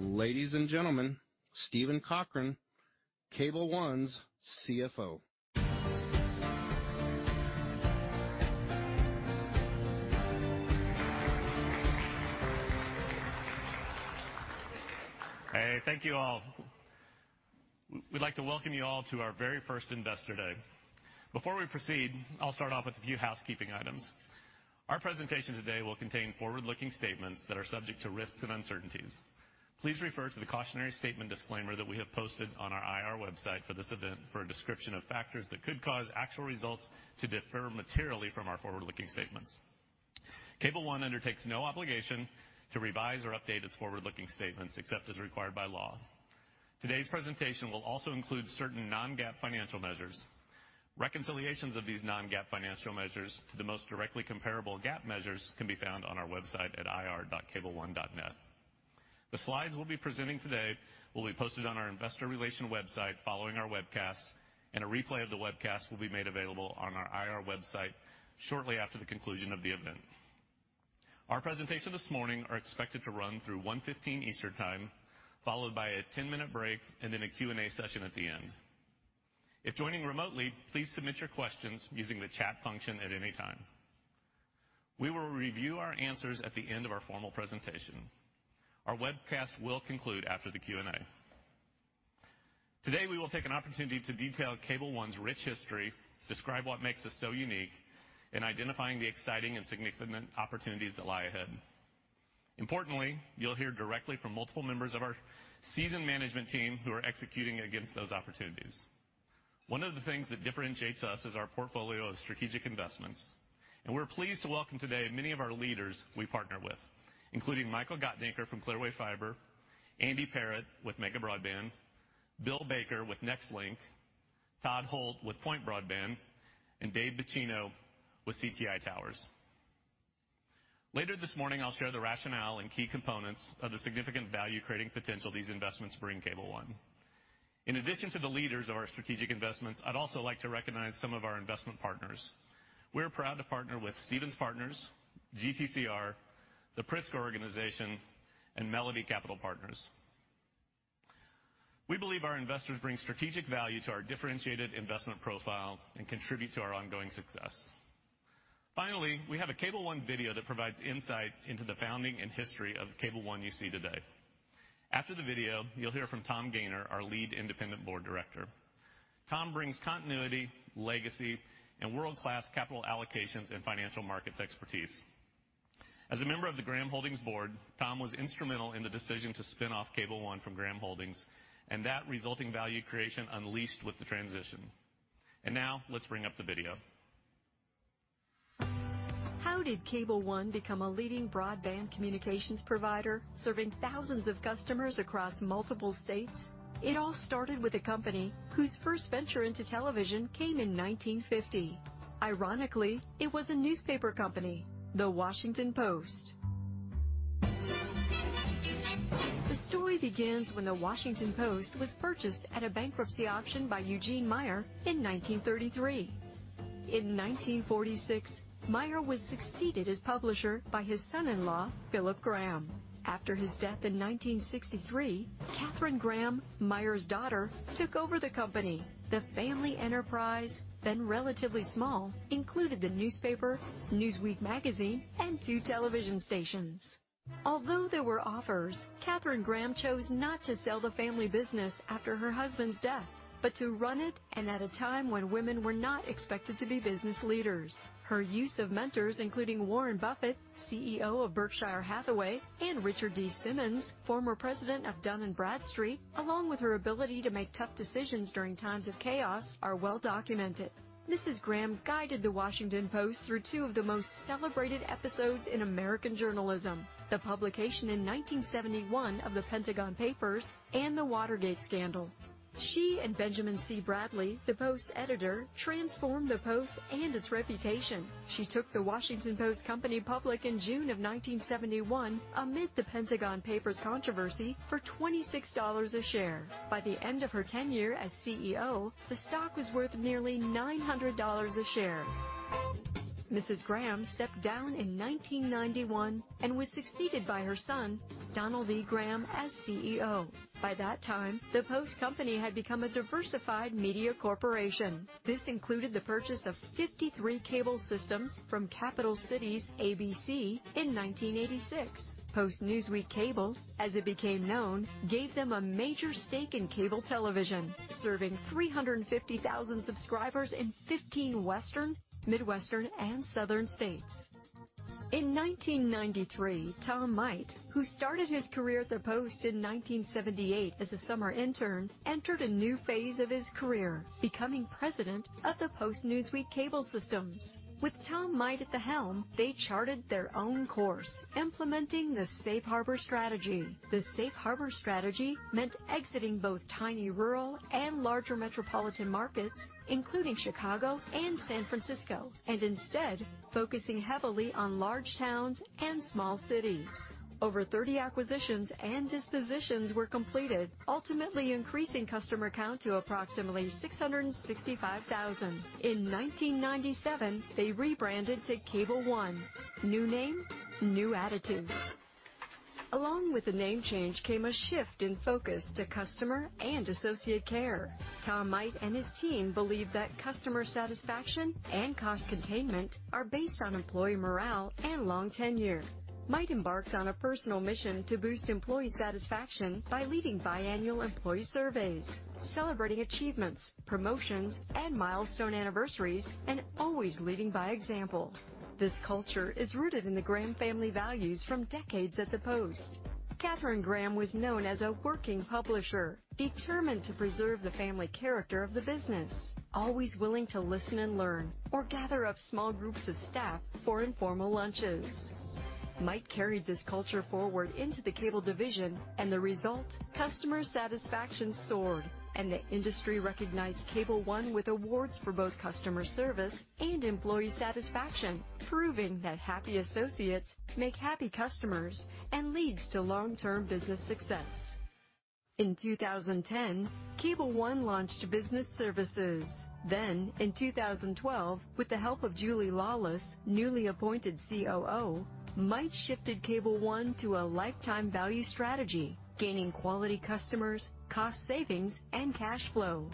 Ladies and gentlemen, Steven Cochran, Cable One's CFO. Hey, thank you all. We'd like to welcome you all to our very first Investor Day. Before we proceed, I'll start off with a few housekeeping items. Our presentation today will contain forward-looking statements that are subject to risks and uncertainties. Please refer to the cautionary statement disclaimer that we have posted on our IR website for this event for a description of factors that could cause actual results to differ materially from our forward-looking statements. Cable One undertakes no obligation to revise or update its forward-looking statements except as required by law. Today's presentation will also include certain non-GAAP financial measures. Reconciliations of these non-GAAP financial measures to the most directly comparable GAAP measures can be found on our website at ir.cableone.net. The slides we'll be presenting today will be posted on our Investor Relations website following our webcast, and a replay of the webcast will be made available on our IR website shortly after the conclusion of the event. Our presentation this morning are expected to run through 1:15 P.M. Eastern Time, followed by a 10-minute break and then a Q&A session at the end. If joining remotely, please submit your questions using the chat function at any time. We will review our answers at the end of our formal presentation. Our webcast will conclude after the Q&A. Today, we will take an opportunity to detail Cable One's rich history, describe what makes us so unique, and identifying the exciting and significant opportunities that lie ahead. Importantly, you'll hear directly from multiple members of our seasoned management team who are executing against those opportunities. One of the things that differentiates us is our portfolio of strategic investments, and we're pleased to welcome today many of our leaders we partner with, including Michael Gottdenker from Clearwave Fiber, Andy Parrott with Mega Broadband, Bill Baker with Nextlink, Todd Holt with Point Broadband, and Dave Bacino with CTI Towers. Later this morning, I'll share the rationale and key components of the significant value-creating potential these investments bring Cable One. In addition to the leaders of our strategic investments, I'd also like to recognize some of our investment partners. We're proud to partner with Stephens Capital Partners, GTCR, The Pritzker Organization, and Melody Capital Partners. We believe our investors bring strategic value to our differentiated investment profile and contribute to our ongoing success. Finally, we have a Cable One video that provides insight into the founding and history of the Cable One you see today. After the video, you'll hear from Tom Gayner, our lead independent board director. Tom brings continuity, legacy, and world-class capital allocations and financial markets expertise. As a member of the Graham Holdings board, Tom was instrumental in the decision to spin off Cable One from Graham Holdings, and that resulting value creation unleashed with the transition. Now let's bring up the video. How did Cable One become a leading broadband communications provider serving thousands of customers across multiple states? It all started with a company whose first venture into television came in 1950. Ironically, it was a newspaper company, The Washington Post. The story begins when The Washington Post was purchased at a bankruptcy auction by Eugene Meyer in 1933. In 1946, Meyer was succeeded as publisher by his son-in-law, Philip Graham. After his death in 1963, Katharine Graham, Meyer's daughter, took over the company. The family enterprise, then relatively small, included the newspaper, Newsweek magazine, and two television stations. Although there were offers, Katharine Graham chose not to sell the family business after her husband's death, but to run it, and at a time when women were not expected to be business leaders. Her use of mentors, including Warren Buffett, CEO of Berkshire Hathaway, and Richard D. Simmons, former president of Dun & Bradstreet, along with her ability to make tough decisions during times of chaos, are well documented. Mrs. Graham guided The Washington Post through two of the most celebrated episodes in American journalism, the publication in 1971 of The Pentagon Papers and the Watergate scandal. She and Benjamin C. Bradlee, the Post editor, transformed the Post and its reputation. She took The Washington Post Company public in June of 1971 amid The Pentagon Papers controversy for $26 a share. By the end of her tenure as CEO, the stock was worth nearly $900 a share. Mrs. Graham stepped down in 1991 and was succeeded by her son, Donald V. Graham, as CEO. By that time, the Post Company had become a diversified media corporation. This included the purchase of 53 cable systems from Capital Cities/ABC in 1986. Post-Newsweek Cable, as it became known, gave them a major stake in cable television, serving 350,000 subscribers in 15 Western, Midwestern, and Southern states. In 1993, Tom Might, who started his career at the Post in 1978 as a summer intern, entered a new phase of his career, becoming president of the Post-Newsweek Cable Systems. With Tom Might at the helm, they charted their own course, implementing the safe harbor strategy. The safe harbor strategy meant exiting both tiny rural and larger metropolitan markets, including Chicago and San Francisco, and instead focusing heavily on large towns and small cities. Over 30 acquisitions and dispositions were completed, ultimately increasing customer count to approximately 665,000. In 1997, they rebranded to Cable One. New name, new attitude. Along with the name change came a shift in focus to customer and associate care. Tom Might and his team believed that customer satisfaction and cost containment are based on employee morale and long tenure. Might embarked on a personal mission to boost employee satisfaction by leading biannual employee surveys, celebrating achievements, promotions, and milestone anniversaries, and always leading by example. This culture is rooted in the Graham family values from decades at the Post. Katharine Graham was known as a working publisher, determined to preserve the family character of the business, always willing to listen and learn or gather up small groups of staff for informal lunches. Might carried this culture forward into the cable division and the result, customer satisfaction soared, and the industry recognized Cable One with awards for both customer service and employee satisfaction, proving that happy associates make happy customers and leads to long-term business success. In 2010, Cable One launched business services. In 2012, with the help of Julie Laulis, newly appointed COO, Tom Might shifted Cable One to a lifetime value strategy, gaining quality customers, cost savings and cash flow.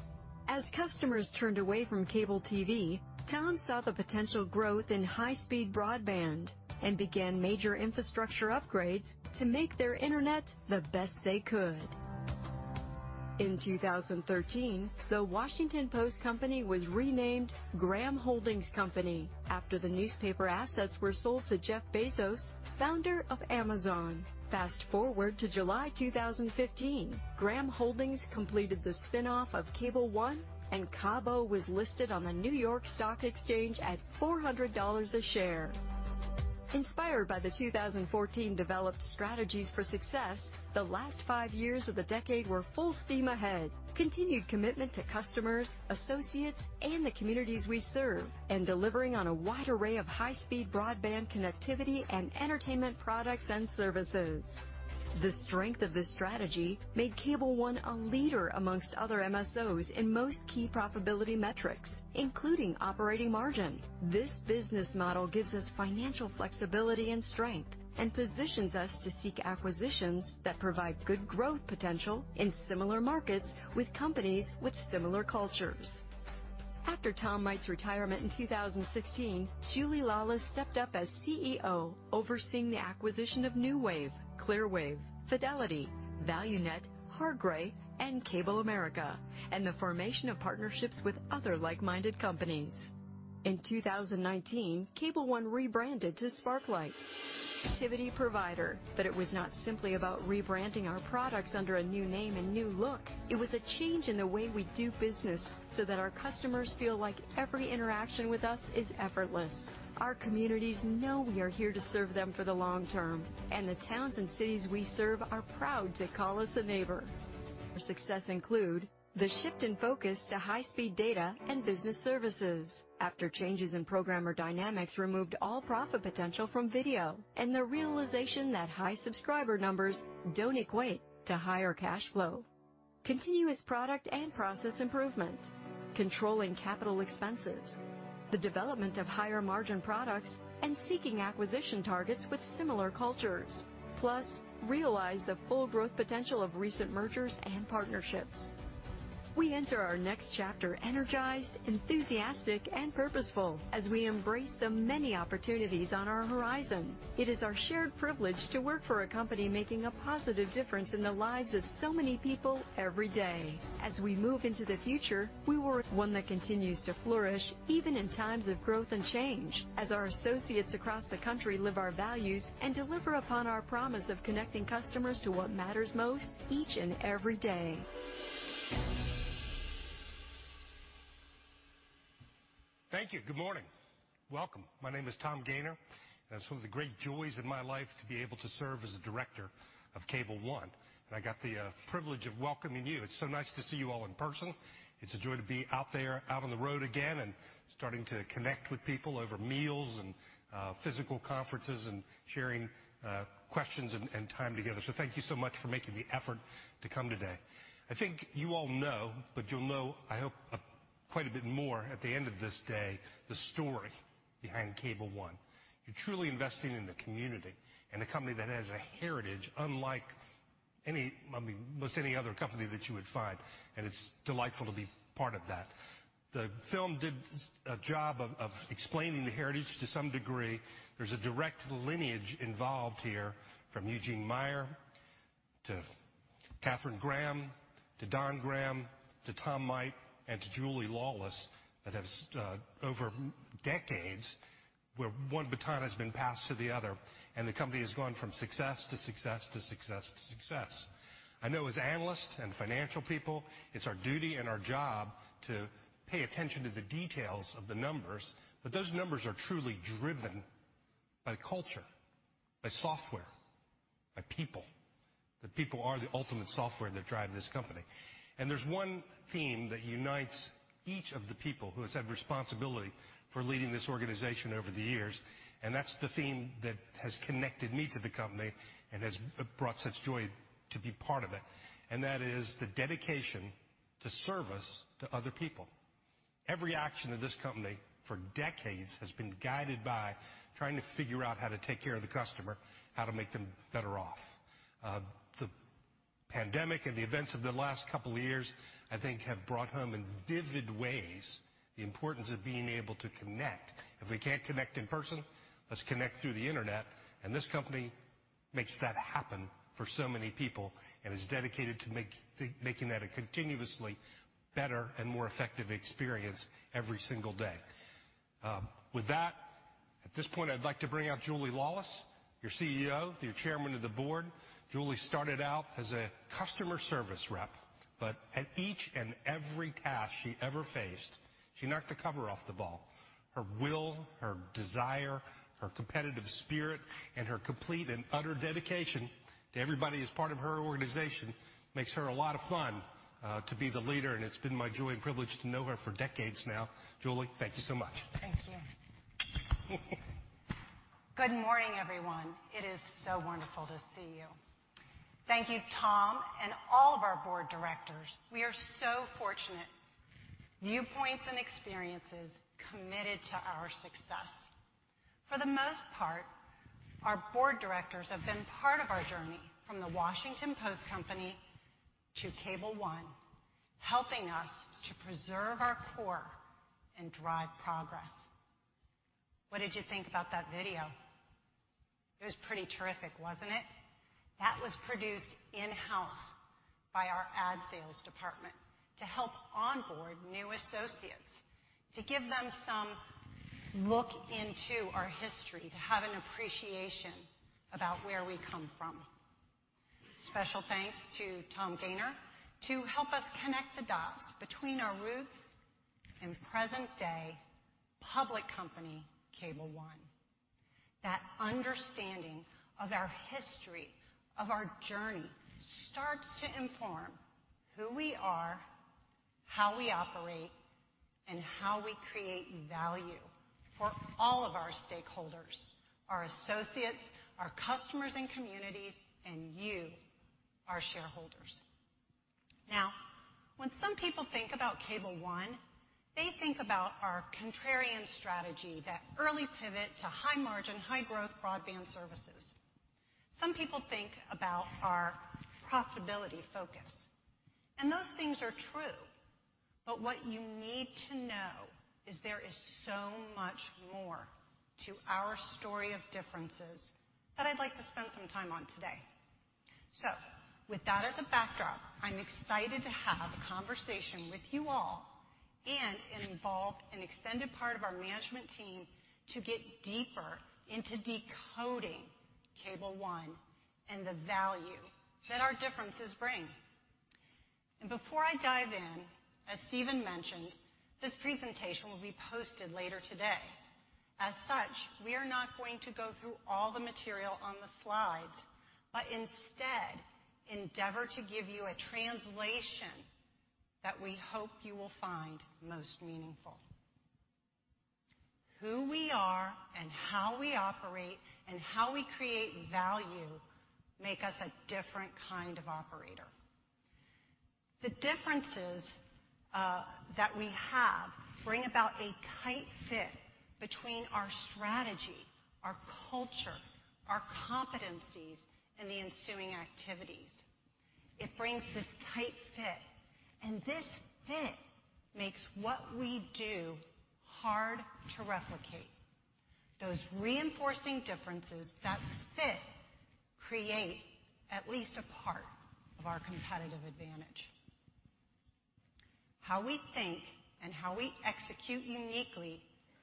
As customers turned away from cable TV, Tom saw the potential growth in high-speed broadband and began major infrastructure upgrades to make their internet the best they could. In 2013, the Washington Post Company was renamed Graham Holdings Company after the newspaper assets were sold to Jeff Bezos, founder of Amazon. Fast forward to July 2015, Graham Holdings completed the spin-off of Cable One, and CABO was listed on the New York Stock Exchange at $400 a share. Inspired by the 2014 developed strategies for success, the last five years of the decade were full steam ahead. Continued commitment to customers, associates and the communities we serve, and delivering on a wide array of high-speed broadband connectivity and entertainment products and services. The strength of this strategy made Cable One a leader among other MSOs in most key profitability metrics, including operating margin. This business model gives us financial flexibility and strength and positions us to seek acquisitions that provide good growth potential in similar markets with companies with similar cultures. After Tom Might's retirement in 2016, Julie Laulis stepped up as CEO, overseeing the acquisition of NewWave, Clearwave, Fidelity, ValuNet, Hargray, and CableAmerica, and the formation of partnerships with other like-minded companies. In 2019, Cable One rebranded to Sparklight, connectivity provider. It was not simply about rebranding our products under a new name and new look. It was a change in the way we do business so that our customers feel like every interaction with us is effortless. Our communities know we are here to serve them for the long-term, and the towns and cities we serve are proud to call us a neighbor. Our success include the shift in focus to high-speed data and business services after changes in programming dynamics removed all profit potential from video, and the realization that high subscriber numbers don't equate to higher cash flow. Continuous product and process improvement, controlling capital expenses, the development of higher-margin products, and seeking acquisition targets with similar cultures. Plus, realize the full growth potential of recent mergers and partnerships. We enter our next chapter energized, enthusiastic, and purposeful as we embrace the many opportunities on our horizon. It is our shared privilege to work for a company making a positive difference in the lives of so many people every day. As we move into the future, we are one that continues to flourish even in times of growth and change as our associates across the country live our values and deliver upon our promise of connecting customers to what matters most each and every day. Thank you. Good morning. Welcome. My name is Tom Gayner, and it's one of the great joys of my life to be able to serve as a director of Cable One, and I got the privilege of welcoming you. It's so nice to see you all in person. It's a joy to be out there, out on the road again, and starting to connect with people over meals and physical conferences and sharing questions and time together. Thank you so much for making the effort to come today. I think you all know, but you'll know, I hope quite a bit more at the end of this day, the story behind Cable One. You're truly investing in the community and a company that has a heritage unlike any, I mean, most any other company that you would find, and it's delightful to be part of that. The film did a job of explaining the heritage to some degree. There's a direct lineage involved here, from Eugene Meyer to Katharine Graham, to Don Graham, to Tom Might, and to Julie Laulis that has over decades, where one baton has been passed to the other, and the company has gone from success to success to success to success. I know as analysts and financial people, it's our duty and our job to pay attention to the details of the numbers, but those numbers are truly driven by culture, by software, by people. The people are the ultimate software that drive this company. There's one theme that unites each of the people who has had responsibility for leading this organization over the years, and that's the theme that has connected me to the company and has brought such joy to be part of it, and that is the dedication to service to other people. Every action of this company for decades has been guided by trying to figure out how to take care of the customer, how to make them better off. The pandemic and the events of the last couple of years, I think have brought home in vivid ways the importance of being able to connect. If we can't connect in person, let's connect through the Internet, and this company makes that happen for so many people and is dedicated to making that a continuously better and more effective experience every single day. With that, at this point, I'd like to bring out Julie Laulis, your CEO, your Chairman of the Board. Julie started out as a customer service rep, but at each and every task she ever faced, she knocked the cover off the ball. Her will, her desire, her competitive spirit, and her complete and utter dedication to everybody as part of her organization makes her a lot of fun to be the leader, and it's been my joy and privilege to know her for decades now. Julie, thank you so much. Thank you. Good morning, everyone. It is so wonderful to see you. Thank you, Tom, and all of our board directors. We are so fortunate viewpoints and experiences committed to our success. For the most part, our board directors have been part of our journey from The Washington Post Company to Cable One, helping us to preserve our core and drive progress. What did you think about that video? It was pretty terrific, wasn't it? That was produced in-house by our ad sales department to help onboard new associates, to give them some look into our history, to have an appreciation about where we come from. Special thanks to Tom Gayner to help us connect the dots between our roots and present day public company, Cable One. That understanding of our history, of our journey starts to inform who we are, how we operate, and how we create value for all of our stakeholders, our associates, our customers and communities, and you, our shareholders. Now, when some people think about Cable One, they think about our contrarian strategy, that early pivot to high margin, high growth broadband services. Some people think about our profitability focus, and those things are true. What you need to know is there is so much more to our story of differences that I'd like to spend some time on today. With that as a backdrop, I'm excited to have a conversation with you all and involve an extended part of our management team to get deeper into decoding Cable One and the value that our differences bring. Before I dive in, as Steven mentioned, this presentation will be posted later today. As such, we are not going to go through all the material on the slides, but instead endeavor to give you a translation that we hope you will find most meaningful. Who we are, and how we operate, and how we create value make us a different kind of operator. The differences that we have bring about a tight fit between our strategy, our culture, our competencies, and the ensuing activities. It brings this tight fit, and this fit makes what we do hard to replicate. Those reinforcing differences, that fit, create at least a part of our competitive advantage. How we think and how we execute uniquely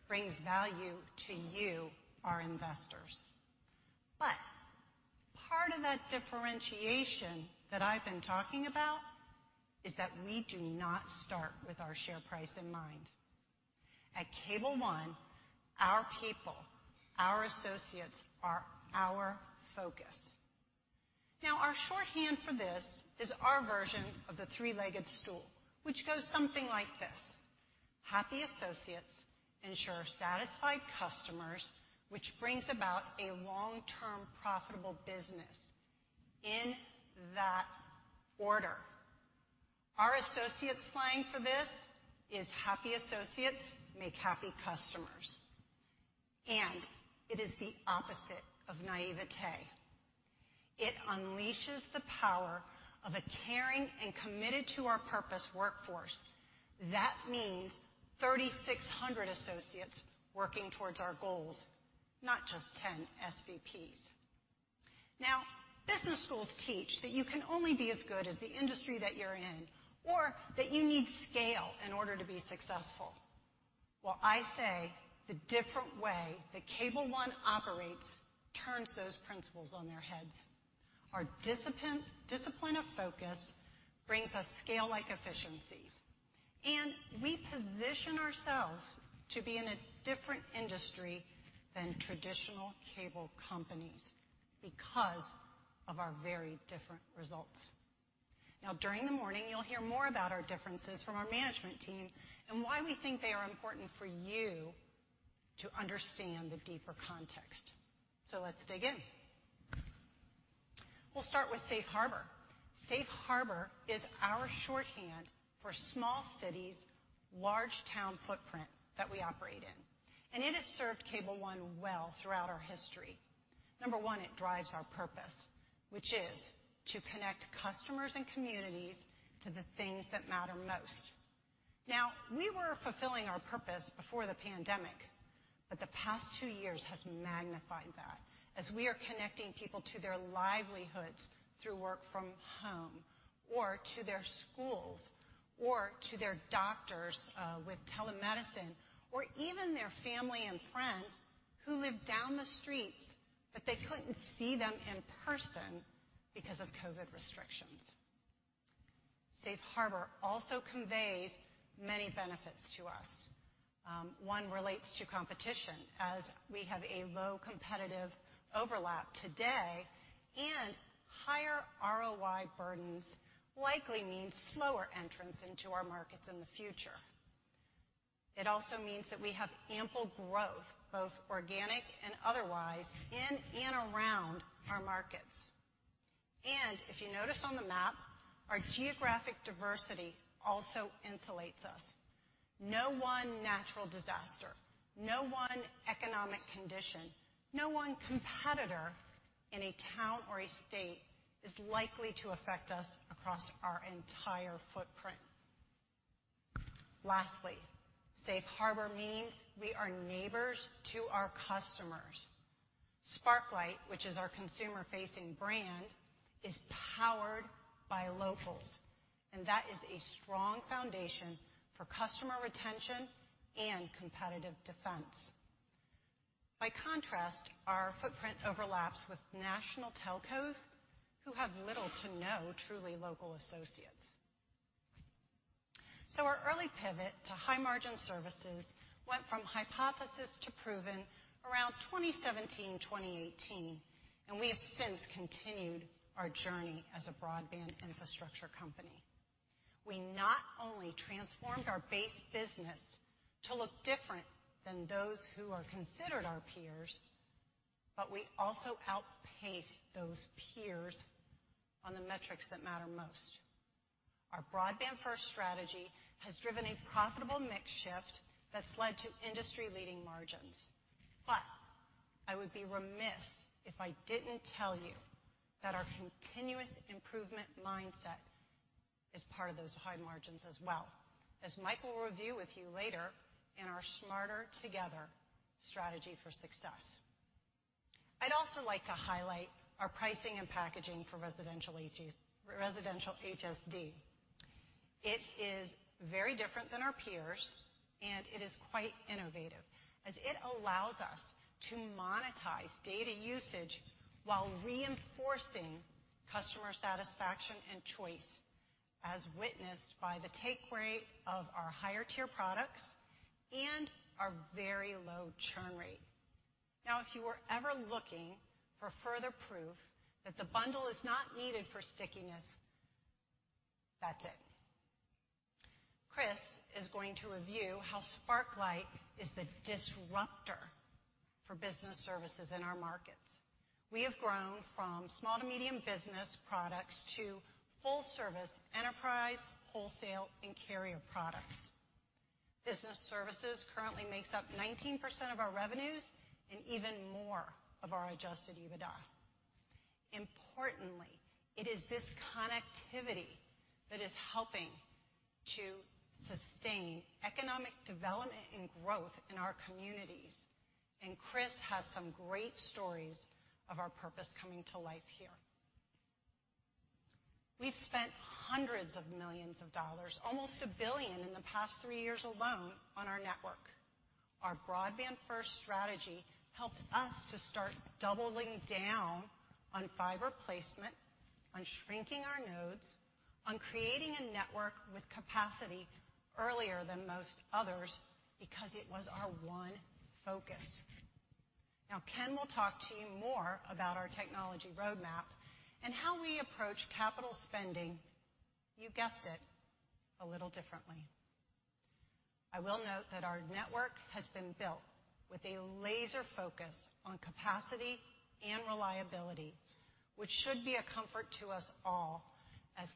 brings value to you, our investors. Part of that differentiation that I've been talking about is that we do not start with our share price in mind. At Cable One, our people, our associates, are our focus. Now, our shorthand for this is our version of the three-legged stool, which goes something like this. Happy associates ensure satisfied customers, which brings about a long-term profitable business in that order. Our associates' line for this is, "Happy associates make happy customers." It is the opposite of naivete. It unleashes the power of a caring and committed to our purpose workforce. That means 3,600 associates working towards our goals, not just 10 SVPs. Now, business schools teach that you can only be as good as the industry that you're in or that you need scale in order to be successful. Well, I say the different way that Cable One operates turns those principles on their heads. Our discipline of focus brings us scale-like efficiencies, and we position ourselves to be in a different industry than traditional cable companies because of our very different results. Now, during the morning, you'll hear more about our differences from our management team and why we think they are important for you to understand the deeper context. Let's dig in. We'll start with safe harbor. Safe harbor is our shorthand for small cities, large town footprint that we operate in, and it has served Cable One well throughout our history. Number one, it drives our purpose, which is to connect customers and communities to the things that matter most. Now, we were fulfilling our purpose before the pandemic, but the past two years has magnified that as we are connecting people to their livelihoods through work-from-home, or to their schools, or to their doctors, with telemedicine, or even their family and friends who live down the street, but they couldn't see them in person because of COVID restrictions. Safe harbor also conveys many benefits to us. One relates to competition as we have a low competitive overlap today and higher ROI burdens likely means slower entrance into our markets in the future. It also means that we have ample growth, both organic and otherwise, in and around our markets. If you notice on the map, our geographic diversity also insulates us. No one natural disaster, no one economic condition, no one competitor in a town or a state is likely to affect us across our entire footprint. Lastly, safe harbor means we are neighbors to our customers. Sparklight, which is our consumer-facing brand, is powered by locals, and that is a strong foundation for customer retention and competitive defense. By contrast, our footprint overlaps with national telcos who have little to no truly local associates. Our early pivot to high-margin services went from hypothesis to proven around 2017, 2018, and we have since continued our journey as a broadband infrastructure company. We not only transformed our base business to look different than those who are considered our peers, but we also outpace those peers on the metrics that matter most. Our broadband-first strategy has driven a profitable mix shift that's led to industry-leading margins. I would be remiss if I didn't tell you that our continuous improvement mindset is part of those high margins as well, as Mike will review with you later in our Smarter Together strategy for success. I'd also like to highlight our pricing and packaging for residential HSD. It is very different than our peers, and it is quite innovative as it allows us to monetize data usage while reinforcing customer satisfaction and choice, as witnessed by the take rate of our higher-tier products and our very low churn rate. Now, if you were ever looking for further proof that the bundle is not needed for stickiness, that's it. Chris is going to review how Sparklight is the disruptor for business services in our markets. We have grown from small to medium business products to full service enterprise, wholesale, and carrier products. Business services currently makes up 19% of our revenues and even more of our adjusted EBITDA. Importantly, it is this connectivity that is helping to sustain economic development and growth in our communities, and Chris has some great stories of our purpose coming to life here. We've spent hundreds of millions of dollars, almost $1 billion in the past three years alone on our network. Our broadband-first strategy helped us to start doubling down on fiber placement, on shrinking our nodes, on creating a network with capacity earlier than most others because it was our one focus. Now, Ken will talk to you more about our technology roadmap and how we approach capital spending, you guessed it, a little differently. I will note that our network has been built with a laser focus on capacity and reliability, which should be a comfort to us all as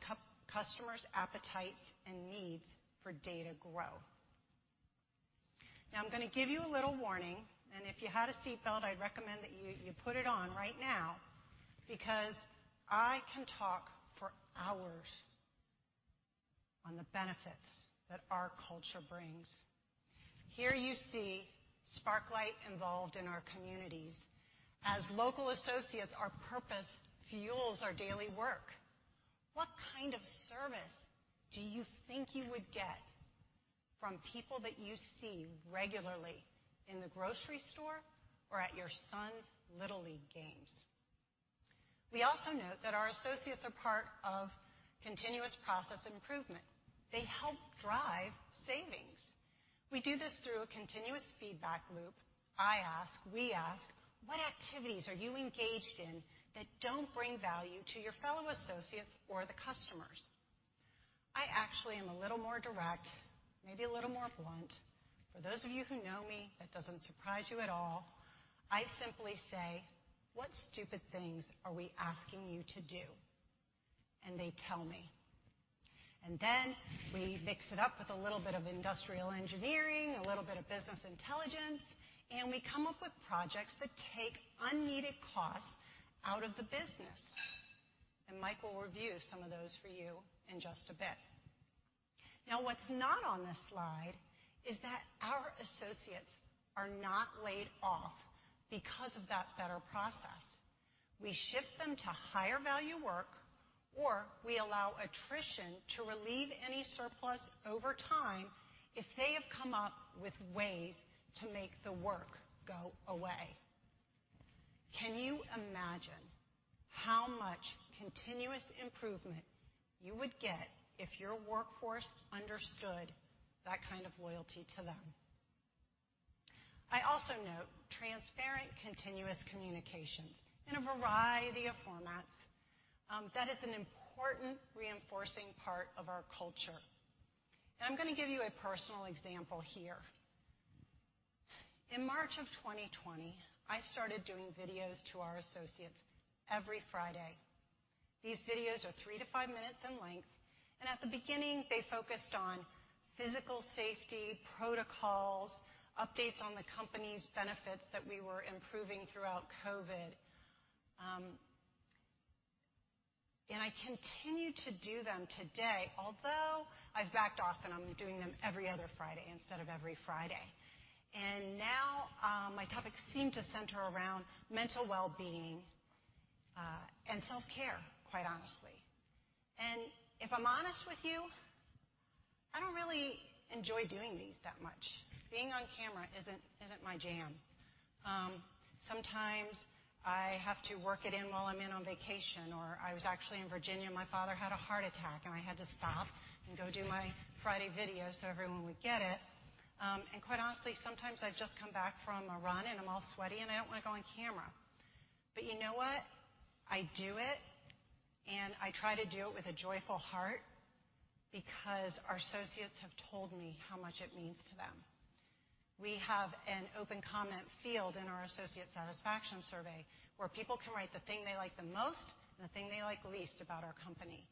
customers' appetites and needs for data grow. Now, I'm gonna give you a little warning, and if you had a seatbelt, I'd recommend that you put it on right now because I can talk for hours on the benefits that our culture brings. Here you see Sparklight involved in our communities. As local associates, our purpose fuels our daily work. What kind of service do you think you would get from people that you see regularly in the grocery store or at your son's little league games? We also note that our associates are part of continuous process improvement. They help drive savings. We do this through a continuous feedback loop. I ask, we ask, what activities are you engaged in that don't bring value to your fellow associates or the customers? I actually am a little more direct, maybe a little more blunt. For those of you who know me, that doesn't surprise you at all. I simply say, "What stupid things are we asking you to do?" They tell me. Then we mix it up with a little bit of industrial engineering, a little bit of business intelligence, and we come up with projects that take unneeded costs out of the business. Mike will review some of those for you in just a bit. Now, what's not on this slide is that our associates are not laid off because of that better process. We shift them to higher-value work, or we allow attrition to relieve any surplus over time if they have come up with ways to make the work go away. Can you imagine how much continuous improvement you would get if your workforce understood that kind of loyalty to them? I also note transparent, continuous communications in a variety of formats. That is an important reinforcing part of our culture. I'm gonna give you a personal example here. In March of 2020, I started doing videos to our associates every Friday. These videos are three-five minutes in length, and at the beginning, they focused on physical safety protocols, updates on the company's benefits that we were improving throughout COVID. I continue to do them today, although I've backed off, and I'm doing them every other Friday instead of every Friday. Now, my topics seem to center around mental well-being and self-care, quite honestly. If I'm honest with you, I don't really enjoy doing these that much. Being on camera isn't my jam. Sometimes I have to work it in while I'm on vacation, or I was actually in Virginia, my father had a heart attack, and I had to stop and go do my Friday video, so everyone would get it. Quite honestly, sometimes I've just come back from a run, and I'm all sweaty, and I don't wanna go on camera. You know what? I do it, and I try to do it with a joyful heart because our associates have told me how much it means to them. We have an open comment field in our associate satisfaction survey where people can write the thing they like the most and the thing they like least about our company.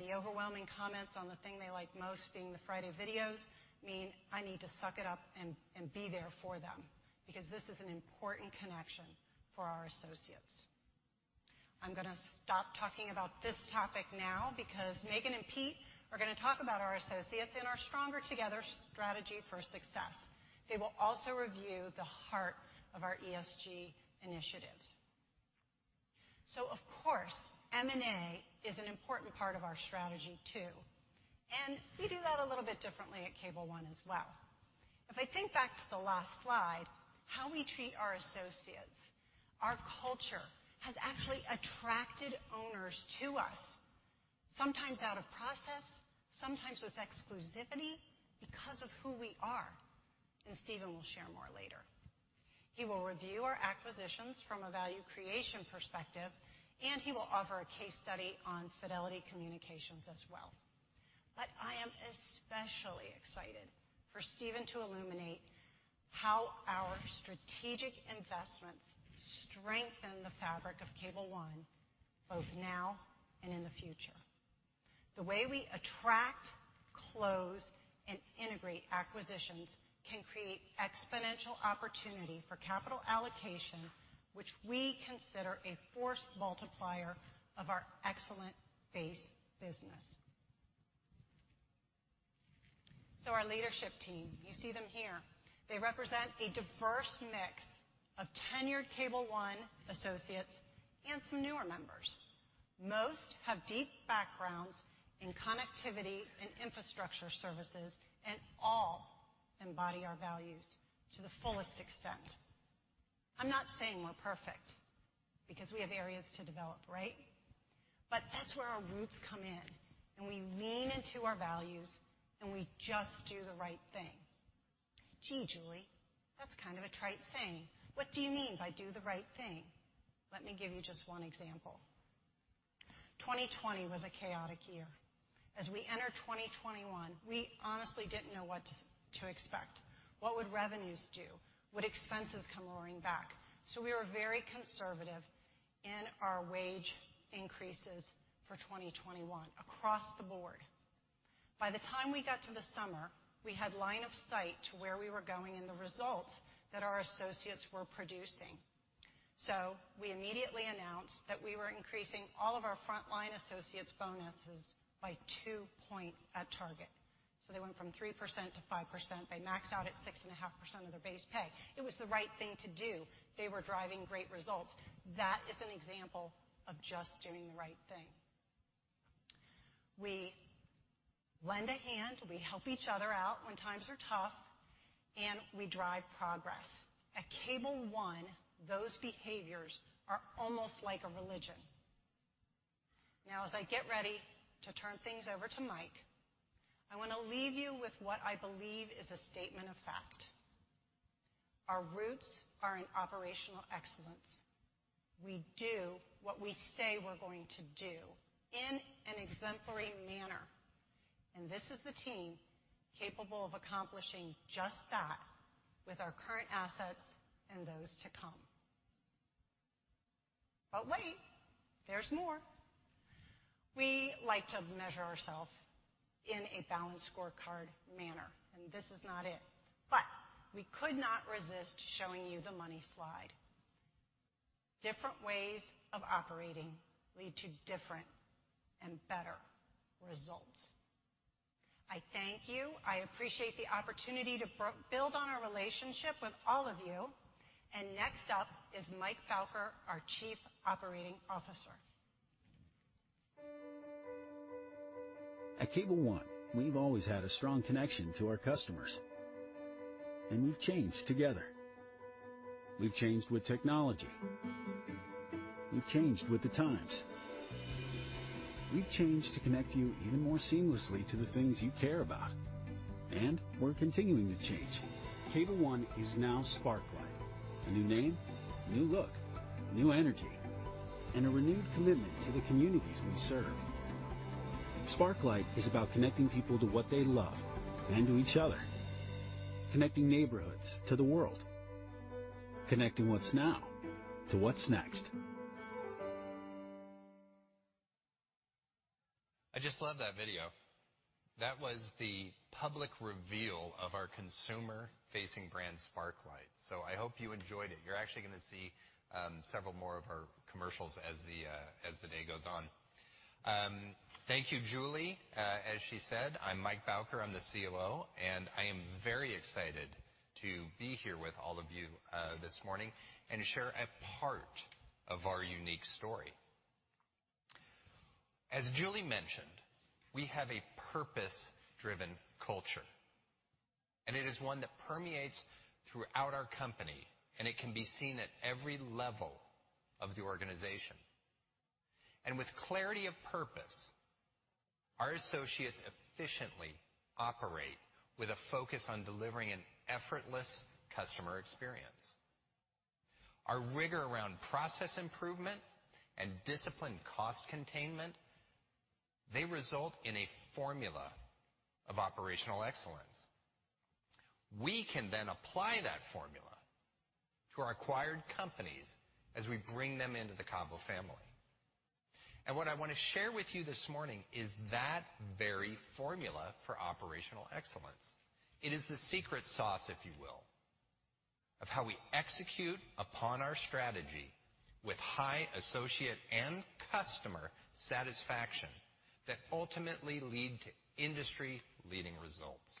The overwhelming comments on the thing they like most being the Friday videos mean I need to suck it up and be there for them because this is an important connection for our associates. I'm gonna stop talking about this topic now because Megan and Pete are gonna talk about our associates and our Stronger Together strategy for success. They will also review the heart of our ESG initiatives. Of course, M&A is an important part of our strategy too, and we do that a little bit differently at Cable One as well. If I think back to the last slide, how we treat our associates, our culture has actually attracted owners to us, sometimes out of process, sometimes with exclusivity because of who we are, and Steven will share more later. He will review our acquisitions from a value creation perspective, and he will offer a case study on Fidelity Communications as well. I am especially excited for Steven to illuminate how our strategic investments strengthen the fabric of Cable One both now and in the future. The way we attract, close, and integrate acquisitions can create exponential opportunity for capital allocation, which we consider a force multiplier of our excellent base business. Our leadership team, you see them here. They represent a diverse mix of tenured Cable One associates and some newer members. Most have deep backgrounds in connectivity and infrastructure services, and all embody our values to the fullest extent. I'm not saying we're perfect because we have areas to develop, right? That's where our roots come in, and we lean into our values, and we just do the right thing. Gee, Julie, that's kind of a trite saying. What do you mean by do the right thing? Let me give you just one example. 2020 was a chaotic year. As we enter 2021, we honestly didn't know what to expect. What would revenues do? Would expenses come roaring back? We were very conservative in our wage increases for 2021 across the board. By the time we got to the summer, we had line of sight to where we were going and the results that our associates were producing. We immediately announced that we were increasing all of our frontline associates bonuses by two points at target. They went from 3% to 5%. They max out at 6.5% of their base pay. It was the right thing to do. They were driving great results. That is an example of just doing the right thing. We lend a hand, we help each other out when times are tough, and we drive progress. At Cable One, those behaviors are almost like a religion. Now, as I get ready to turn things over to Mike, I wanna leave you with what I believe is a statement of fact. Our roots are in operational excellence. We do what we say we're going to do in an exemplary manner, and this is the team capable of accomplishing just that with our current assets and those to come. Wait, there's more. We like to measure ourselves in a balanced scorecard manner, and this is not it. We could not resist showing you the money slide. Different ways of operating lead to different and better results. I thank you. I appreciate the opportunity to build on our relationship with all of you. Next up is Mike Bowker, our Chief Operating Officer. At Cable One, we've always had a strong connection to our customers, and we've changed together. We've changed with technology. We've changed with the times. We've changed to connect you even more seamlessly to the things you care about. We're continuing to change. Cable One is now Sparklight, a new name, new look, new energy, and a renewed commitment to the communities we serve. Sparklight is about connecting people to what they love and to each other, connecting neighborhoods to the world, connecting what's now to what's next. I just love that video. That was the public reveal of our consumer-facing brand, Sparklight. So I hope you enjoyed it. You're actually gonna see several more of our commercials as the day goes on. Thank you, Julie. As she said, I'm Mike Bowker, I'm the COO, and I am very excited to be here with all of you this morning and share a part of our unique story. As Julie mentioned, we have a purpose-driven culture, and it is one that permeates throughout our company, and it can be seen at every level of the organization. With clarity of purpose, our associates efficiently operate with a focus on delivering an effortless customer experience. Our rigor around process improvement and disciplined cost containment, they result in a formula of operational excellence. We can then apply that formula to our acquired companies as we bring them into the CABO family. What I wanna share with you this morning is that very formula for operational excellence. It is the secret sauce, if you will, of how we execute upon our strategy with high associate and customer satisfaction that ultimately lead to industry-leading results.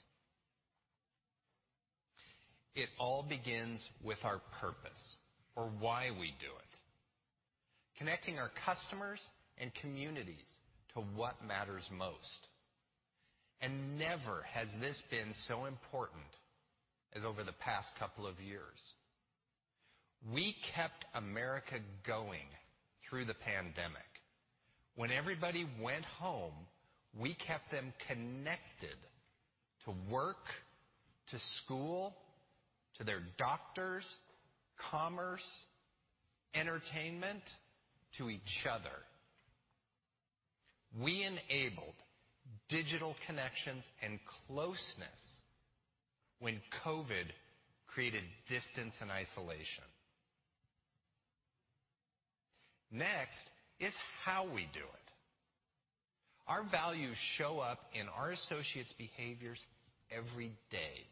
It all begins with our purpose or why we do it, connecting our customers and communities to what matters most. Never has this been so important as over the past couple of years. We kept America going through the pandemic. When everybody went home, we kept them connected to work, to school, to their doctors, commerce, entertainment, to each other. We enabled digital connections and closeness when COVID created distance and isolation. Next is how we do it. Our values show up in our associates' behaviors every day.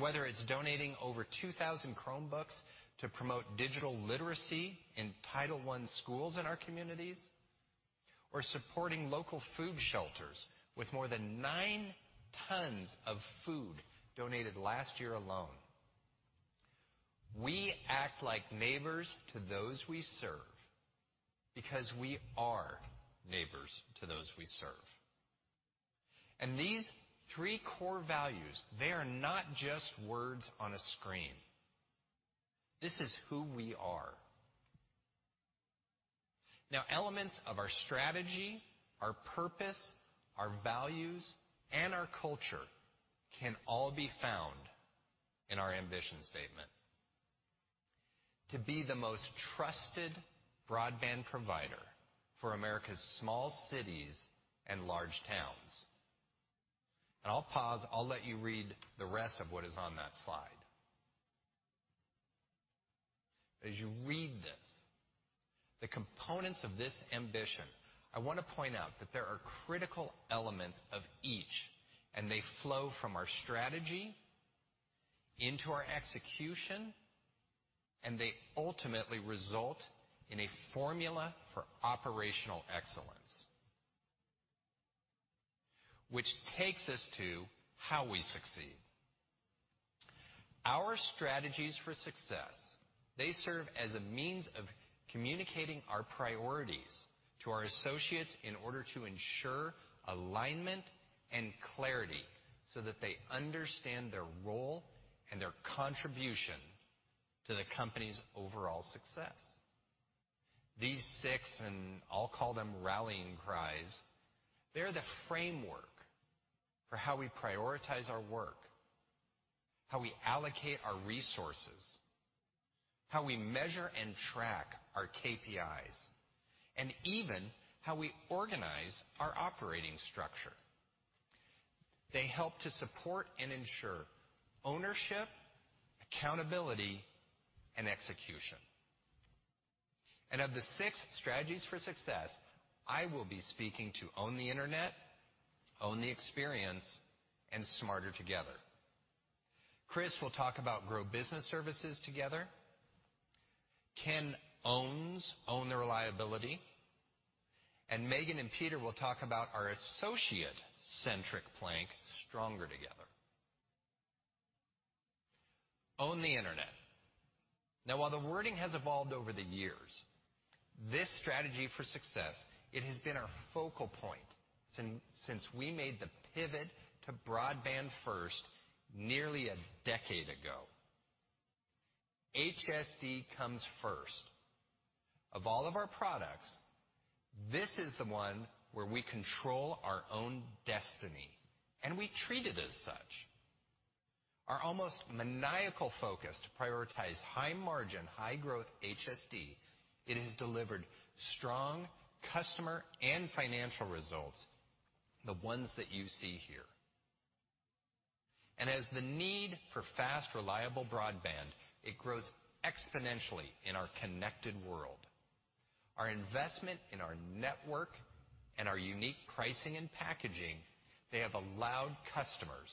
Whether it's donating over 2,000 Chromebooks to promote digital literacy in Title I schools in our communities or supporting local food shelters with more than 9 tons of food donated last year alone, we act like neighbors to those we serve because we are neighbors to those we serve. These three core values, they are not just words on a screen. This is who we are. Now, elements of our strategy, our purpose, our values, and our culture can all be found in our ambition statement. To be the most trusted broadband provider for America's small cities and large towns. I'll pause. I'll let you read the rest of what is on that slide. As you read this, the components of this ambition, I wanna point out that there are critical elements of each, and they flow from our strategy into our execution, and they ultimately result in a formula for operational excellence, which takes us to how we succeed. Our strategies for success, they serve as a means of communicating our priorities to our associates in order to ensure alignment and clarity so that they understand their role and their contribution to the company's overall success. These six, and I'll call them rallying cries, they're the framework for how we prioritize our work, how we allocate our resources, how we measure and track our KPIs, and even how we organize our operating structure. They help to support and ensure ownership, accountability, and execution. Of the six strategies for success, I will be speaking to Own the Internet, Own the Experience, and Smarter Together. Chris will talk about Grow Business Services Together. Ken, Own the Reliability. Megan and Peter will talk about our associate-centric plan, Stronger Together. Own the Internet. Now, while the wording has evolved over the years, this strategy for success, it has been our focal point since we made the pivot to broadband-first nearly a decade ago. HSD comes first. Of all of our products, this is the one where we control our own destiny, and we treat it as such. Our almost maniacal focus to prioritize high margin, high growth HSD, it has delivered strong customer and financial results, the ones that you see here. As the need for fast, reliable broadband, it grows exponentially in our connected world. Our investment in our network and our unique pricing and packaging, they have allowed customers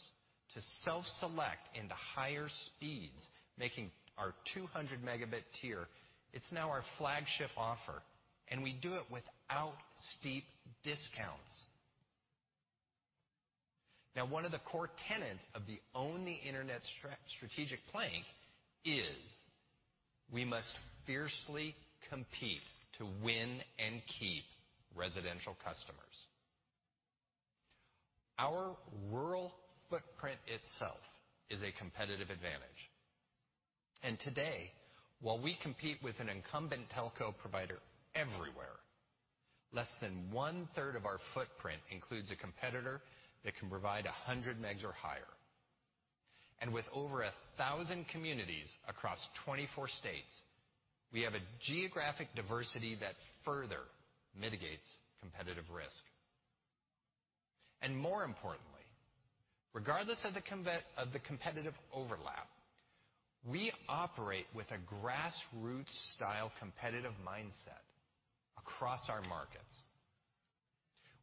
to self-select into higher speeds, making our 200-Mb tier, it's now our flagship offer, and we do it without steep discounts. Now, one of the core tenets of the own the Internet strategic plank is we must fiercely compete to win and keep residential customers. Our rural footprint itself is a competitive advantage. Today, while we compete with an incumbent telco provider everywhere, less than 1/3 of our footprint includes a competitor that can provide 100 megs or higher. With over 1,000 communities across 24 states, we have a geographic diversity that further mitigates competitive risk. More importantly, regardless of the competitive overlap, we operate with a grassroots-style competitive mindset across our markets.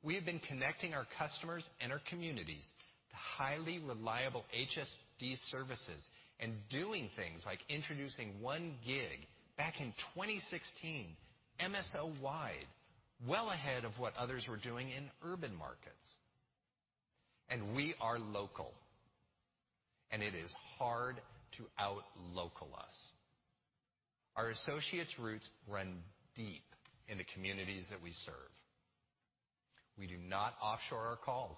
We have been connecting our customers and our communities to highly reliable HSD services and doing things like introducing 1 gig back in 2016, MSO-wide, well ahead of what others were doing in urban markets. We are local, and it is hard to out-local us. Our associates' roots run deep in the communities that we serve. We do not offshore our calls.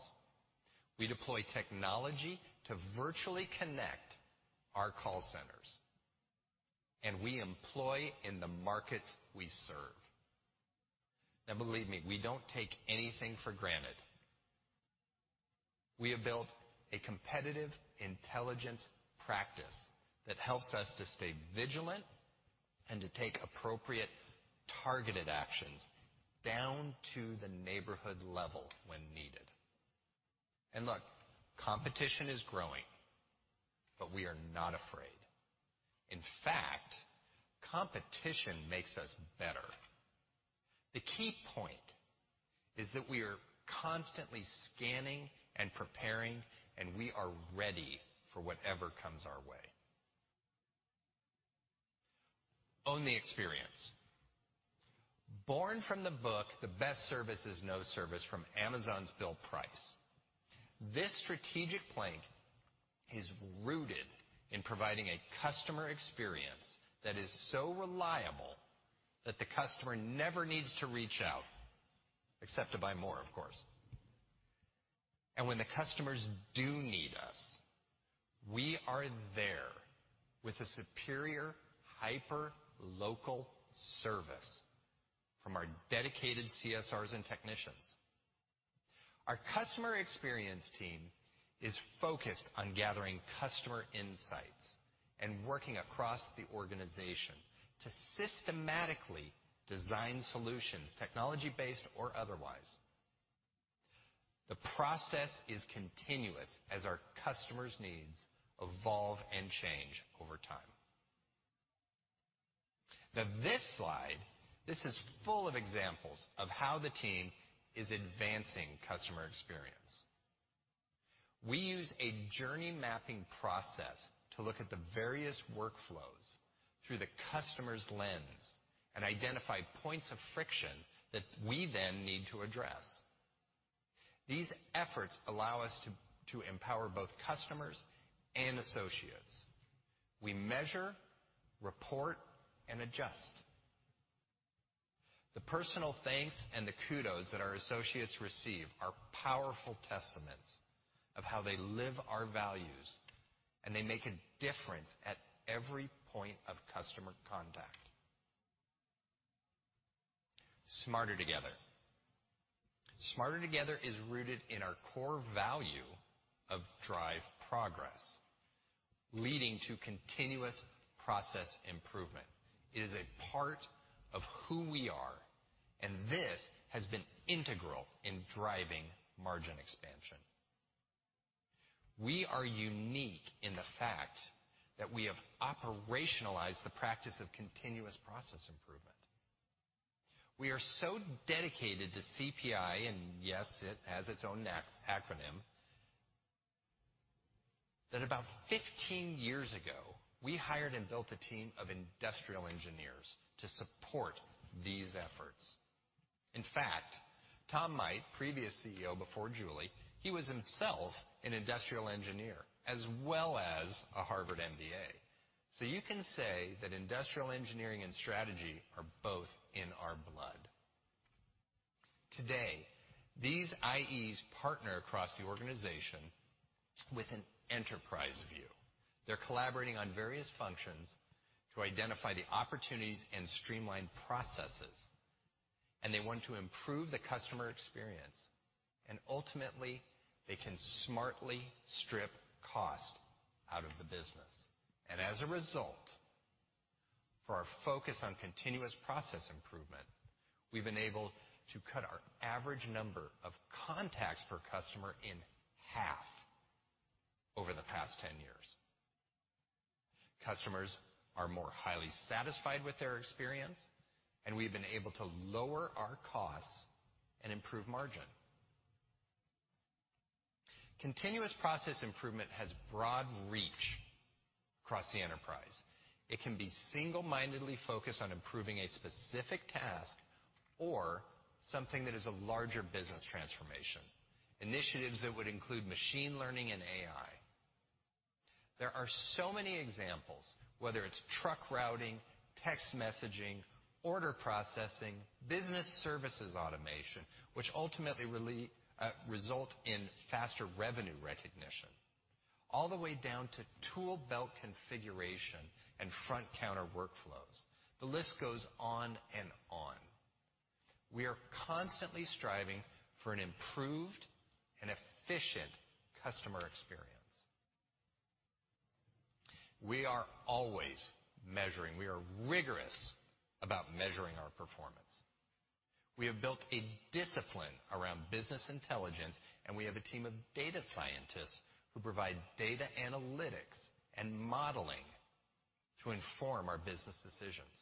We deploy technology to virtually connect our call centers, and we employ in the markets we serve. Now, believe me, we don't take anything for granted. We have built a competitive intelligence practice that helps us to stay vigilant and to take appropriate targeted actions down to the neighborhood level when needed. Look, competition is growing, but we are not afraid. In fact, competition makes us better. The key point is that we are constantly scanning and preparing, and we are ready for whatever comes our way. Own the Experience. Born from the book, The Best Service Is No Service from Amazon's Bill Price, this strategic plank is rooted in providing a customer experience that is so reliable that the customer never needs to reach out, except to buy more, of course. When the customers do need us, we are there with a superior, hyper local service from our dedicated CSRs and technicians. Our customer experience team is focused on gathering customer insights and working across the organization to systematically design solutions, technology-based or otherwise. The process is continuous as our customers' needs evolve and change over time. Now, this slide, this is full of examples of how the team is advancing customer experience. We use a journey-mapping process to look at the various workflows through the customer's lens and identify points of friction that we then need to address. These efforts allow us to empower both customers and associates. We measure, report, and adjust. The personal thanks and the kudos that our associates receive are powerful testaments of how they live our values. They make a difference at every point of customer contact. Smarter Together. Smarter Together is rooted in our core value of drive progress, leading to continuous process improvement. It is a part of who we are, and this has been integral in driving margin expansion. We are unique in the fact that we have operationalized the practice of continuous process improvement. We are so dedicated to CPI, and yes, it has its own acronym. That was about 15 years ago, we hired and built a team of industrial engineers to support these efforts. In fact, Tom Might, previous CEO before Julie, he was himself an industrial engineer as well as a Harvard MBA. You can say that industrial engineering and strategy are both in our blood. Today, these IEs partner across the organization with an enterprise view. They're collaborating on various functions to identify the opportunities and streamline processes, and they want to improve the customer experience, and ultimately, they can smartly strip cost out of the business. As a result, for our focus on continuous process improvement, we've been able to cut our average number of contacts per customer in half over the past 10 years. Customers are more highly satisfied with their experience, and we've been able to lower our costs and improve margin. Continuous process improvement has broad reach across the enterprise. It can be single-mindedly focused on improving a specific task or something that is a larger business transformation, initiatives that would include machine learning and AI. There are so many examples, whether it's truck routing, text messaging, order processing, business services automation, which ultimately result in faster revenue recognition, all the way down to tool belt configuration and front counter workflows. The list goes on and on. We are constantly striving for an improved and efficient customer experience. We are always measuring. We are rigorous about measuring our performance. We have built a discipline around business intelligence, and we have a team of data scientists who provide data analytics and modeling to inform our business decisions.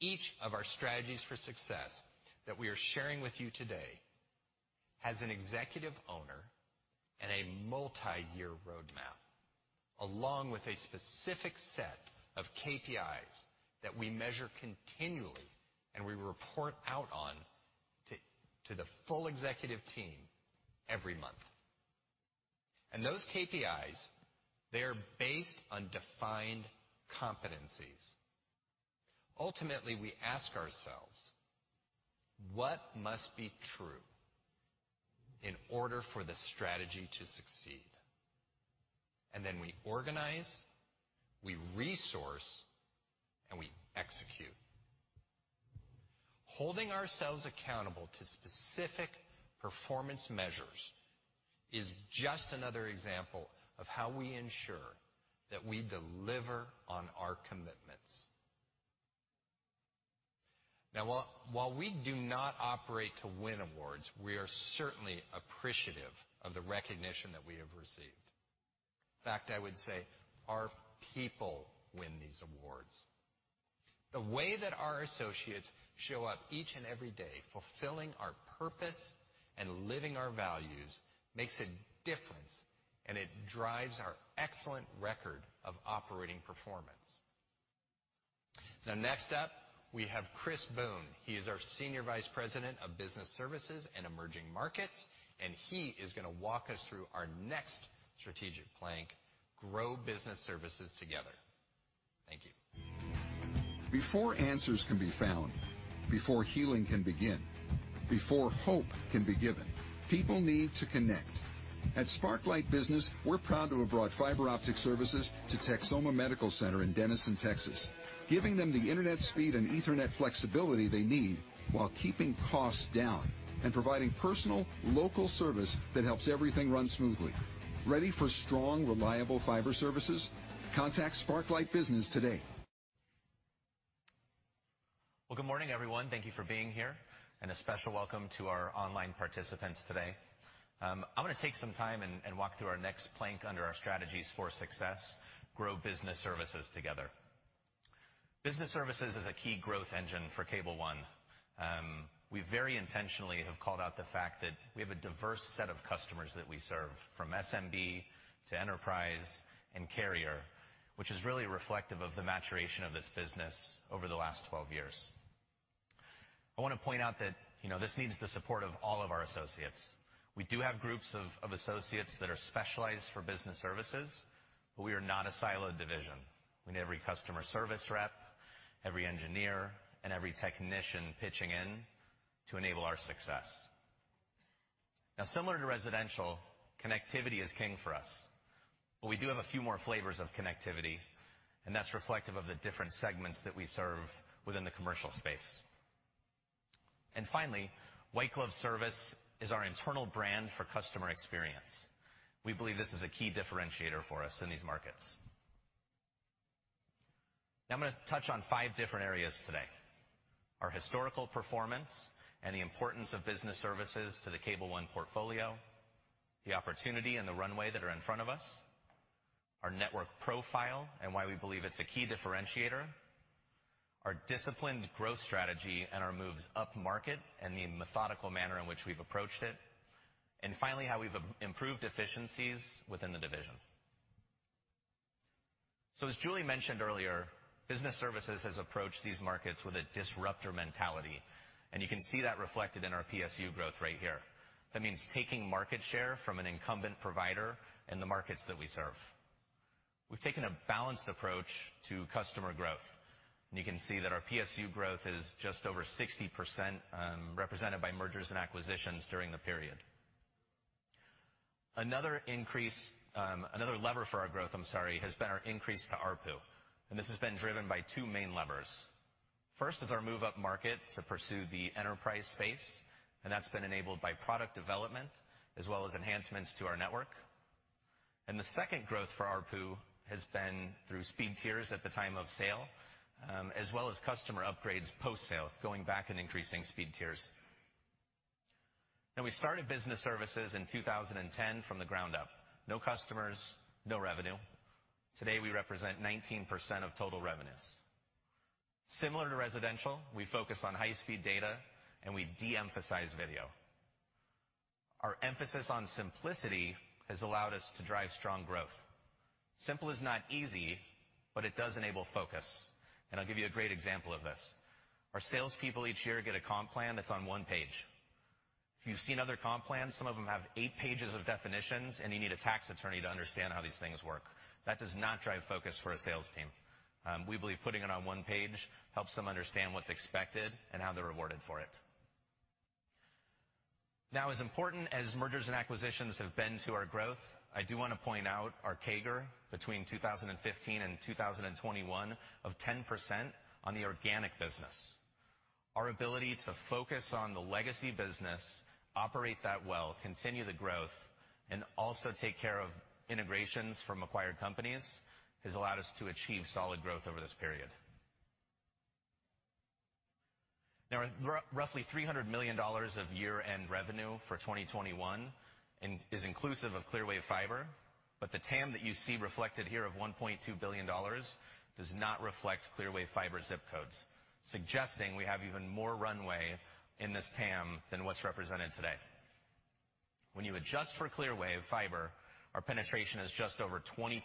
Each of our strategies for success that we are sharing with you today has an executive owner and a multiyear roadmap, along with a specific set of KPIs that we measure continually and we report out on to the full executive team every month. Those KPIs, they're based on defined competencies. Ultimately, we ask ourselves, "What must be true in order for the strategy to succeed?" Then we organize, we resource, and we execute. Holding ourselves accountable to specific performance measures is just another example of how we ensure that we deliver on our commitments. Now, while we do not operate to win awards, we are certainly appreciative of the recognition that we have received. In fact, I would say our people win these awards. The way that our associates show up each and every day, fulfilling our purpose and living our values makes a difference, and it drives our excellent record of operating performance. Now next up, we have Chris Boone. He is our Senior Vice President of Business Services and Emerging Markets, and he is gonna walk us through our next strategic plank, Grow Business Services Together. Thank you. Before answers can be found, before healing can begin, before hope can be given, people need to connect. At Sparklight Business, we're proud to have brought fiber optic services to Texoma Medical Center in Denison, Texas, giving them the internet speed and ethernet flexibility they need while keeping costs down and providing personal, local service that helps everything run smoothly. Ready for strong, reliable fiber services? Contact Sparklight Business today. Well, good morning, everyone. Thank you for being here. A special welcome to our online participants today. I'm gonna take some time and walk through our next plank under our strategies for success, Grow Business Services Together. Business services is a key growth engine for Cable One. We very intentionally have called out the fact that we have a diverse set of customers that we serve, from SMB to enterprise and carrier, which is really reflective of the maturation of this business over the last 12 years. I wanna point out that, you know, this needs the support of all of our associates. We do have groups of associates that are specialized for business services, but we are not a siloed division. We need every customer service rep, every engineer, and every technician pitching in to enable our success. Now, similar to residential, connectivity is king for us. But we do have a few more flavors of connectivity, and that's reflective of the different segments that we serve within the commercial space. Finally, white glove service is our internal brand for customer experience. We believe this is a key differentiator for us in these markets. Now, I'm gonna touch on five different areas today. Our historical performance and the importance of business services to the Cable One portfolio, the opportunity and the runway that are in front of us, our network profile and why we believe it's a key differentiator, our disciplined growth strategy and our moves up market and the methodical manner in which we've approached it, and finally, how we've improved efficiencies within the division. As Julie mentioned earlier, Business Services has approached these markets with a disruptor mentality, and you can see that reflected in our PSU growth rate here. That means taking market share from an incumbent provider in the markets that we serve. We've taken a balanced approach to customer growth. You can see that our PSU growth is just over 60%, represented by mergers and acquisitions during the period. Another lever for our growth, I'm sorry, has been our increase to ARPU, and this has been driven by two main levers. First is our move up market to pursue the enterprise space, and that's been enabled by product development as well as enhancements to our network. The second growth for ARPU has been through speed tiers at the time of sale, as well as customer upgrades post-sale, going back and increasing speed tiers. Now we started business services in 2010 from the ground up. No customers, no revenue. Today, we represent 19% of total revenues. Similar to residential, we focus on high-speed data, and we de-emphasize video. Our emphasis on simplicity has allowed us to drive strong growth. Simple is not easy, but it does enable focus, and I'll give you a great example of this. Our sales people each year get a comp plan that's on one page. If you've seen other comp plans, some of them have 8 pages of definitions, and you need a tax attorney to understand how these things work. That does not drive focus for a sales team. We believe putting it on one page helps them understand what's expected and how they're rewarded for it. Now, as important as mergers and acquisitions have been to our growth, I do wanna point out our CAGR between 2015 and 2021 of 10% on the organic business. Our ability to focus on the legacy business, operate that well, continue the growth, and also take care of integrations from acquired companies has allowed us to achieve solid growth over this period. Now, roughly $300 million of year-end revenue for 2021 is inclusive of Clearwave Fiber, but the TAM that you see reflected here of $1.2 billion does not reflect Clearwave Fiber zip codes, suggesting we have even more runway in this TAM than what's represented today. When you adjust for Clearwave Fiber, our penetration is just over 20%,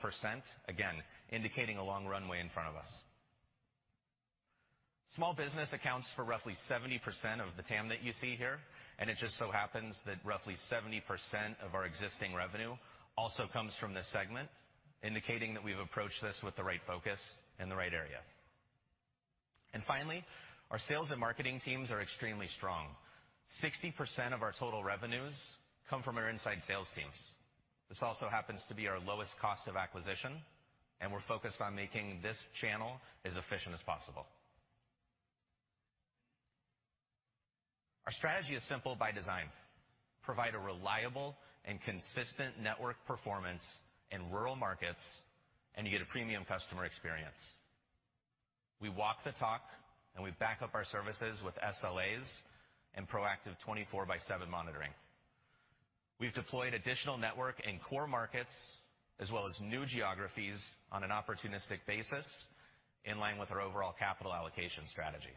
again, indicating a long runway in front of us. Small business accounts for roughly 70% of the TAM that you see here, and it just so happens that roughly 70% of our existing revenue also comes from this segment, indicating that we've approached this with the right focus in the right area. Finally, our sales and marketing teams are extremely strong. 60% of our total revenues come from our inside sales teams. This also happens to be our lowest cost of acquisition, and we're focused on making this channel as efficient as possible. Our strategy is simple by design. Provide a reliable and consistent network performance in rural markets, and you get a premium customer experience. We walk the talk, and we back up our services with SLAs and proactive 24/7 monitoring. We've deployed additional network in core markets as well as new geographies on an opportunistic basis in line with our overall capital allocation strategy.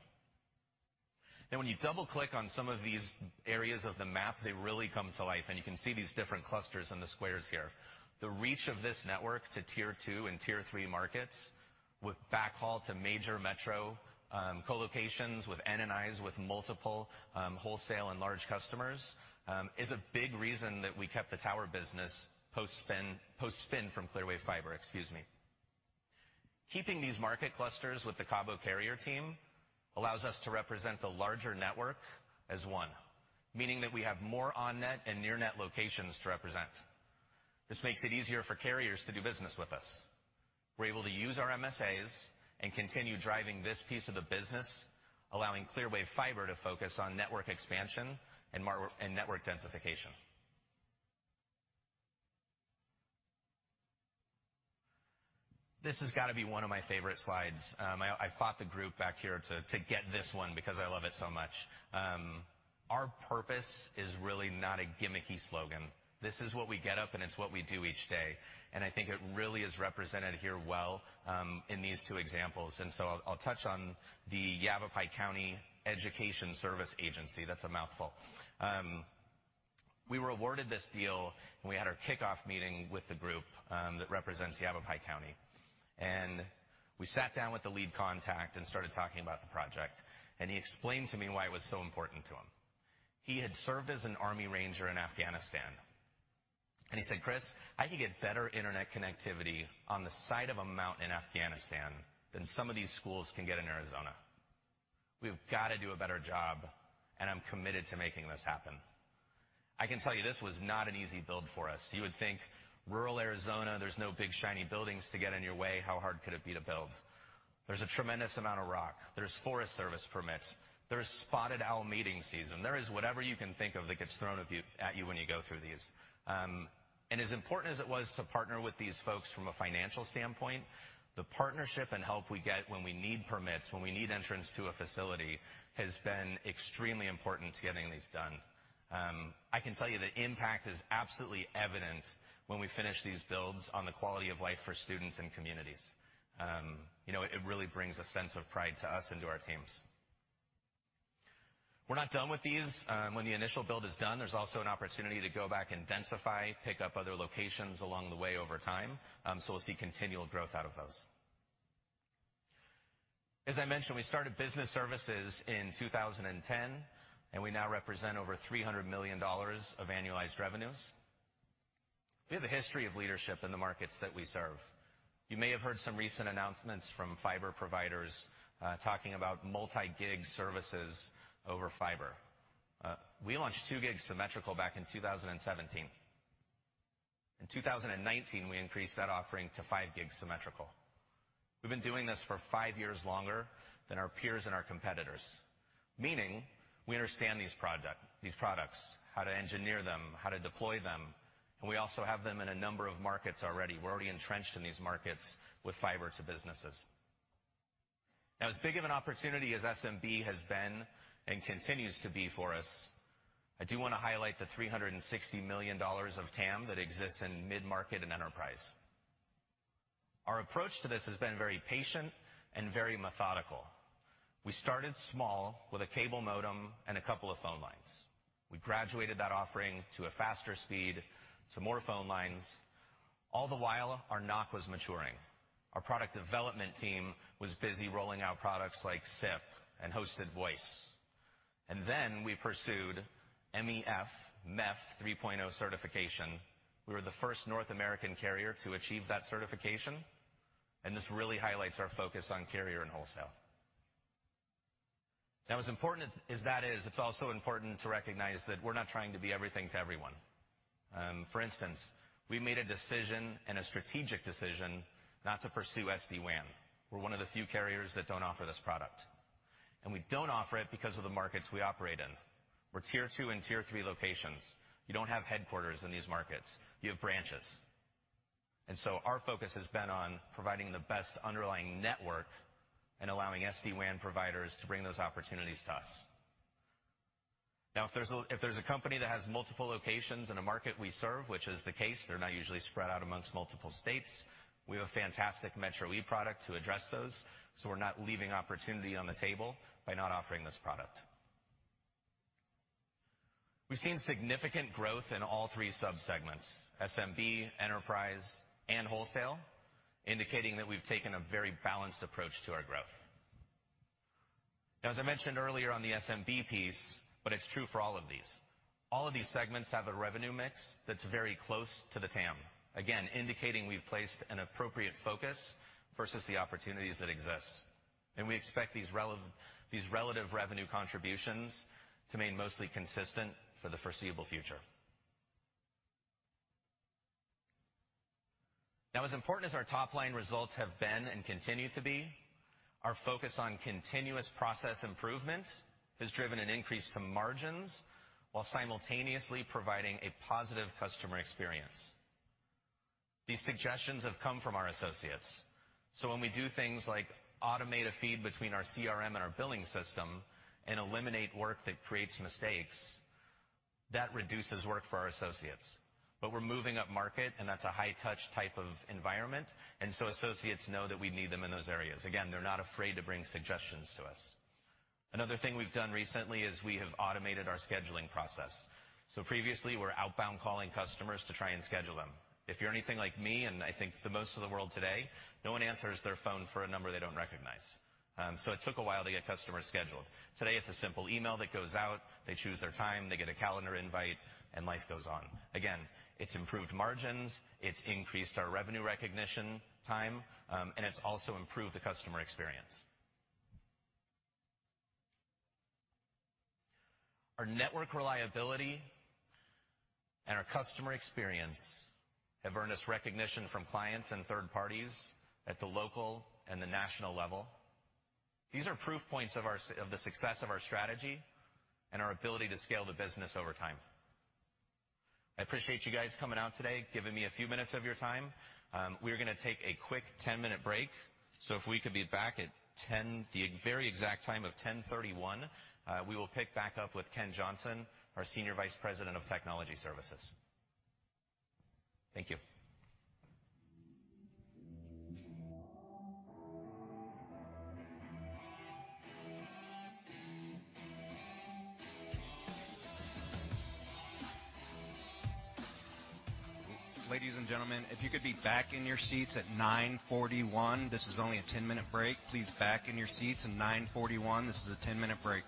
Now when you double-click on some of these areas of the map, they really come to life, and you can see these different clusters in the squares here. The reach of this network to tier 2 and tier 3 markets with backhaul to major metro co-locations with NNIs, with multiple wholesale and large customers, is a big reason that we kept the tower business post-spin from Clearwave Fiber. Keeping these market clusters with the CABO carrier team allows us to represent the larger network as one, meaning that we have more on-net and near-net locations to represent. This makes it easier for carriers to do business with us. We're able to use our MSAs and continue driving this piece of the business, allowing Clearwave Fiber to focus on network expansion and network densification. This has got to be one of my favorite slides. I fought the group back here to get this one because I love it so much. Our purpose is really not a gimmicky slogan. This is what we get up, and it's what we do each day, and I think it really is represented here well in these two examples. I'll touch on the Yavapai County Education Service Agency. That's a mouthful. We were awarded this deal, and we had our kickoff meeting with the group that represents Yavapai County. We sat down with the lead contact and started talking about the project, and he explained to me why it was so important to him. He had served as an Army Ranger in Afghanistan. He said, "Chris, I can get better internet connectivity on the side of a mountain in Afghanistan than some of these schools can get in Arizona." We've got to do a better job, and I'm committed to making this happen. I can tell you this was not an easy build for us. You would think rural Arizona, there's no big, shiny buildings to get in your way. How hard could it be to build? There's a tremendous amount of rock. There's Forest Service permits. There's spotted owl mating season. There is whatever you can think of that gets thrown at you when you go through these. As important as it was to partner with these folks from a financial standpoint, the partnership and help we get when we need permits, when we need entrance to a facility, has been extremely important to getting these done. I can tell you the impact is absolutely evident when we finish these builds on the quality-of-life for students and communities. You know, it really brings a sense of pride to us and to our teams. We're not done with these. When the initial build is done, there's also an opportunity to go back and densify, pick up other locations along the way over time, so we'll see continual growth out of those. As I mentioned, we started Business Services in 2010, and we now represent over $300 million of annualized revenues. We have a history of leadership in the markets that we serve. You may have heard some recent announcements from fiber providers talking about multi-gig services over fiber. We launched 2 gigs symmetrical back in 2017. In 2019, we increased that offering to 5 gigs symmetrical. We've been doing this for five years longer than our peers and our competitors, meaning we understand these products, how to engineer them, how to deploy them, and we also have them in a number of markets already. We're already entrenched in these markets with fiber to businesses. Now, as big of an opportunity as SMB has been and continues to be for us, I do want to highlight the $360 million of TAM that exists in mid-market and enterprise. Our approach to this has been very patient and very methodical. We started small with a cable modem and a couple of phone lines. We graduated that offering to a faster speed, to more phone lines. All the while, our NOC was maturing. Our product development team was busy rolling out products like SIP and hosted voice. We pursued MEF 3.0 certification. We were the first North American carrier to achieve that certification, and this really highlights our focus on carrier and wholesale. Now, as important as that is, it's also important to recognize that we're not trying to be everything to everyone. For instance, we made a decision and a strategic decision not to pursue SD-WAN. We're one of the few carriers that don't offer this product, and we don't offer it because of the markets we operate in. We're tier 2 and tier 3 locations. We don't have headquarters in these markets. We have branches. Our focus has been on providing the best underlying network and allowing SD-WAN providers to bring those opportunities to us. Now, if there's a company that has multiple locations in a market we serve, which is the case, they're not usually spread out amongst multiple states, we have a fantastic Metro E product to address those, so we're not leaving opportunity on the table by not offering this product. We've seen significant growth in all three subsegments, SMB, enterprise, and wholesale, indicating that we've taken a very balanced approach to our growth. Now, as I mentioned earlier on the SMB piece, but it's true for all of these, all of these segments have a revenue mix that's very close to the TAM, again, indicating we've placed an appropriate focus versus the opportunities that exist. We expect these relative revenue contributions to remain mostly consistent for the foreseeable future. Now, as important as our top-line results have been and continue to be, our focus on continuous process improvement has driven an increase to margins while simultaneously providing a positive customer experience. These suggestions have come from our associates. When we do things like automate a feed between our CRM and our billing system and eliminate work that creates mistakes, that reduces work for our associates. We're moving up market, and that's a high-touch-type of environment. Associates know that we need them in those areas. Again, they're not afraid to bring suggestions to us. Another thing we've done recently is we have automated our scheduling process. Previously, we're outbound calling customers to try and schedule them. If you're anything like me, and I think the most of the world today, no one answers their phone for a number they don't recognize. So it took a while to get customers scheduled. Today, it's a simple email that goes out. They choose their time, they get a calendar invite, and life goes on. Again, it's improved margins, it's increased our revenue recognition time, and it's also improved the customer experience. Our network reliability and our customer experience have earned us recognition from clients and third parties at the local and the national level. These are proof points of the success of our strategy and our ability to scale the business over time. I appreciate you guys coming out today, giving me a few minutes of your time. We're gonna take a quick 10-minute break, so if we could be back at 10, the very exact time of 10:31, we will pick back up with Ken Johnson, our Senior Vice President of Technology Services. Thank you. Ladies and gentlemen, if you could be back in your seats at 9:41. This is only a 10-minute break. Please back in your seats at 9:41. This is a 10-minute break.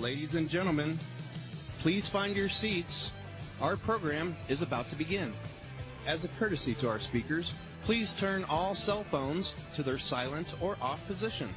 Ladies and gentlemen, please find your seats. Our program is about to begin. As a courtesy to our speakers, please turn all cell phones to their silent or off position.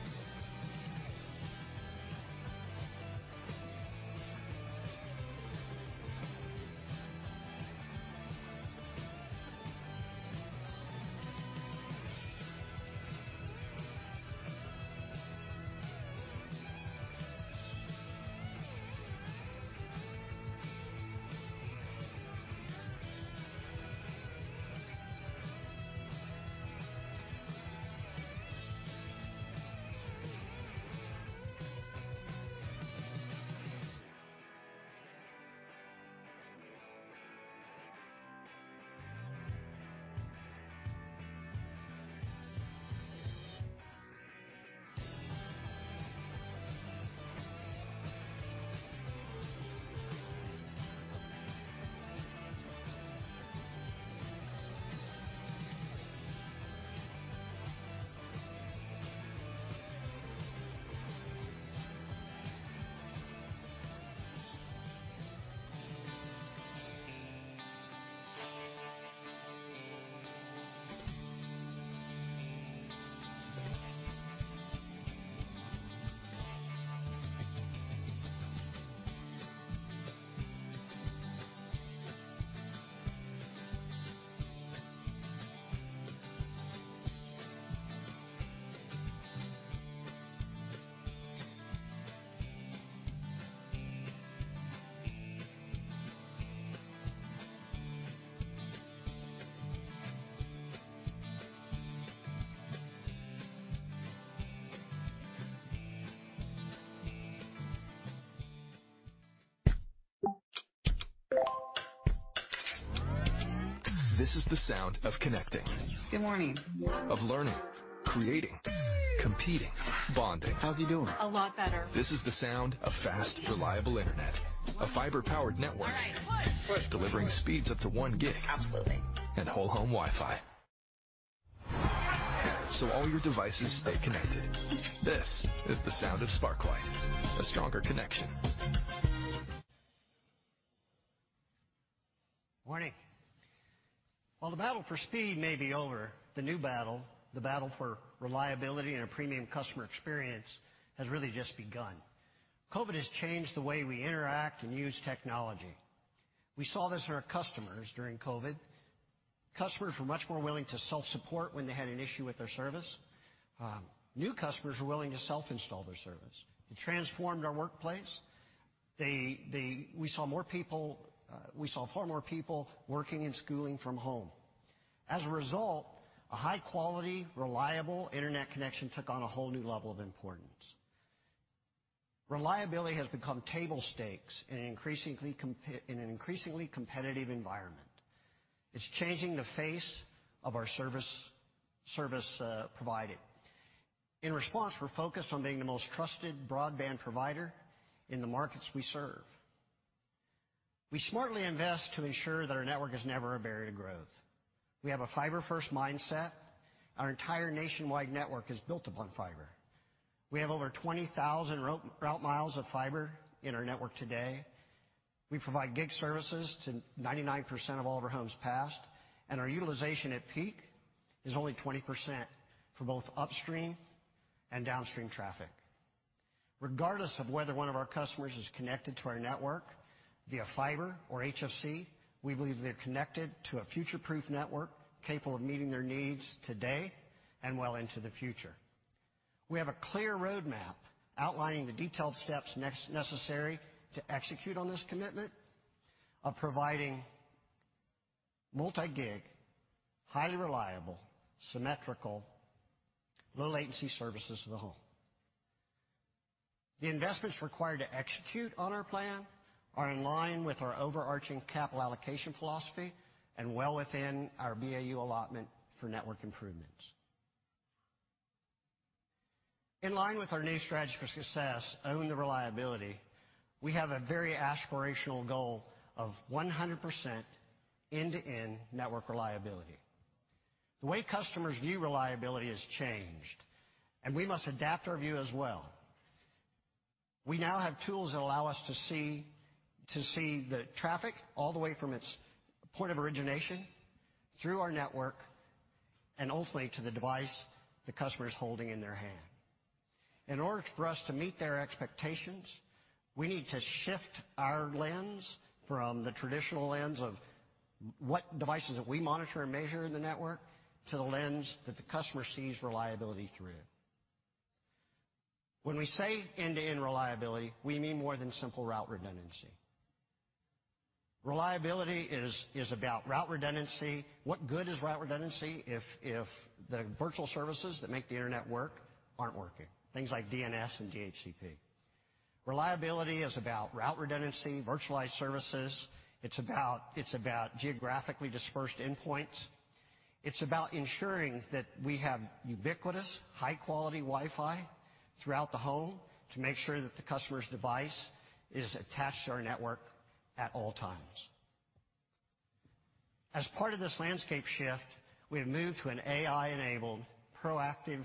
This is the sound of connecting. Good morning. Of learning, creating, competing, bonding. How's he doing? A lot better. This is the sound of fast, reliable internet. A fiber-powered network. Delivering speeds up to 1 gig. Absolutely. Whole home Wi-Fi. All your devices stay connected. This is the sound of Sparklight, a stronger connection. Morning. While the battle for speed may be over, the new battle, the battle for reliability and a premium customer experience has really just begun. COVID has changed the way we interact and use technology. We saw this in our customers during COVID. Customers were much more willing to self-support when they had an issue with their service. New customers were willing to self-install their service. It transformed our workplace. We saw far more people working and schooling from home. As a result, a high quality, reliable internet connection took on a whole new level of importance. Reliability has become table stakes in an increasingly competitive environment. It's changing the face of our service providing. In response, we're focused on being the most trusted broadband provider in the markets we serve. We smartly invest to ensure that our network is never a barrier to growth. We have a fiber-first mindset. Our entire nationwide network is built upon fiber. We have over 20,000 route miles of fiber in our network today. We provide gig services to 99% of all of our homes passed, and our utilization at peak is only 20% for both upstream and downstream traffic. Regardless of whether one of our customers is connected to our network via fiber or HFC, we believe they're connected to a future-proof network capable of meeting their needs today and well into the future. We have a clear roadmap outlining the detailed steps necessary to execute on this commitment of providing multi-gig, highly reliable, symmetrical, low-latency services to the home. The investments required to execute on our plan are in line with our overarching capital allocation philosophy and well within our BAU allotment for network improvements. In line with our new strategy for success, Own the Reliability, we have a very aspirational goal of 100% end-to-end network reliability. The way customers view reliability has changed, and we must adapt our view as well. We now have tools that allow us to see the traffic all the way from its point of origination, through our network, and ultimately to the device the customer is holding in their hand. In order for us to meet their expectations, we need to shift our lens from the traditional lens of what devices that we monitor and measure in the network to the lens that the customer sees reliability through. When we say end-to-end reliability, we mean more than simple route redundancy. Reliability is about route redundancy. What good is route redundancy if the virtual services that make the internet work aren't working? Things like DNS and DHCP. Reliability is about route redundancy, virtualized services. It's about geographically-dispersed endpoints. It's about ensuring that we have ubiquitous high-quality Wi-Fi throughout the home to make sure that the customer's device is attached to our network at all times. As part of this landscape shift, we have moved to an AI-enabled, proactive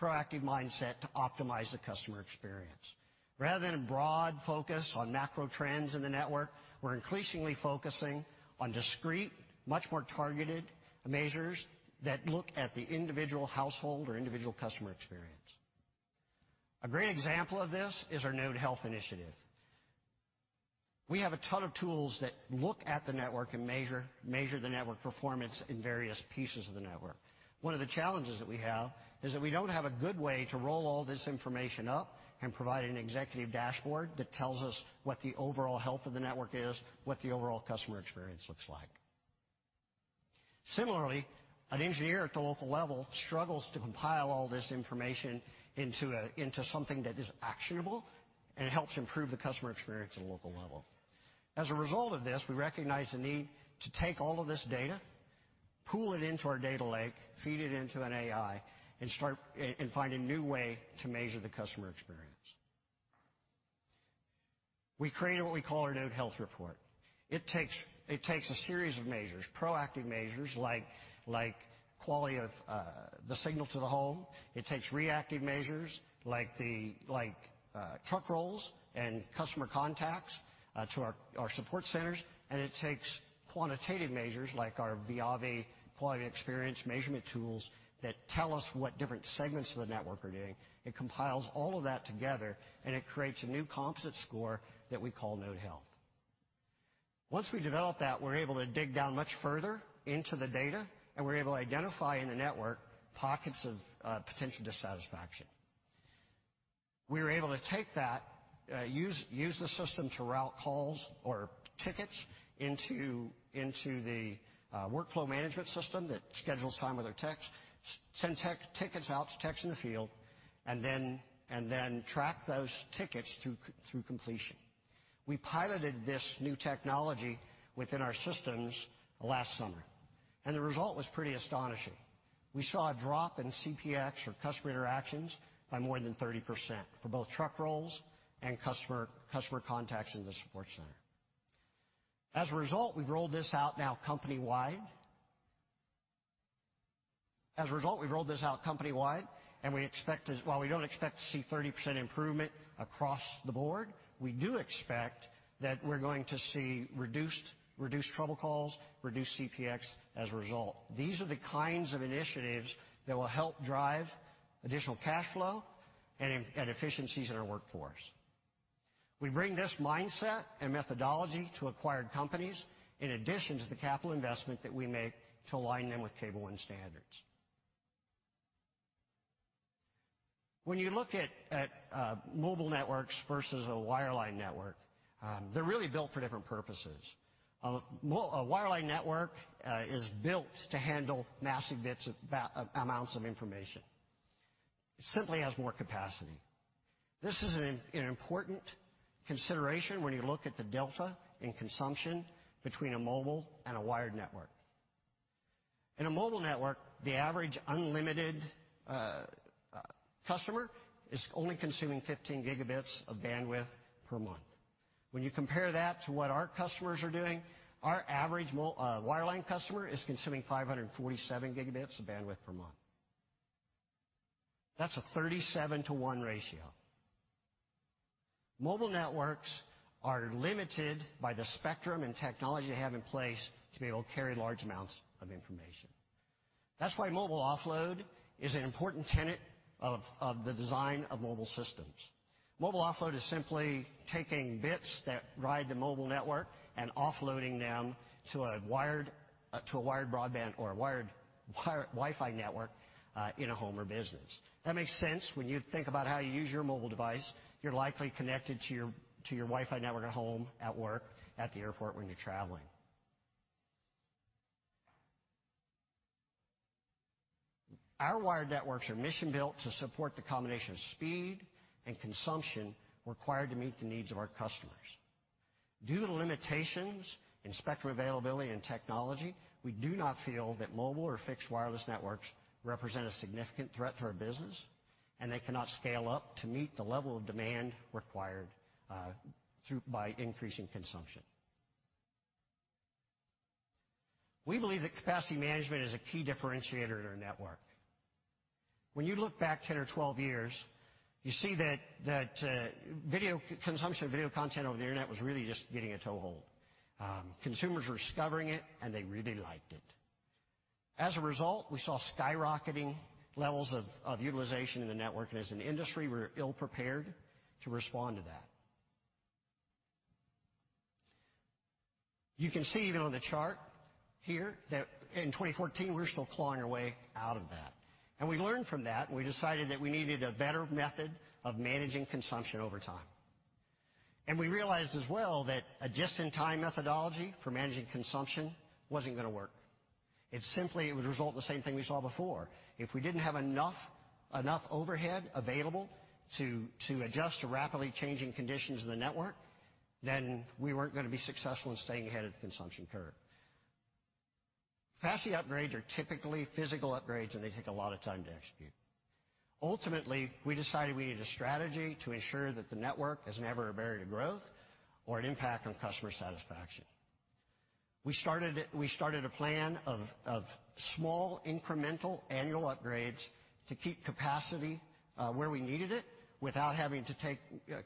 mindset to optimize the customer experience. Rather than a broad focus on macro trends in the network, we're increasingly focusing on discrete, much more targeted measures that look at the individual household or individual customer experience. A great example of this is our node health initiative. We have a ton of tools that look at the network and measure the network performance in various pieces of the network. One of the challenges that we have is that we don't have a good way to roll all this information up and provide an executive dashboard that tells us what the overall health of the network is, what the overall customer experience looks like. Similarly, an engineer at the local level struggles to compile all this information into something that is actionable and helps improve the customer experience at a local level. As a result of this, we recognize the need to take all of this data, pool it into our data lake, feed it into an AI, and find a new way to measure the customer experience. We created what we call our node health report. It takes a series of measures, proactive measures like quality of the signal to the home. It takes reactive measures like truck rolls and customer contacts to our support centers, and it takes quantitative measures like our VIAVI Quality of Experience measurement tools that tell us what different segments of the network are doing. It compiles all of that together, and it creates a new composite score that we call node health. Once we develop that, we're able to dig down much further into the data, and we're able to identify in the network pockets of potential dissatisfaction. We were able to take that, use the system to route calls or tickets into the workflow management system that schedules time with our techs, send tech tickets out to techs in the field, and then track those tickets through completion. We piloted this new technology within our systems last summer, and the result was pretty astonishing. We saw a drop in CPX or customer interactions by more than 30% for both truck rolls and customer contacts in the support center. As a result, we've rolled this out now company-wide. While we don't expect to see 30% improvement across the board, we do expect that we're going to see reduced trouble calls, reduced CPX as a result. These are the kinds of initiatives that will help drive additional cash flow and improvements and efficiencies in our workforce. We bring this mindset and methodology to acquired companies in addition to the capital investment that we make to align them with Cable One standards. When you look at mobile networks versus a wireline network, they're really built for different purposes. A wireline network is built to handle massive amounts of information. It simply has more capacity. This is an important consideration when you look at the delta in consumption between a mobile and a wired network. In a mobile network, the average unlimited customer is only consuming 15 Gb of bandwidth per month. When you compare that to what our customers are doing, our average wireline customer is consuming 547 Gb of bandwidth per month. That's a 37-to-1 ratio. Mobile networks are limited by the spectrum and technology they have in place to be able to carry large amounts of information. That's why mobile offload is an important tenet of the design of mobile systems. Mobile offload is simply taking bits that ride the mobile network and offloading them to a wired broadband or a wired Wi-Fi network in a home or business. That makes sense when you think about how you use your mobile device. You're likely connected to your Wi-Fi network at home, at work, at the airport when you're traveling. Our wired networks are mission-built to support the combination of speed and consumption required to meet the needs of our customers. Due to the limitations in spectrum availability and technology, we do not feel that mobile or fixed wireless networks represent a significant threat to our business, and they cannot scale up to meet the level of demand required through by increasing consumption. We believe that capacity management is a key differentiator in our network. When you look back 10 or 12 years, you see that consumption of video content over the internet was really just getting a toehold. Consumers were discovering it, and they really liked it. As a result, we saw skyrocketing levels of utilization in the network, and as an industry, we were ill-prepared to respond to that. You can see even on the chart here that in 2014 we were still clawing our way out of that, and we learned from that, and we decided that we needed a better method of managing consumption over time. We realized as well that a just-in-time methodology for managing consumption wasn't gonna work. It simply would result in the same thing we saw before. If we didn't have enough overhead available to adjust to rapidly-changing conditions in the network, then we weren't gonna be successful in staying ahead of the consumption curve. Capacity upgrades are typically physical upgrades, and they take a lot of time to execute. Ultimately, we decided we needed a strategy to ensure that the network is never a barrier to growth or an impact on customer satisfaction. We started a plan of small incremental annual upgrades to keep capacity where we needed it without having to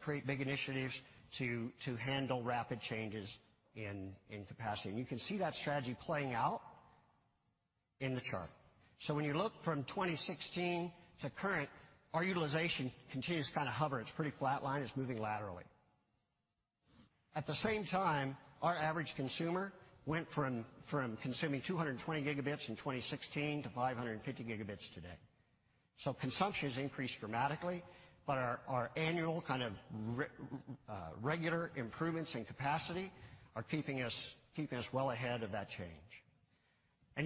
create big initiatives to handle rapid changes in capacity. You can see that strategy playing out in the chart. When you look from 2016 to current, our utilization continues to kind of hover. It's pretty flat line. It's moving laterally. At the same time, our average consumer went from consuming 220 Gb in 2016 to 550 Gb today. Consumption has increased dramatically, but our annual regular improvements in capacity are keeping us well ahead of that change.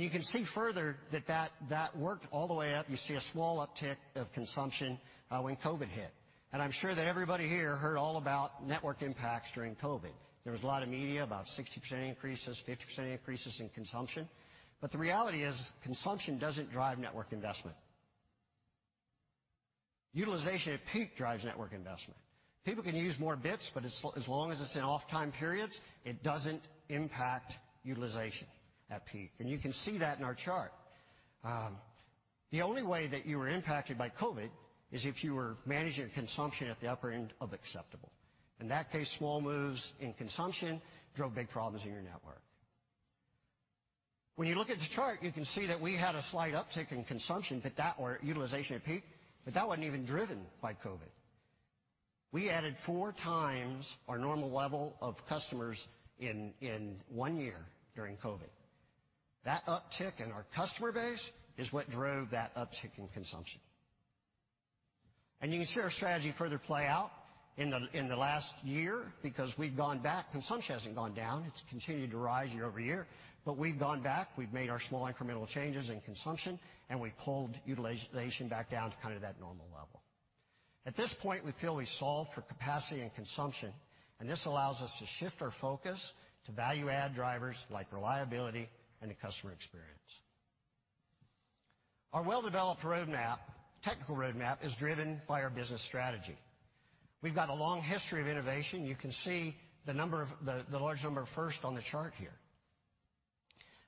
You can see further that that worked all the way up. You see a small uptick of consumption when COVID hit, and I'm sure that everybody here heard all about network impacts during COVID. There was a lot of media about 60% increases, 50% increases in consumption, but the reality is consumption doesn't drive network investment. Utilization at peak drives network investment. People can use more bits, but as long as it's in off-time periods, it doesn't impact utilization at peak, and you can see that in our chart. The only way that you were impacted by COVID is if you were managing consumption at the upper end of acceptable. In that case, small moves in consumption drove big problems in your network. When you look at the chart, you can see that we had a slight uptick in consumption, but that or utilization at peak, but that wasn't even driven by COVID. We added four times our normal level of customers in one year during COVID. That uptick in our customer base is what drove that uptick in consumption. You can see our strategy further play out in the last year because we've gone back. Consumption hasn't gone down. It's continued to rise year-over-year, but we've gone back. We've made our small incremental changes in consumption, and we pulled utilization back down to kind of that normal level. At this point, we feel we've solved for capacity and consumption, and this allows us to shift our focus to value-add drivers like reliability and the customer experience. Our well-developed roadmap, technical roadmap, is driven by our business strategy. We've got a long history of innovation. You can see the large number of firsts on the chart here.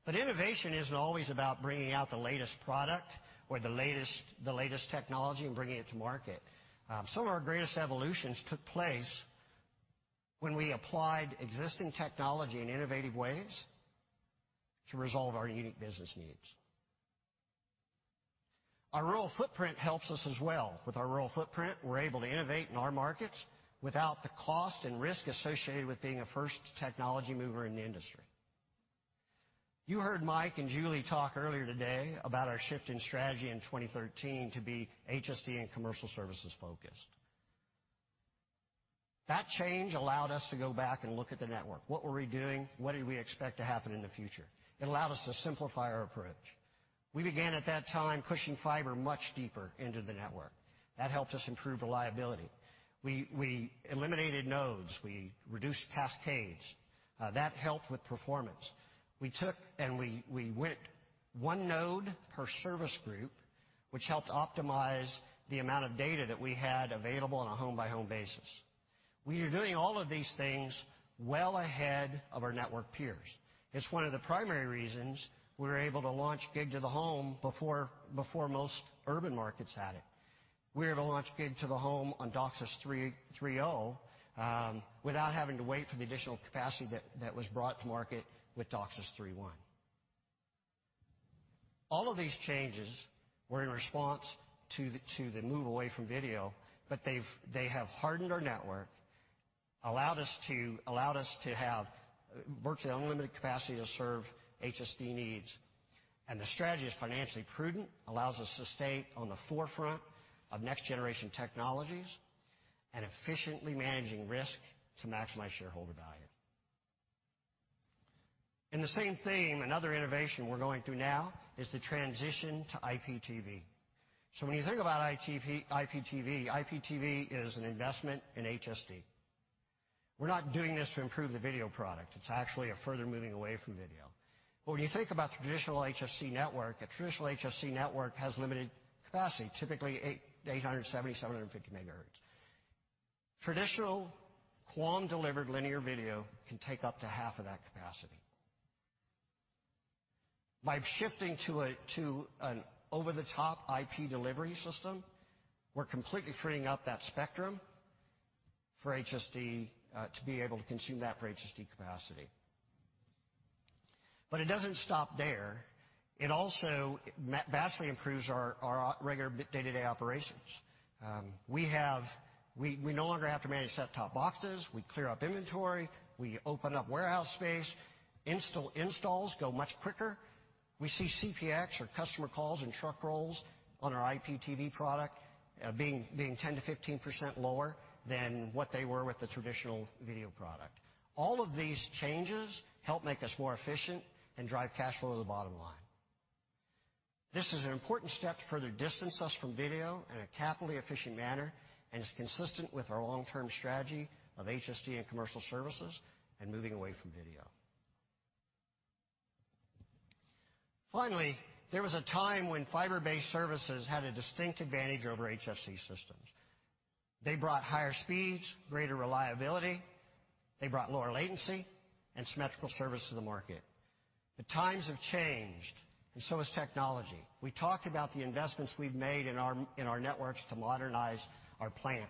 Innovation isn't always about bringing out the latest product or the latest technology and bringing it to market. Some of our greatest evolutions took place when we applied existing technology in innovative ways to resolve our unique business needs. Our rural footprint helps us as well. With our rural footprint, we're able to innovate in our markets without the cost and risk associated with being a first technology mover in the industry. You heard Mike and Julie talk earlier today about our shift in strategy in 2013 to be HSD and commercial services focused. That change allowed us to go back and look at the network. What were we doing? What did we expect to happen in the future? It allowed us to simplify our approach. We began at that time pushing fiber much deeper into the network. That helped us improve reliability. We eliminated nodes. We reduced cascades. That helped with performance. We went one node per service group, which helped optimize the amount of data that we had available on a home-by-home basis. We are doing all of these things well ahead of our network peers. It's one of the primary reasons we were able to launch gig to the home before most urban markets had it. We were able to launch gig to the home on DOCSIS 3.0 without having to wait for the additional capacity that was brought to market with DOCSIS 3.1. All of these changes were in response to the move away from video, but they have hardened our network, allowed us to have virtually unlimited capacity to serve HSD needs. The strategy is financially prudent, allows us to stay on the forefront of next generation technologies and efficiently managing risk to maximize shareholder value. In the same theme, another innovation we're going through now is the transition to IPTV. When you think about IPTV, IPTV is an investment in HSD. We're not doing this to improve the video product. It's actually a further moving away from video. When you think about the traditional HFC network, a traditional HFC network has limited capacity, typically 870 Mhz, 750 Mhz. Traditional QAM-delivered linear video can take up to half of that capacity. By shifting to an over-the-top IP delivery system, we're completely freeing up that spectrum for HSD to be able to consume that for HSD capacity. It doesn't stop there. It also vastly improves our regular day-to-day operations. We no longer have to manage set-top boxes. We clear up inventory. We open up warehouse space. Installs go much quicker. We see CPX or customer calls and truck rolls on our IPTV product being 10%-15% lower than what they were with the traditional video product. All of these changes help make us more efficient and drive cash flow to the bottom line. This is an important step to further distance us from video in a capitally efficient manner, and it's consistent with our long-term strategy of HSD and commercial services and moving away from video. Finally, there was a time when fiber-based services had a distinct advantage over HFC systems. They brought higher speeds, greater reliability. They brought lower latency and symmetrical service to the market. The times have changed, and so has technology. We talked about the investments we've made in our networks to modernize our plant.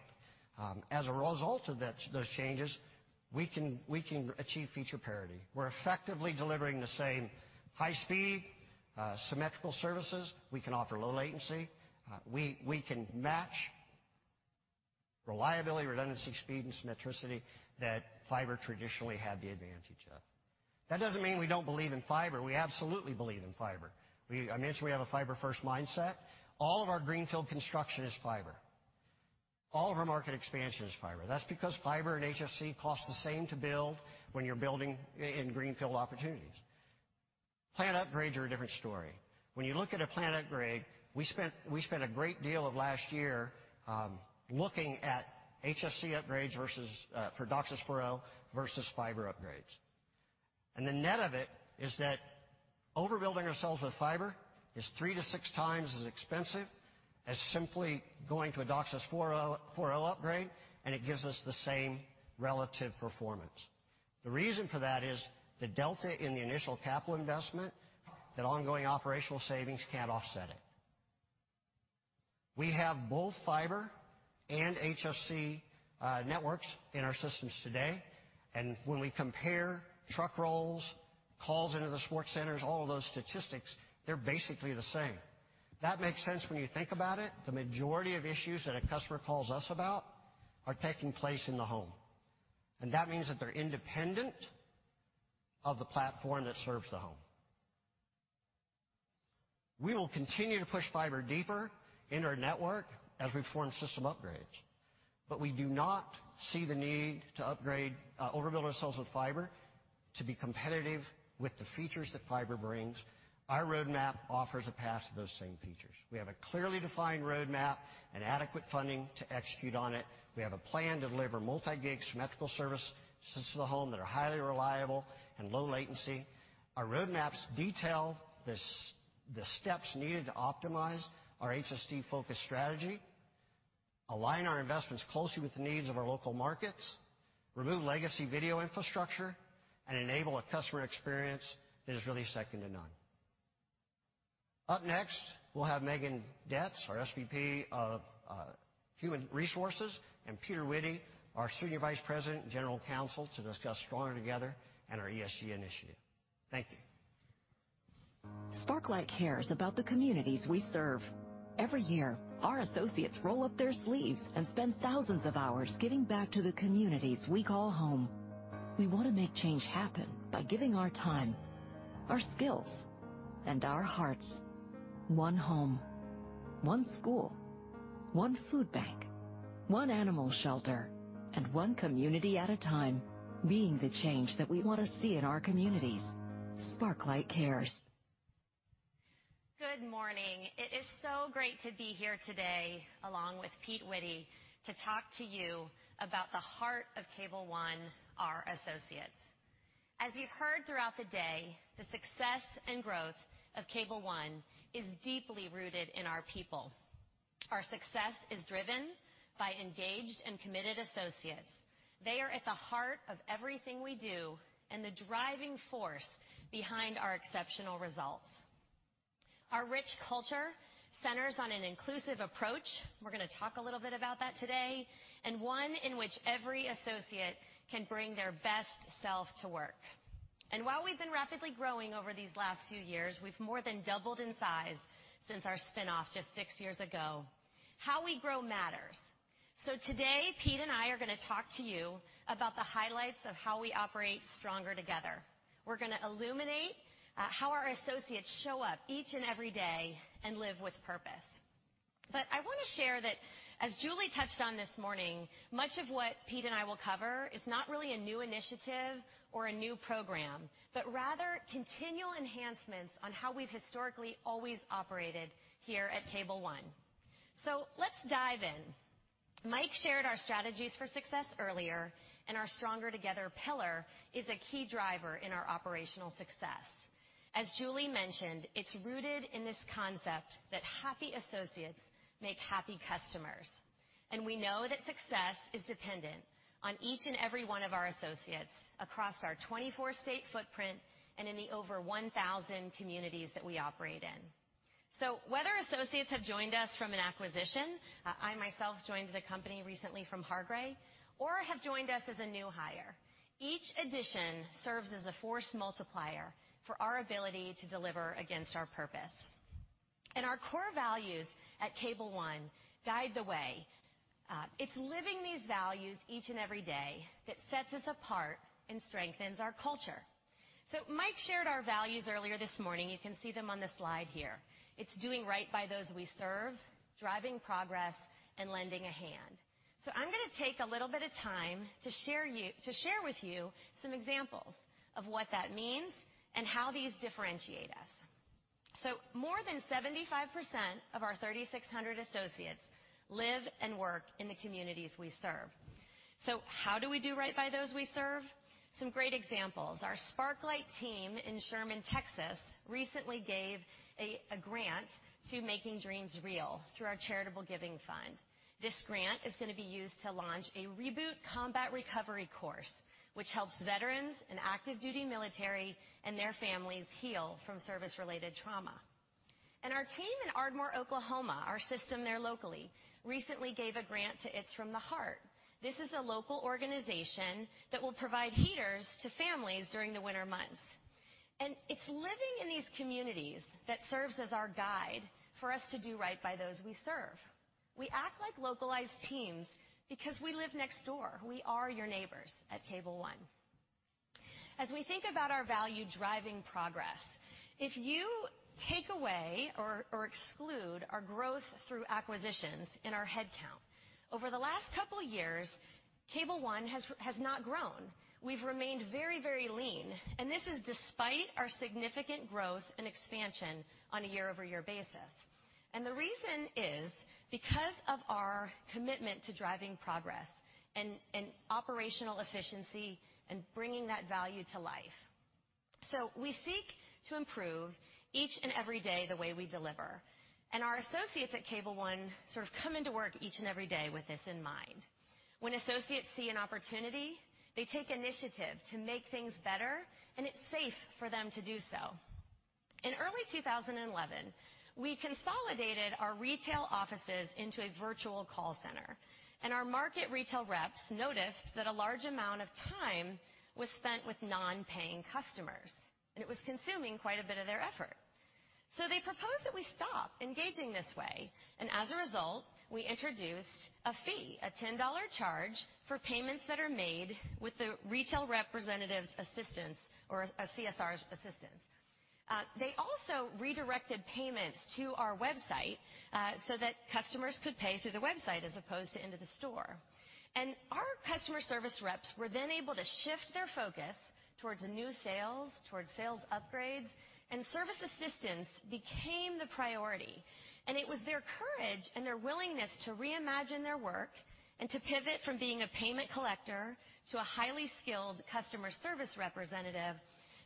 As a result of that, those changes, we can achieve feature parity. We're effectively delivering the same high-speed symmetrical services. We can offer low latency. We can match reliability, redundancy, speed, and symmetry that fiber traditionally had the advantage of. That doesn't mean we don't believe in fiber. We absolutely believe in fiber. I mentioned we have a fiber-first mindset. All of our greenfield construction is fiber. All of our market expansion is fiber. That's because fiber and HFC cost the same to build when you're building in greenfield opportunities. Plant upgrades are a different story. When you look at a plant upgrade, we spent a great deal of last year looking at HFC upgrades for DOCSIS 4.0 versus fiber upgrades. The net of it is that overbuilding ourselves with fiber is three-six times as expensive as simply going to a DOCSIS 4.0 upgrade, and it gives us the same relative performance. The reason for that is the delta in the initial capital investment that ongoing operational savings can't offset it. We have both fiber and HFC networks in our systems today, and when we compare truck rolls, calls into the support centers, all of those statistics, they're basically the same. That makes sense when you think about it. The majority of issues that a customer calls us about are taking place in the home, and that means that they're independent of the platform that serves the home. We will continue to push fiber deeper in our network as we form system upgrades, but we do not see the need to upgrade, overbuild ourselves with fiber to be competitive with the features that fiber brings. Our roadmap offers a path to those same features. We have a clearly defined roadmap and adequate funding to execute on it. We have a plan to deliver multi-gig symmetrical service to the home that are highly reliable and low latency. Our roadmaps detail the steps needed to optimize our HSD-focused strategy, align our investments closely with the needs of our local markets, remove legacy video infrastructure, and enable a customer experience that is really second to none. Up next, we'll have Megan Detz, our SVP of Human Resources, and Peter Witty, our Senior Vice President and General Counsel, to discuss Stronger Together and our ESG initiative. Thank you. Sparklight cares about the communities we serve. Every year, our associates roll up their sleeves and spend thousands of hours giving back to the communities we call home. We wanna make change happen by giving our time, our skills, and our hearts. One home, one school, one food bank, one animal shelter, and one community at a time, being the change that we wanna see in our communities. Sparklight cares. Good morning. It is so great to be here today along with Pete Witty to talk to you about the heart of Cable One, our associates. As you've heard throughout the day, the success and growth of Cable One is deeply rooted in our people. Our success is driven by engaged and committed associates. They are at the heart of everything we do and the driving force behind our exceptional results. Our rich culture centers on an inclusive approach, we're gonna talk a little bit about that today, and one in which every associate can bring their best self to work. While we've been rapidly growing over these last few years, we've more than doubled in size since our spin-off just six years ago. How we grow matters. Today, Pete and I are gonna talk to you about the highlights of how we operate Stronger Together. We're gonna illuminate how our associates show up each and every day and live with purpose. I wanna share that, as Julie touched on this morning, much of what Pete and I will cover is not really a new initiative or a new program, but rather continual enhancements on how we've historically always operated here at Cable One. Let's dive in. Mike shared our strategies for success earlier, and our Stronger Together pillar is a key driver in our operational success. As Julie mentioned, it's rooted in this concept that happy associates make happy customers, and we know that success is dependent on each and every one of our associates across our 24-state footprint and in the over 1,000 communities that we operate in. Whether associates have joined us from an acquisition, I myself joined the company recently from Hargray, or have joined us as a new hire, each addition serves as a force multiplier for our ability to deliver against our purpose. Our core values at Cable One guide the way. It's living these values each and every day that sets us apart and strengthens our culture. Mike shared our values earlier this morning. You can see them on the slide here. It's doing right by those we serve, driving progress, and lending a hand. I'm gonna take a little bit of time to share with you some examples of what that means and how these differentiate us. More than 75% of our 3,600 associates live and work in the communities we serve. How do we do right by those we serve? Some great examples. Our Sparklight team in Sherman, Texas, recently gave a grant to Make Dreams Real through our charitable giving fund. This grant is gonna be used to launch a REBOOT Combat Recovery course, which helps veterans and active duty military and their families heal from service-related trauma. Our team in Ardmore, Oklahoma, our system there locally, recently gave a grant to It's From the Heart. This is a local organization that will provide heaters to families during the winter months. It's living in these communities that serves as our guide for us to do right by those we serve. We act like localized teams because we live next door. We are your neighbors at Cable One. As we think about our value-driving progress, if you take away or exclude our growth through acquisitions in our headcount, over the last couple years, Cable One has not grown. We've remained very, very lean, and this is despite our significant growth and expansion on a year-over-year basis. The reason is because of our commitment to driving progress and operational efficiency and bringing that value to life. We seek to improve each and every day the way we deliver, and our associates at Cable One sort of come into work each and every day with this in mind. When associates see an opportunity, they take initiative to make things better, and it's safe for them to do so. In early 2011, we consolidated our retail offices into a virtual call center, and our market retail reps noticed that a large amount of time was spent with non-paying customers, and it was consuming quite a bit of their effort. They proposed that we stop engaging this way, and as a result, we introduced a fee, a $10 charge for payments that are made with the retail representative's assistance or a CSR's assistance. They also redirected payment to our website, so that customers could pay through the website as opposed to into the store. Our customer service reps were then able to shift their focus towards new sales, towards sales upgrades, and service assistance became the priority. It was their courage and their willingness to reimagine their work and to pivot from being a payment collector to a highly skilled customer service representative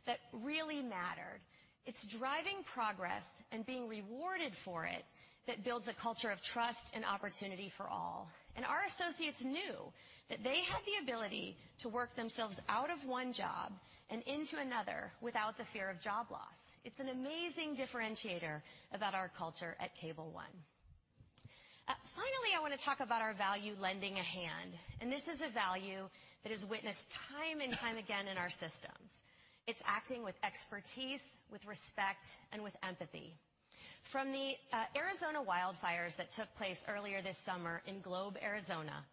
that really mattered. It's driving progress and being rewarded for it that builds a culture of trust and opportunity for all. Our associates knew that they had the ability to work themselves out of one job and into another without the fear of job loss. It's an amazing differentiator about our culture at Cable One. Finally, I wanna talk about our value, lending a hand, and this is a value that is witnessed time and time again in our systems. It's acting with expertise, with respect, and with empathy. From the Arizona wildfires that took place earlier this summer in Globe, Arizona,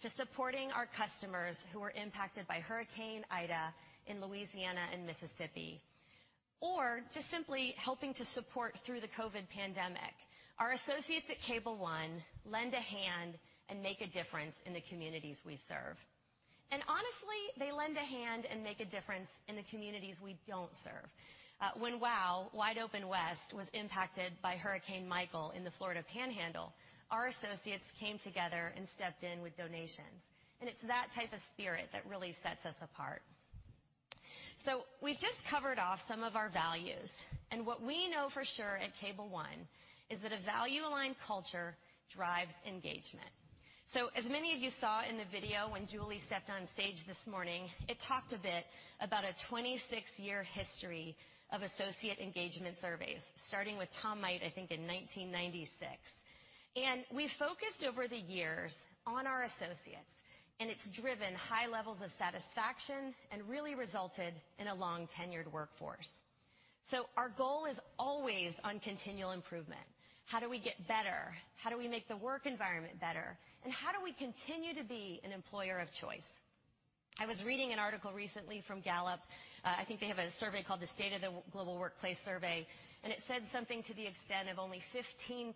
to supporting our customers who were impacted by Hurricane Ida in Louisiana and Mississippi, or just simply helping to support through the COVID pandemic, our associates at Cable One lend a hand and make a difference in the communities we serve. Honestly, they lend a hand and make a difference in the communities we don't serve. When WOW, Wide Open West, was impacted by Hurricane Michael in the Florida Panhandle, our associates came together and stepped in with donations, and it's that type of spirit that really sets us apart. We've just covered off some of our values, and what we know for sure at Cable One is that a value-aligned culture drives engagement. As many of you saw in the video when Julie stepped on stage this morning, it talked a bit about a 26-year history of associate engagement surveys, starting with Tom Might, I think, in 1996. We focused over the years on our associates, and it's driven high levels of satisfaction and really resulted in a long-tenured workforce. Our goal always on continual improvement. How do we get better? How do we make the work environment better? How do we continue to be an employer of choice? I was reading an article recently from Gallup. I think they have a survey called The State of the Global Workplace survey, and it said something to the extent of only 15%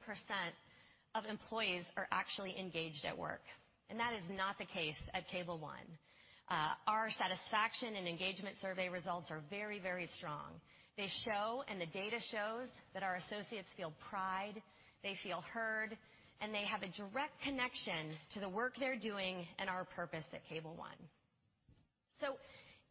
of employees are actually engaged at work. That is not the case at Cable One. Our satisfaction and engagement survey results are very, very strong. They show, and the data shows, that our associates feel pride, they feel heard, and they have a direct connection to the work they're doing and our purpose at Cable One.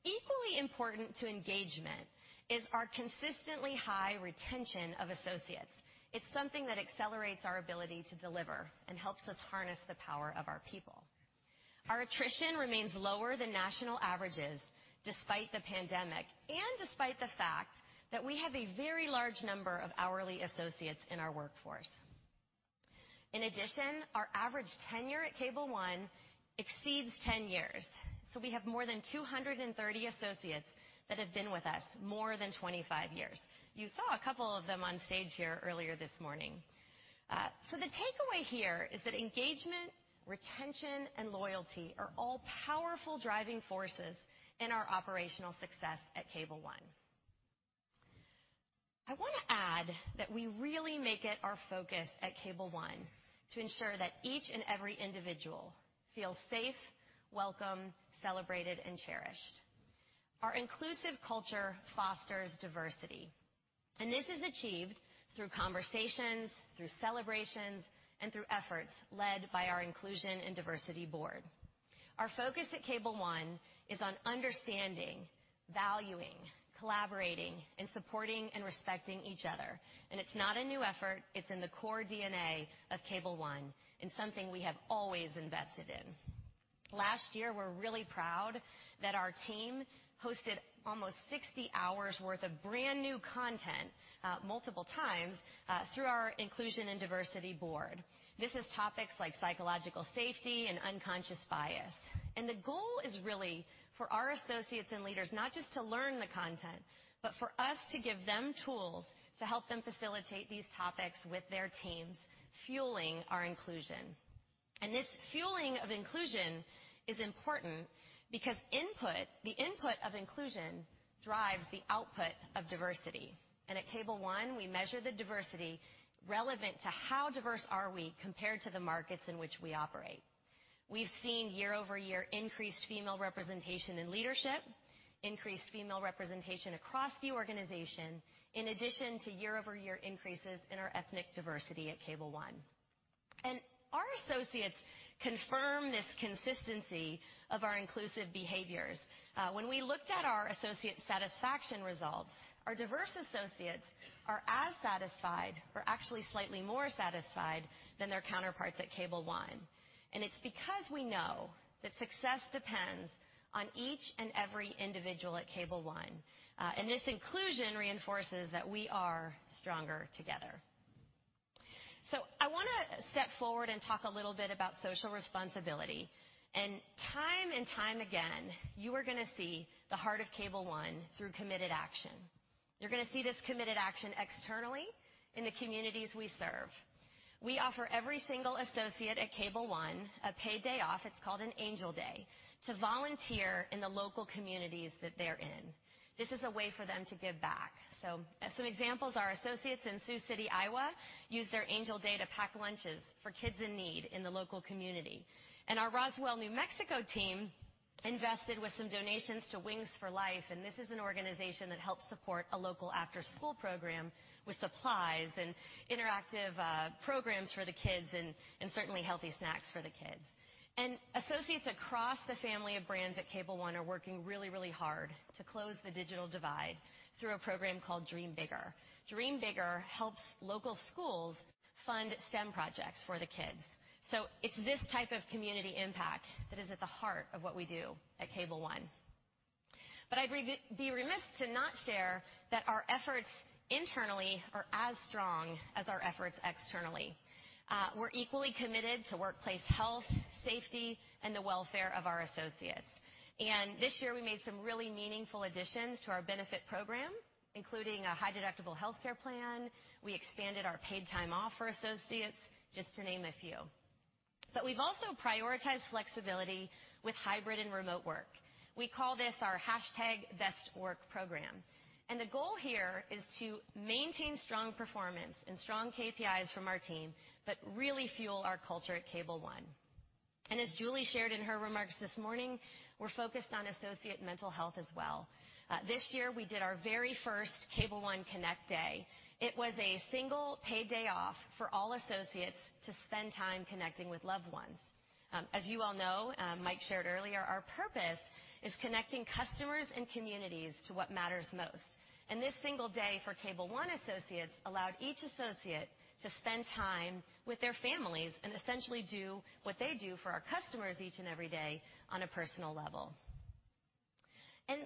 Equally important to engagement is our consistently high retention of associates. It's something that accelerates our ability to deliver and helps us harness the power of our people. Our attrition remains lower than national averages despite the pandemic, and despite the fact that we have a very large number of hourly associates in our workforce. In addition, our average tenure at Cable One exceeds 10 years. We have more than 230 associates that have been with us more than 25 years. You saw a couple of them on stage here earlier this morning. The takeaway here is that engagement, retention, and loyalty are all powerful driving forces in our operational success at Cable One. I wanna add that we really make it our focus at Cable One to ensure that each and every individual feels safe, welcome, celebrated, and cherished. Our inclusive culture fosters diversity, and this is achieved through conversations, through celebrations, and through efforts led by our inclusion and diversity board. Our focus at Cable One is on understanding, valuing, collaborating, and supporting and respecting each other. It's not a new effort, it's in the core DNA of Cable One, and something we have always invested in. Last year, we're really proud that our team hosted almost 60 hours' worth of brand-new content, multiple times, through our inclusion and diversity board. This is topics like psychological safety and unconscious bias. The goal is really for our associates and leaders not just to learn the content, but for us to give them tools to help them facilitate these topics with their teams, fueling our inclusion. This fueling of inclusion is important because input, the input of inclusion drives the output of diversity. At Cable One, we measure the diversity relevant to how diverse are we compared to the markets in which we operate. We've seen year-over-year increased female representation in leadership, increased female representation across the organization, in addition to year-over-year increases in our ethnic diversity at Cable One. Our associates confirm this consistency of our inclusive behaviors. When we looked at our associate satisfaction results, our diverse associates are as satisfied or actually slightly more satisfied than their counterparts at Cable One, and it's because we know that success depends on each and every individual at Cable One. This inclusion reinforces that we are stronger together. I wanna step forward and talk a little bit about social responsibility. Time and time again, you are gonna see the heart of Cable One through committed action. You're gonna see this committed action externally in the communities we serve. We offer every single associate at Cable One a paid day off, it's called an Angel Day, to volunteer in the local communities that they're in. This is a way for them to give back. As some examples, our associates in Sioux City, Iowa, use their Angel Day to pack lunches for kids in need in the local community. Our Roswell, New Mexico team invested with some donations to Wings for L.I.F.E., and this is an organization that helps support a local after-school program with supplies and interactive programs for the kids and certainly healthy snacks for the kids. Associates across the family of brands at Cable One are working really, really hard to close the digital divide through a program called Dream Bigger. Dream Bigger helps local schools fund STEM projects for the kids. It's this type of community impact that is at the heart of what we do at Cable One. I'd be remiss to not share that our efforts internally are as strong as our efforts externally. We're equally committed to workplace health, safety, and the welfare of our associates. This year, we made some really meaningful additions to our benefit program, including a high-deductible healthcare plan. We expanded our paid time off for associates, just to name a few. We've also prioritized flexibility with hybrid and remote work. We call this our hashtag Best Work program. The goal here is to maintain strong performance and strong KPIs from our team, but really fuel our culture at Cable One. As Julie shared in her remarks this morning, we're focused on associate mental health as well. This year we did our very first Cable One Connect Day. It was a single paid day off for all associates to spend time connecting with loved ones. As you all know, Mike shared earlier, our purpose is connecting customers and communities to what matters most. This single day for Cable One associates allowed each associate to spend time with their families and essentially do what they do for our customers each and every day on a personal level.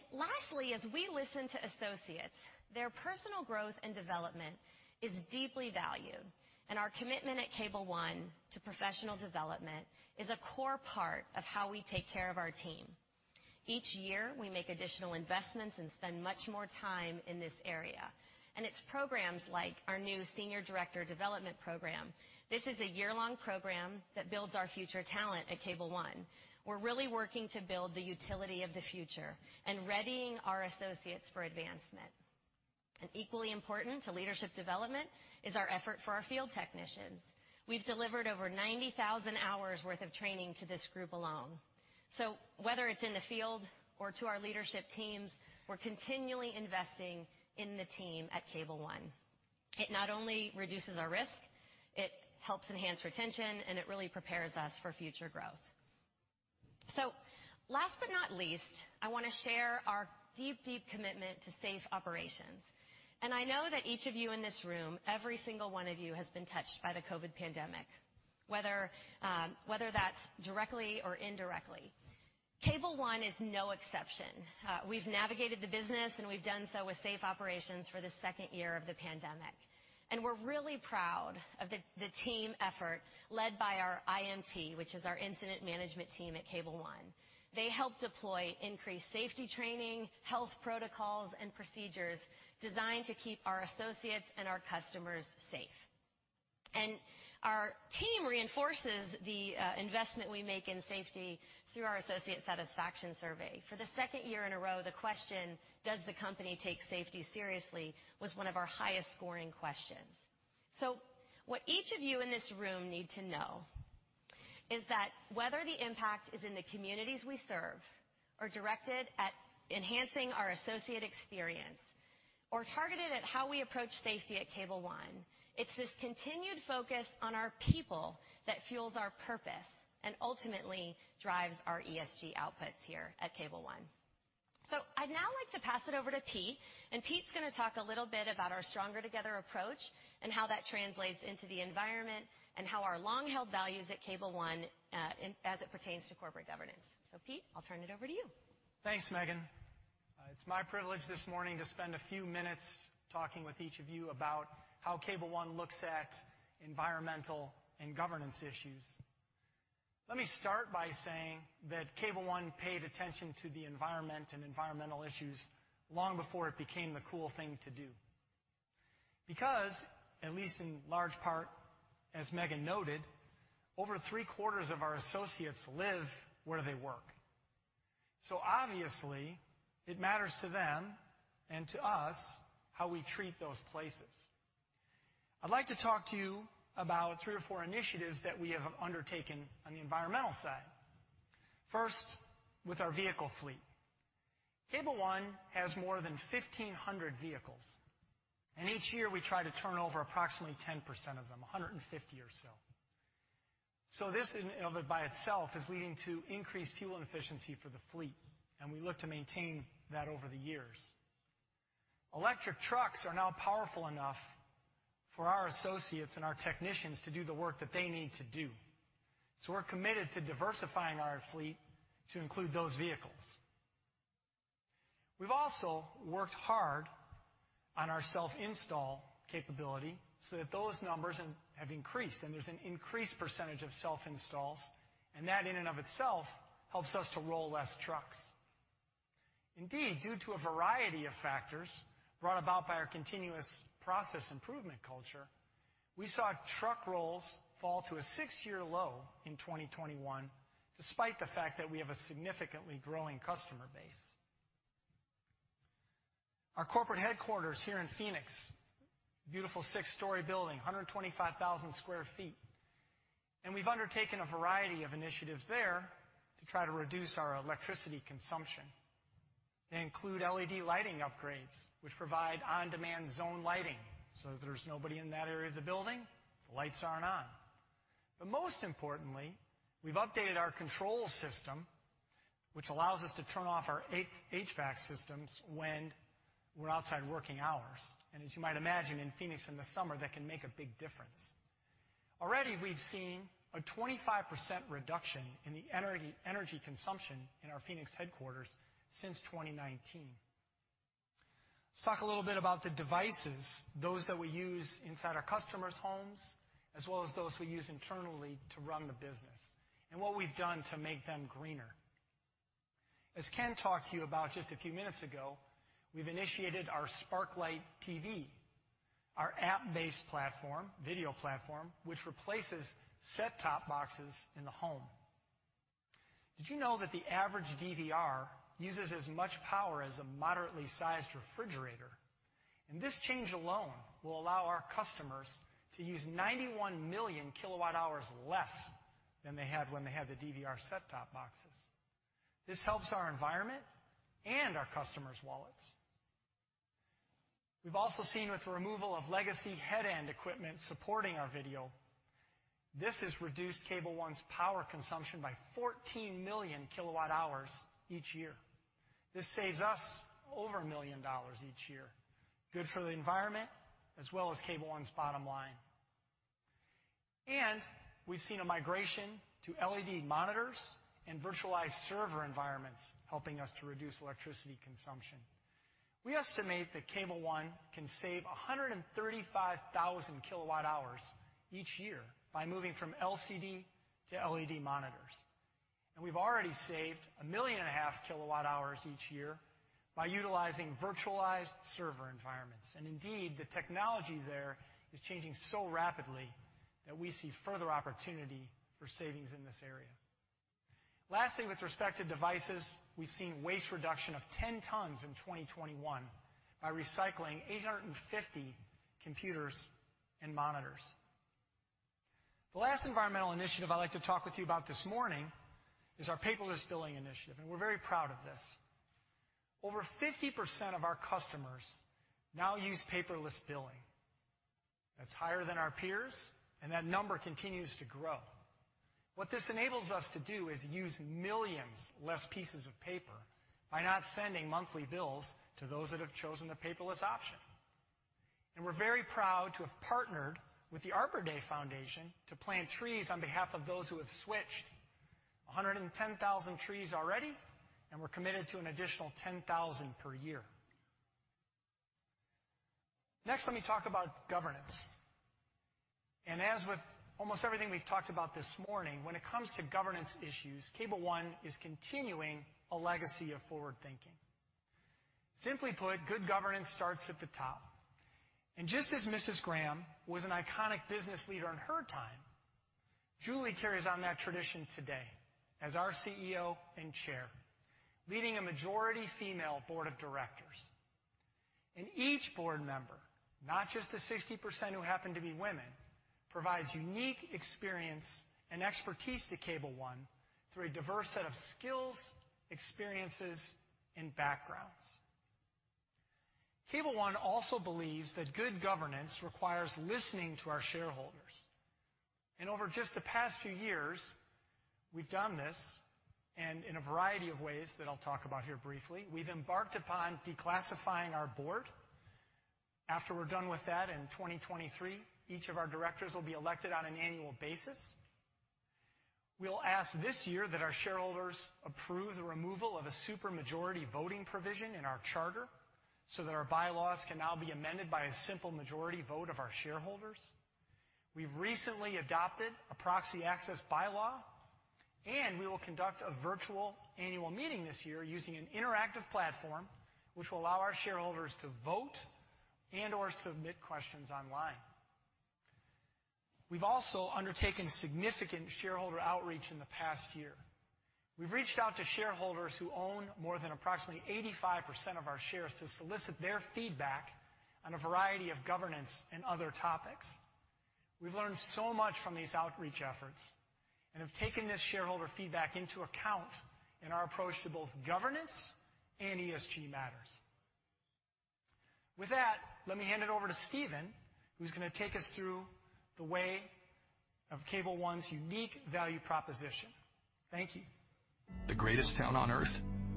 Lastly, as we listen to associates, their personal growth and development is deeply valued, and our commitment at Cable One to professional development is a core part of how we take care of our team. Each year, we make additional investments and spend much more time in this area. It's programs like our new Senior Director Development Program. This is a year-long program that builds our future talent at Cable One. We're really working to build the utility of the future and readying our associates for advancement. Equally important to leadership development is our effort for our field technicians. We've delivered over 90,000 hours worth of training to this group alone. Whether it's in the field or to our leadership teams, we're continually investing in the team at Cable One. It not only reduces our risk, it helps enhance retention, and it really prepares us for future growth. Last but not least, I wanna share our deep, deep commitment to safe operations. I know that each of you in this room, every single one of you has been touched by the COVID pandemic, whether that's directly or indirectly. Cable One is no exception. We've navigated the business, and we've done so with safe operations for the second year of the pandemic. We're really proud of the team effort led by our IMT, which is our Incident Management Team at Cable One. They helped deploy increased safety training, health protocols, and procedures designed to keep our associates and our customers safe. Our team reinforces the investment we make in safety through our associate satisfaction survey. For the second year in a row, the question, does the company take safety seriously, was one of our highest scoring questions. What each of you in this room need to know is that whether the impact is in the communities we serve or directed at enhancing our associate experience or targeted at how we approach safety at Cable One, it's this continued focus on our people that fuels our purpose and ultimately drives our ESG outputs here at Cable One. I'd now like to pass it over to Pete, and Pete's gonna talk a little bit about our Stronger Together approach and how that translates into the environment and how our long-held values at Cable One as it pertains to corporate governance. Pete, I'll turn it over to you. Thanks, Megan. It's my privilege this morning to spend a few minutes talking with each of you about how Cable One looks at environmental and governance issues. Let me start by saying that Cable One paid attention to the environment and environmental issues long before it became the cool thing to do. Because, at least in large part, as Megan noted, over three-quarters of our associates live where they work. So obviously, it matters to them and to us how we treat those places. I'd like to talk to you about three or four initiatives that we have undertaken on the environmental side. First, with our vehicle fleet. Cable One has more than 1,500 vehicles, and each year, we try to turn over approximately 10% of them, 150 or so. This in and of itself is leading to increased fuel efficiency for the fleet, and we look to maintain that over the years. Electric trucks are now powerful enough for our associates and our technicians to do the work that they need to do, so we're committed to diversifying our fleet to include those vehicles. We've also worked hard on our self-install capability so that those numbers have increased, and there's an increased percentage of self-installs, and that in and of itself helps us roll less trucks. Indeed, due to a variety of factors brought about by our continuous process improvement culture, we saw truck rolls fall to a six-year low in 2021, despite the fact that we have a significantly growing customer base. Our corporate headquarters here in Phoenix, beautiful six-story building, 125,000 sq ft, and we've undertaken a variety of initiatives there to try to reduce our electricity consumption. They include LED lighting upgrades, which provide on-demand zone lighting, so if there's nobody in that area of the building, the lights aren't on. Most importantly, we've updated our control system, which allows us to turn off our HVAC systems when we're outside working hours. As you might imagine, in Phoenix in the summer, that can make a big difference. Already, we've seen a 25% reduction in the energy consumption in our Phoenix headquarters since 2019. Let's talk a little bit about the devices, those that we use inside our customers' homes, as well as those we use internally to run the business, and what we've done to make them greener. As Ken talked to you about just a few minutes ago, we've initiated our Sparklight TV, our app-based platform, video platform, which replaces set-top boxes in the home. Did you know that the average DVR uses as much power as a moderately sized refrigerator? This change alone will allow our customers to use 91 million kWh less than they had when they had the DVR set-top boxes. This helps our environment and our customers' wallets. We've also seen with the removal of legacy head-end equipment supporting our video, this has reduced Cable One's power consumption by 14 million kWh each year. This saves us over $1 million each year. Good for the environment as well as Cable One's bottom line. We've seen a migration to LED monitors and virtualized server environments helping us to reduce electricity consumption. We estimate that Cable One can save 135,000 kWh each year by moving from LCD to LED monitors. We've already saved 1.5 million kWh each year by utilizing virtualized server environments. Indeed, the technology there is changing so rapidly that we see further opportunity for savings in this area. Lastly, with respect to devices, we've seen waste reduction of 10 tons in 2021 by recycling 850 computers and monitors. The last environmental initiative I'd like to talk with you about this morning is our paperless billing initiative, and we're very proud of this. Over 50% of our customers now use paperless billing. That's higher than our peers, and that number continues to grow. What this enables us to do is use millions less pieces of paper by not sending monthly bills to those that have chosen the paperless option. We're very proud to have partnered with the Arbor Day Foundation to plant trees on behalf of those who have switched. 110,000 trees already, and we're committed to an additional 10,000 per year. Next, let me talk about governance. As with almost everything we've talked about this morning, when it comes to governance issues, Cable One is continuing a legacy of forward thinking. Simply put, good governance starts at the top. Just as Mrs. Graham was an iconic business leader in her time, Julie carries on that tradition today as our CEO and chair, leading a majority female board of directors. Each board member, not just the 60% who happen to be women, provides unique experience and expertise to Cable One through a diverse set of skills, experiences, and backgrounds. Cable One also believes that good governance requires listening to our shareholders. Over just the past few years, we've done this, and in a variety of ways that I'll talk about here briefly. We've embarked upon declassifying our board. After we're done with that in 2023, each of our directors will be elected on an annual basis. We'll ask this year that our shareholders approve the removal of a supermajority voting provision in our charter so that our bylaws can now be amended by a simple majority vote of our shareholders. We've recently adopted a proxy-access bylaw, and we will conduct a virtual annual meeting this year using an interactive platform which will allow our shareholders to vote and/or submit questions online. We've also undertaken significant shareholder outreach in the past year. We've reached out to shareholders who own more than approximately 85% of our shares to solicit their feedback on a variety of governance and other topics. We've learned so much from these outreach efforts and have taken this shareholder feedback into account in our approach to both governance and ESG matters. With that, let me hand it over to Steven, who's gonna take us through the way of Cable One's unique value proposition. Thank you. The greatest town on earth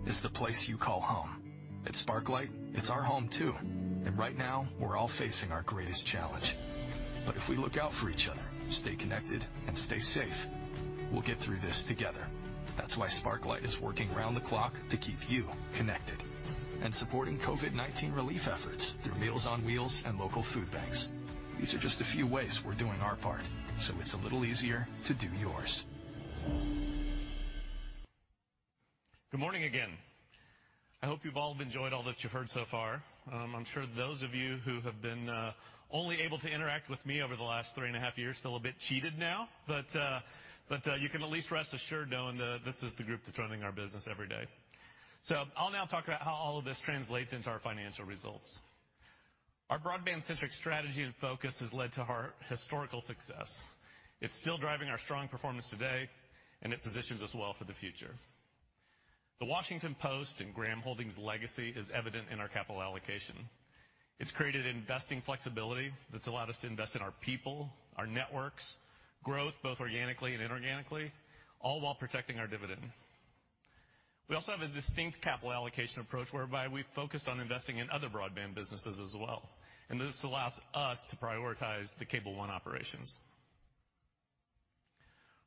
is the place you call home. At Sparklight, it's our home too, and right now we're all facing our greatest challenge. If we look out for each other, stay connected, and stay safe, we'll get through this together. That's why Sparklight is working round the clock to keep you connected and supporting COVID-19 relief efforts through Meals on Wheels and local food banks. These are just a few ways we're doing our part, so it's a little easier to do yours. Good morning again. I hope you've all enjoyed all that you've heard so far. I'm sure those of you who have been only able to interact with me over the last three and a half years feel a bit cheated now, but you can at least rest assured knowing that this is the group that's running our business every day. I'll now talk about how all of this translates into our financial results. Our broadband-centric strategy and focus has led to our historical success. It's still driving our strong performance today, and it positions us well for the future. The Washington Post and Graham Holdings legacy is evident in our capital allocation. It's created investing flexibility that's allowed us to invest in our people, our networks, growth, both organically and inorganically, all while protecting our dividend. We also have a distinct capital allocation approach whereby we focused on investing in other broadband businesses as well, and this allows us to prioritize the Cable One operations.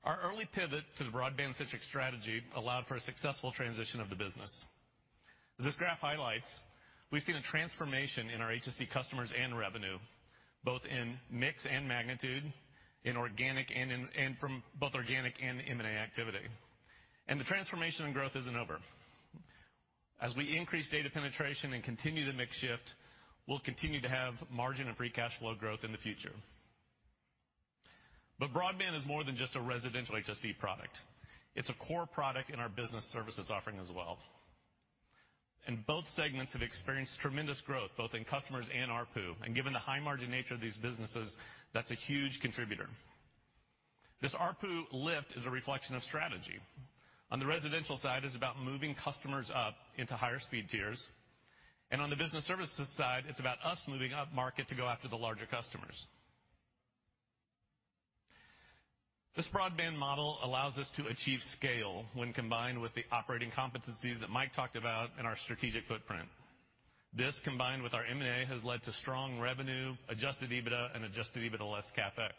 Our early pivot to the broadband-centric strategy allowed for a successful transition of the business. As this graph highlights, we've seen a transformation in our HSD customers and revenue, both in mix and magnitude, from both organic and M&A activity. The transformation and growth isn't over. As we increase data penetration and continue to mix shift, we'll continue to have margin and free cash flow growth in the future. Broadband is more than just a residential HSD product. It's a core product in our business services offering as well. Both segments have experienced tremendous growth, both in customers and ARPU. Given the high margin nature of these businesses, that's a huge contributor. This ARPU lift is a reflection of strategy. On the residential side, it's about moving customers up into higher speed tiers, and on the business services side, it's about us moving up market to go after the larger customers. This broadband model allows us to achieve scale when combined with the operating competencies that Mike talked about in our strategic footprint. This, combined with our M&A, has led to strong revenue, adjusted EBITDA and adjusted EBITDA less CapEx.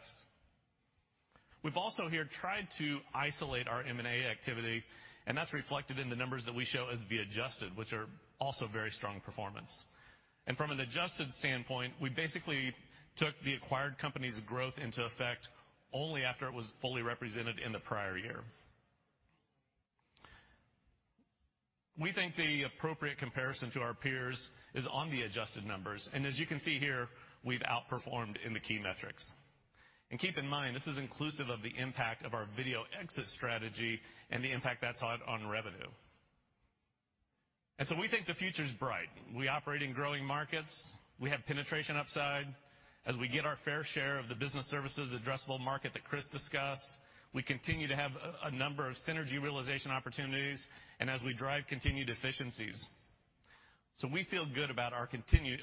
We've also here tried to isolate our M&A activity, and that's reflected in the numbers that we show as the adjusted, which are also very strong performance. From an adjusted standpoint, we basically took the acquired company's growth into account only after it was fully represented in the prior year. We think the appropriate comparison to our peers is on the adjusted numbers, and as you can see here, we've outperformed in the key metrics. Keep in mind, this is inclusive of the impact of our video exit strategy and the impact that's had on revenue. We think the future is bright. We operate in growing markets. We have penetration upside. As we get our fair share of the Business-Services-addressable market that Chris discussed, we continue to have a number of synergy-realization opportunities and as we drive continued efficiencies. We feel good about our continued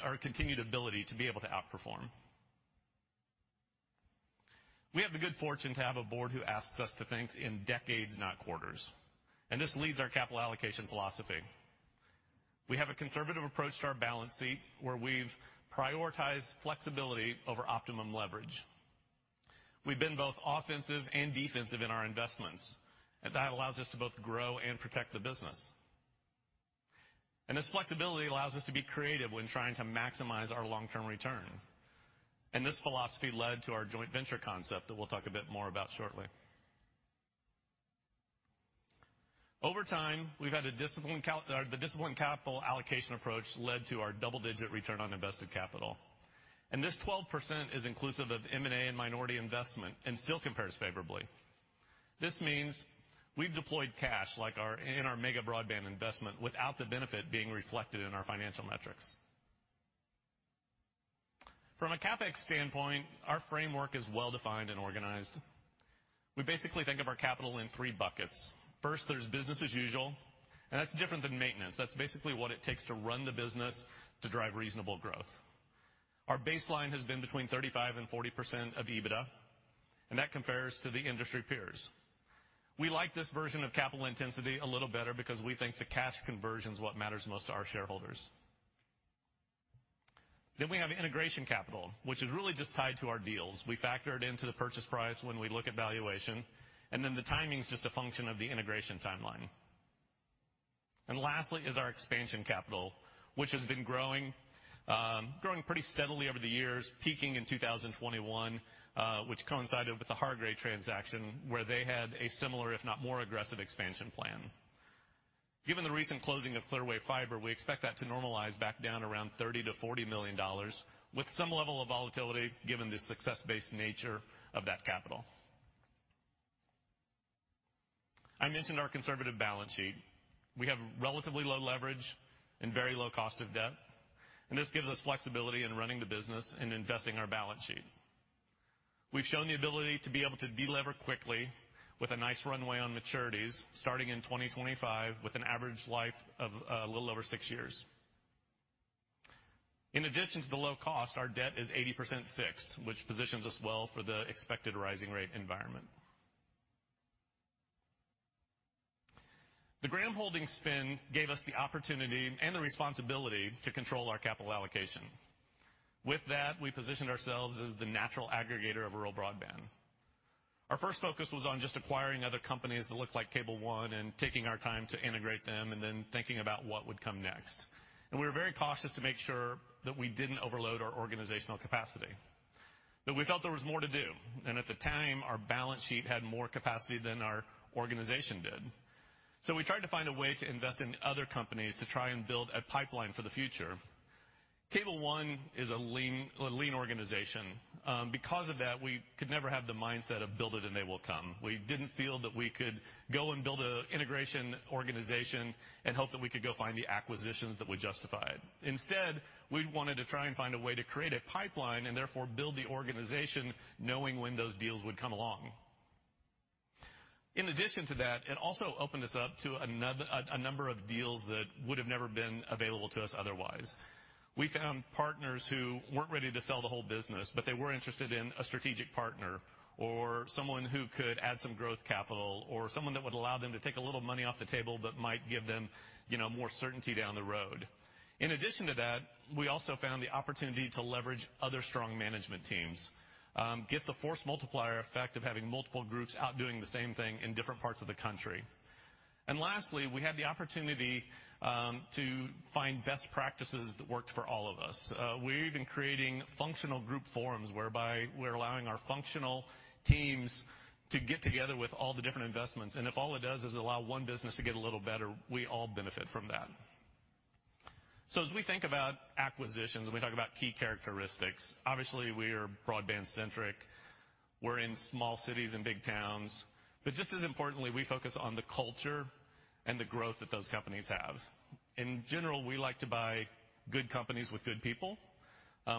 ability to be able to outperform. We have the good fortune to have a board who asks us to think in decades, not quarters. This leads our capital allocation philosophy. We have a conservative approach to our balance sheet, where we've prioritized flexibility over optimum leverage. We've been both offensive and defensive in our investments, and that allows us to both grow and protect the business. This flexibility allows us to be creative when trying to maximize our long-term return. This philosophy led to our joint venture concept that we'll talk a bit more about shortly. Over time, our discipline capital allocation approach led to our double-digit return on invested capital. This 12% is inclusive of M&A and minority investment and still compares favorably. This means we've deployed cash in our Mega Broadband Investments without the benefit being reflected in our financial metrics. From a CapEx standpoint, our framework is well-defined and organized. We basically think of our capital in three buckets. First, there's business-as-usual, and that's different than maintenance. That's basically what it takes to run the business to drive reasonable growth. Our baseline has been between 35% and 40% of EBITDA, and that compares to the industry peers. We like this version of capital intensity a little better because we think the cash conversion is what matters most to our shareholders. We have integration capital, which is really just tied to our deals. We factor it into the purchase price when we look at valuation, and then the timing is just a function of the integration timeline. Lastly is our expansion capital, which has been growing pretty steadily over the years, peaking in 2021, which coincided with the Hargray transaction, where they had a similar, if not more aggressive expansion plan. Given the recent closing of Clearwave Fiber, we expect that to normalize back down around $30 million-$40 million with some level of volatility given the success-based nature of that capital. I mentioned our conservative balance sheet. We have relatively low leverage and very low cost of debt, and this gives us flexibility in running the business and investing our balance sheet. We've shown the ability to be able to delever quickly with a nice runway on maturities starting in 2025 with an average life of a little over six years. In addition to the low cost, our debt is 80% fixed, which positions us well for the expected rising rate environment. The Graham Holdings spin gave us the opportunity and the responsibility to control our capital allocation. With that, we positioned ourselves as the natural aggregator of rural broadband. Our first focus was on just acquiring other companies that looked like Cable One and taking our time to integrate them and then thinking about what would come next. We were very cautious to make sure that we didn't overload our organizational capacity. We felt there was more to do. At the time, our balance sheet had more capacity than our organization did. We tried to find a way to invest in other companies to try and build a pipeline for the future. Cable One is a lean organization. Because of that, we could never have the mindset of, build it and they will come. We didn't feel that we could go and build a integration organization and hope that we could go find the acquisitions that would justify it. Instead, we wanted to try and find a way to create a pipeline and therefore build the organization knowing when those deals would come along. In addition to that, it also opened us up to a number of deals that would have never been available to us otherwise. We found partners who weren't ready to sell the whole business, but they were interested in a strategic partner or someone who could add some growth capital or someone that would allow them to take a little money off the table but might give them, you know, more certainty down the road. In addition to that, we also found the opportunity to leverage other strong management teams, get the force multiplier effect of having multiple groups out doing the same thing in different parts of the country. Lastly, we had the opportunity to find best practices that worked for all of us. We're even creating functional group forums whereby we're allowing our functional teams to get together with all the different investments. If all it does is allow one business to get a little better, we all benefit from that. As we think about acquisitions, and we talk about key characteristics, obviously, we are broadband-centric. We're in small cities and big towns. Just as importantly, we focus on the culture and the growth that those companies have. In general, we like to buy good companies with good people.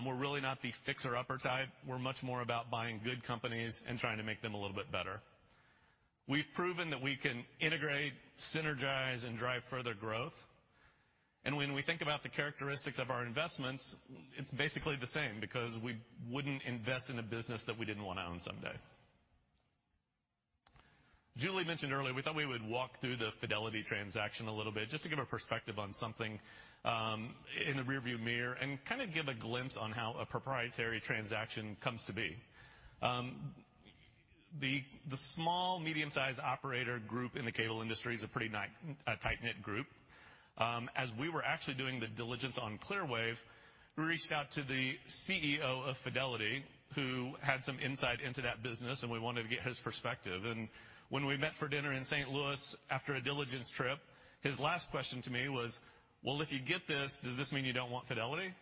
We're really not the fixer-upper type. We're much more about buying good companies and trying to make them a little bit better. We've proven that we can integrate, synergize, and drive further growth. When we think about the characteristics of our investments, it's basically the same because we wouldn't invest in a business that we didn't wanna own someday. Julie mentioned earlier, we thought we would walk through the Fidelity transaction a little bit just to give a perspective on something in the rearview mirror and kind of give a glimpse on how a proprietary transaction comes to be. The small medium-sized operator group in the cable industry is a pretty tight-knit group. As we were actually doing the diligence on Clearwave, we reached out to the CEO of Fidelity, who had some insight into that business, and we wanted to get his perspective. When we met for dinner in St. Louis after a diligence trip, his last question to me was, "Well, if you get this, does this mean you don't want Fidelity?"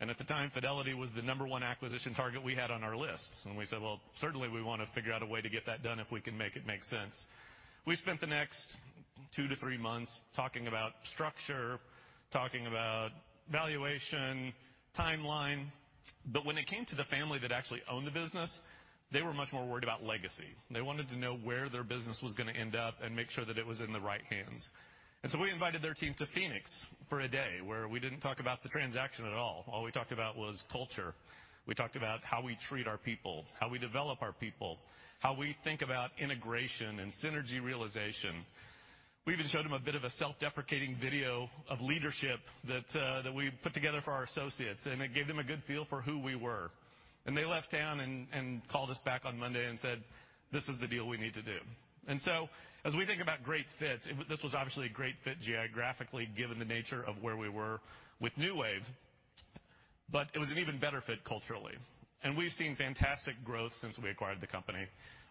At the time, Fidelity was the number one acquisition target we had on our list. We said, "Well, certainly we wanna figure out a way to get that done if we can make it make sense." We spent the next two-three months talking about structure, talking about valuation, timeline, but when it came to the family that actually owned the business, they were much more worried about legacy. They wanted to know where their business was gonna end up and make sure that it was in the right hands. We invited their team to Phoenix for a day, where we didn't talk about the transaction at all. All we talked about was culture. We talked about how we treat our people, how we develop our people, how we think about integration and synergy realization. We even showed them a bit of a self-deprecating video of leadership that we put together for our associates, and it gave them a good feel for who we were. They left town and called us back on Monday and said, "This is the deal we need to do." As we think about great fits, this was obviously a great fit geographically, given the nature of where we were with NewWave, but it was an even better fit culturally. We've seen fantastic growth since we acquired the company.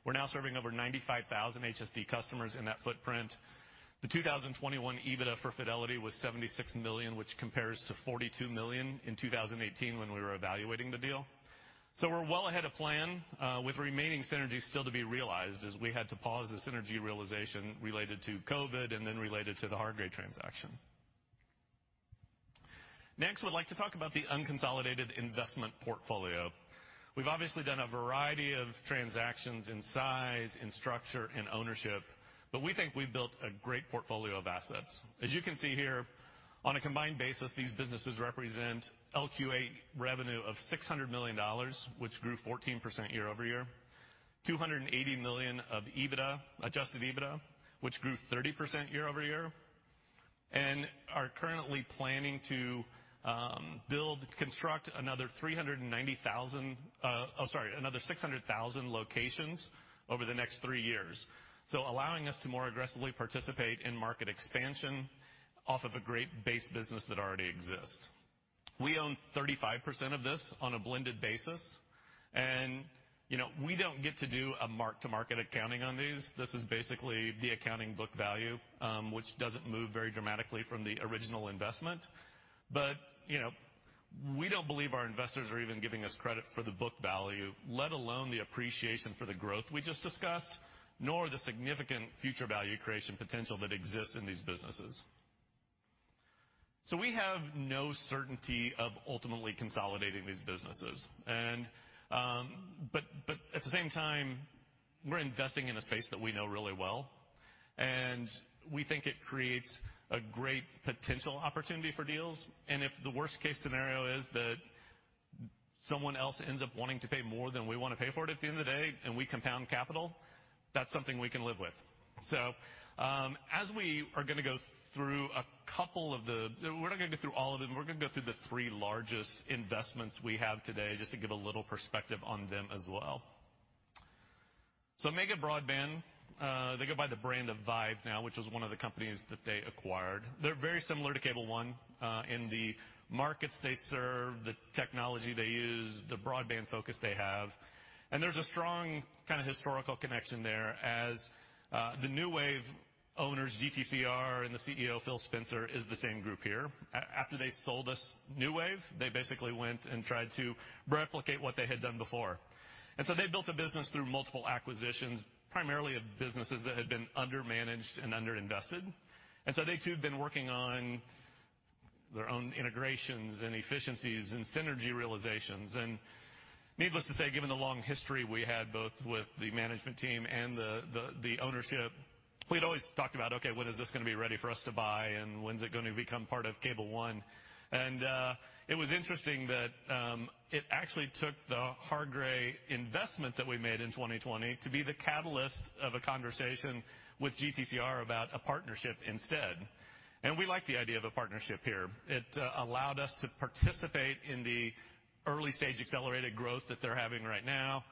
We're now serving over 95,000 HSD customers in that footprint. The 2021 EBITDA for Fidelity was $76 million, which compares to $42 million in 2018 when we were evaluating the deal. We're well ahead of plan with remaining synergies still to be realized, as we had to pause the synergy realization related to COVID and then related to the Hargray transaction. Next, we'd like to talk about the unconsolidated investment portfolio. We've obviously done a variety of transactions in size, in structure, in ownership, but we think we've built a great portfolio of assets. As you can see here, on a combined basis, these businesses represent LQA revenue of $600 million, which grew 14% year-over-year, $280 million of EBITDA, adjusted EBITDA, which grew 30% year-over-year, and are currently planning to construct another 390,000— Oh, sorry, another 600,000 locations over the next three years, allowing us to more aggressively participate in market expansion off of a great base business that already exists. We own 35% of this on a blended basis, and, you know, we don't get to do a mark-to-market accounting on these. This is basically the accounting book value, which doesn't move very dramatically from the original investment. You know, we don't believe our investors are even giving us credit for the book value, let alone the appreciation for the growth we just discussed, nor the significant future value-creation potential that exists in these businesses. We have no certainty of ultimately consolidating these businesses, but at the same time, we're investing in a space that we know really well, and we think it creates a great potential opportunity for deals. If the worst case scenario is that someone else ends up wanting to pay more than we wanna pay for it at the end of the day and we compound capital, that's something we can live with. We're not gonna go through all of them. We're gonna go through the three largest investments we have today just to give a little perspective on them as well. Mega Broadband, they go by the brand of Vyve now, which was one of the companies that they acquired. They're very similar to Cable One, in the markets they serve, the technology they use, the broadband focus they have. There's a strong kind of historical connection there as, the NewWave owners, GTCR, and the CEO, Phil Spencer, is the same group here. After they sold us NewWave, they basically went and tried to replicate what they had done before. They built a business through multiple acquisitions, primarily of businesses that had been under-managed and under-invested. They too have been working on their own integrations and efficiencies and synergy realizations. Needless to say, given the long history we had both with the management team and the ownership, we'd always talked about, "Okay, when is this gonna be ready for us to buy, and when's it gonna become part of Cable One?" It was interesting that it actually took the Hargray investment that we made in 2020 to be the catalyst of a conversation with GTCR about a partnership instead. We liked the idea of a partnership here. It allowed us to participate in the early- stage accelerated growth that they're having right now.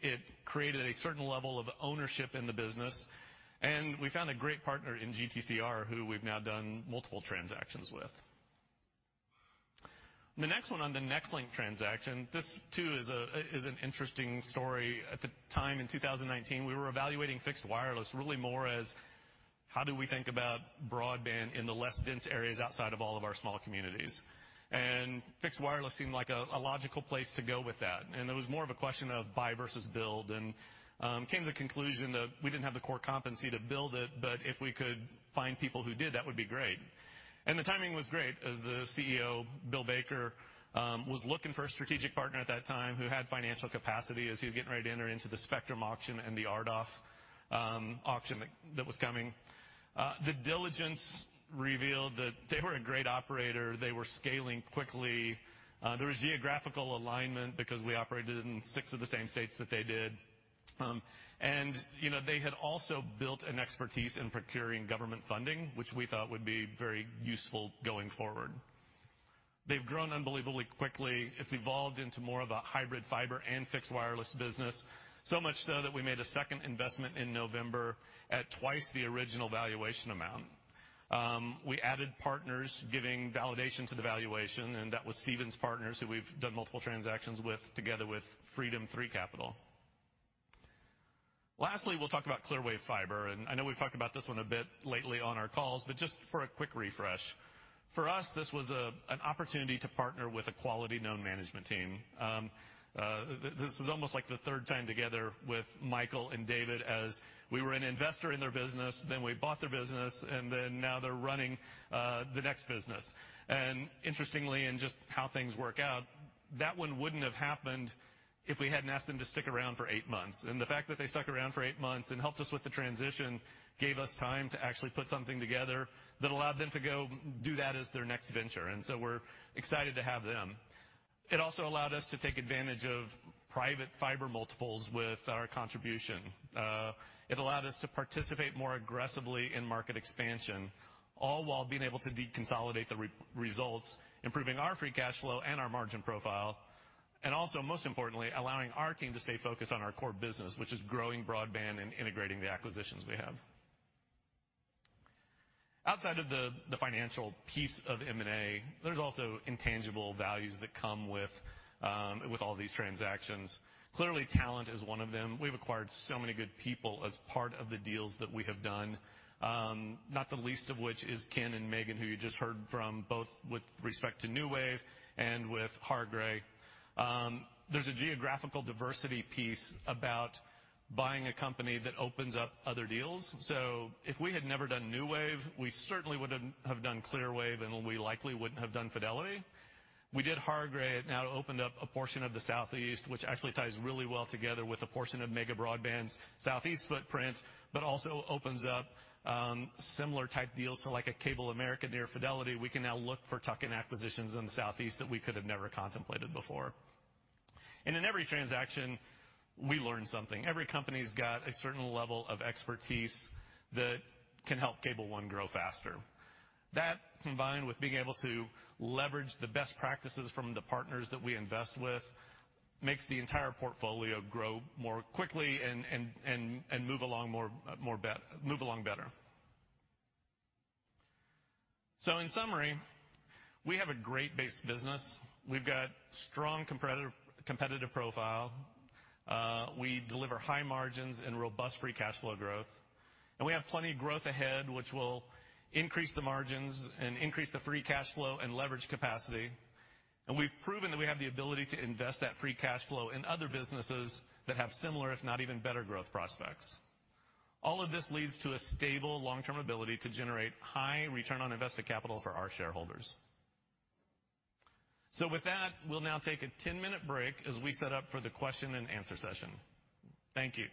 It created a certain level of ownership in the business, and we found a great partner in GTCR, who we've now done multiple transactions with. The next one on the Nextlink transaction, this too is an interesting story. At the time, in 2019, we were evaluating fixed wireless really more as, how do we think about broadband in the less dense areas outside of all of our small communities? Fixed wireless seemed like a logical place to go with that. It was more of a question of buy versus build, and came to the conclusion that we didn't have the core competency to build it, but if we could find people who did, that would be great. The timing was great, as the CEO, Bill Baker, was looking for a strategic partner at that time who had financial capacity as he was getting ready to enter into the spectrum auction and the RDOF auction that was coming. The diligence revealed that they were a great operator. They were scaling quickly. There was geographical alignment because we operated in six of the same states that they did. You know, they had also built an expertise in procuring government funding, which we thought would be very useful going forward. They've grown unbelievably quickly. It's evolved into more of a hybrid fiber and fixed wireless business. So much so that we made a second investment in November at twice the original valuation amount. We added partners giving validation to the valuation, and that was Stephens Capital Partners, who we've done multiple transactions with together with Freedom 3 Capital. Lastly, we'll talk about Clearwave Fiber. I know we've talked about this one a bit lately on our calls, but just for a quick refresh. For us, this was an opportunity to partner with a quality-known management team. This is almost like the third time together with Michael and David as we were an investor in their business, then we bought their business, and then now they're running the next business. Interestingly, and just how things work out, that one wouldn't have happened if we hadn't asked them to stick around for eight months. The fact that they stuck around for eight months and helped us with the transition gave us time to actually put something together that allowed them to go do that as their next venture. We're excited to have them. It also allowed us to take advantage of private fiber multiples with our contribution. It allowed us to participate more aggressively in market expansion, all while being able to deconsolidate the results, improving our free cash flow and our margin profile, and also, most importantly, allowing our team to stay focused on our core business, which is growing broadband and integrating the acquisitions we have. Outside of the financial piece of M&A, there's also intangible values that come with with all these transactions. Clearly, talent is one of them. We've acquired so many good people as part of the deals that we have done, not the least of which is Ken and Megan, who you just heard from, both with respect to NewWave and with Hargray. There's a geographical diversity piece about buying a company that opens up other deals. If we had never done NewWave, we certainly wouldn't have done Clearwave, and we likely wouldn't have done Fidelity. We did Hargray. It now opened up a portion of the Southeast, which actually ties really well together with a portion of Mega Broadband's Southeast footprint, but also opens up similar type deals to like a CableAmerica near Fidelity. We can now look for tuck-in acquisitions in the Southeast that we could have never contemplated before. In every transaction, we learn something. Every company's got a certain level of expertise that can help Cable One grow faster. That combined with being able to leverage the best practices from the partners that we invest with, makes the entire portfolio grow more quickly and move along better. In summary, we have a great base business. We've got strong competitive profile. We deliver high margins and robust free cash flow growth. We have plenty of growth ahead, which will increase the margins and increase the free cash flow and leverage capacity. We've proven that we have the ability to invest that free cash flow in other businesses that have similar, if not even better, growth prospects. All of this leads to a stable long-term ability to generate high return on invested capital for our shareholders. With that, we'll now take a 10-minute break as we set up for the question-and-answer session. Thank you.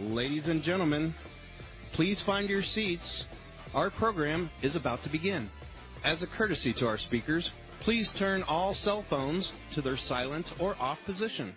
Ladies and gentlemen, please find your seats. Our program is about to begin. As a courtesy to our speakers, please turn all cell phones to their silent or off position.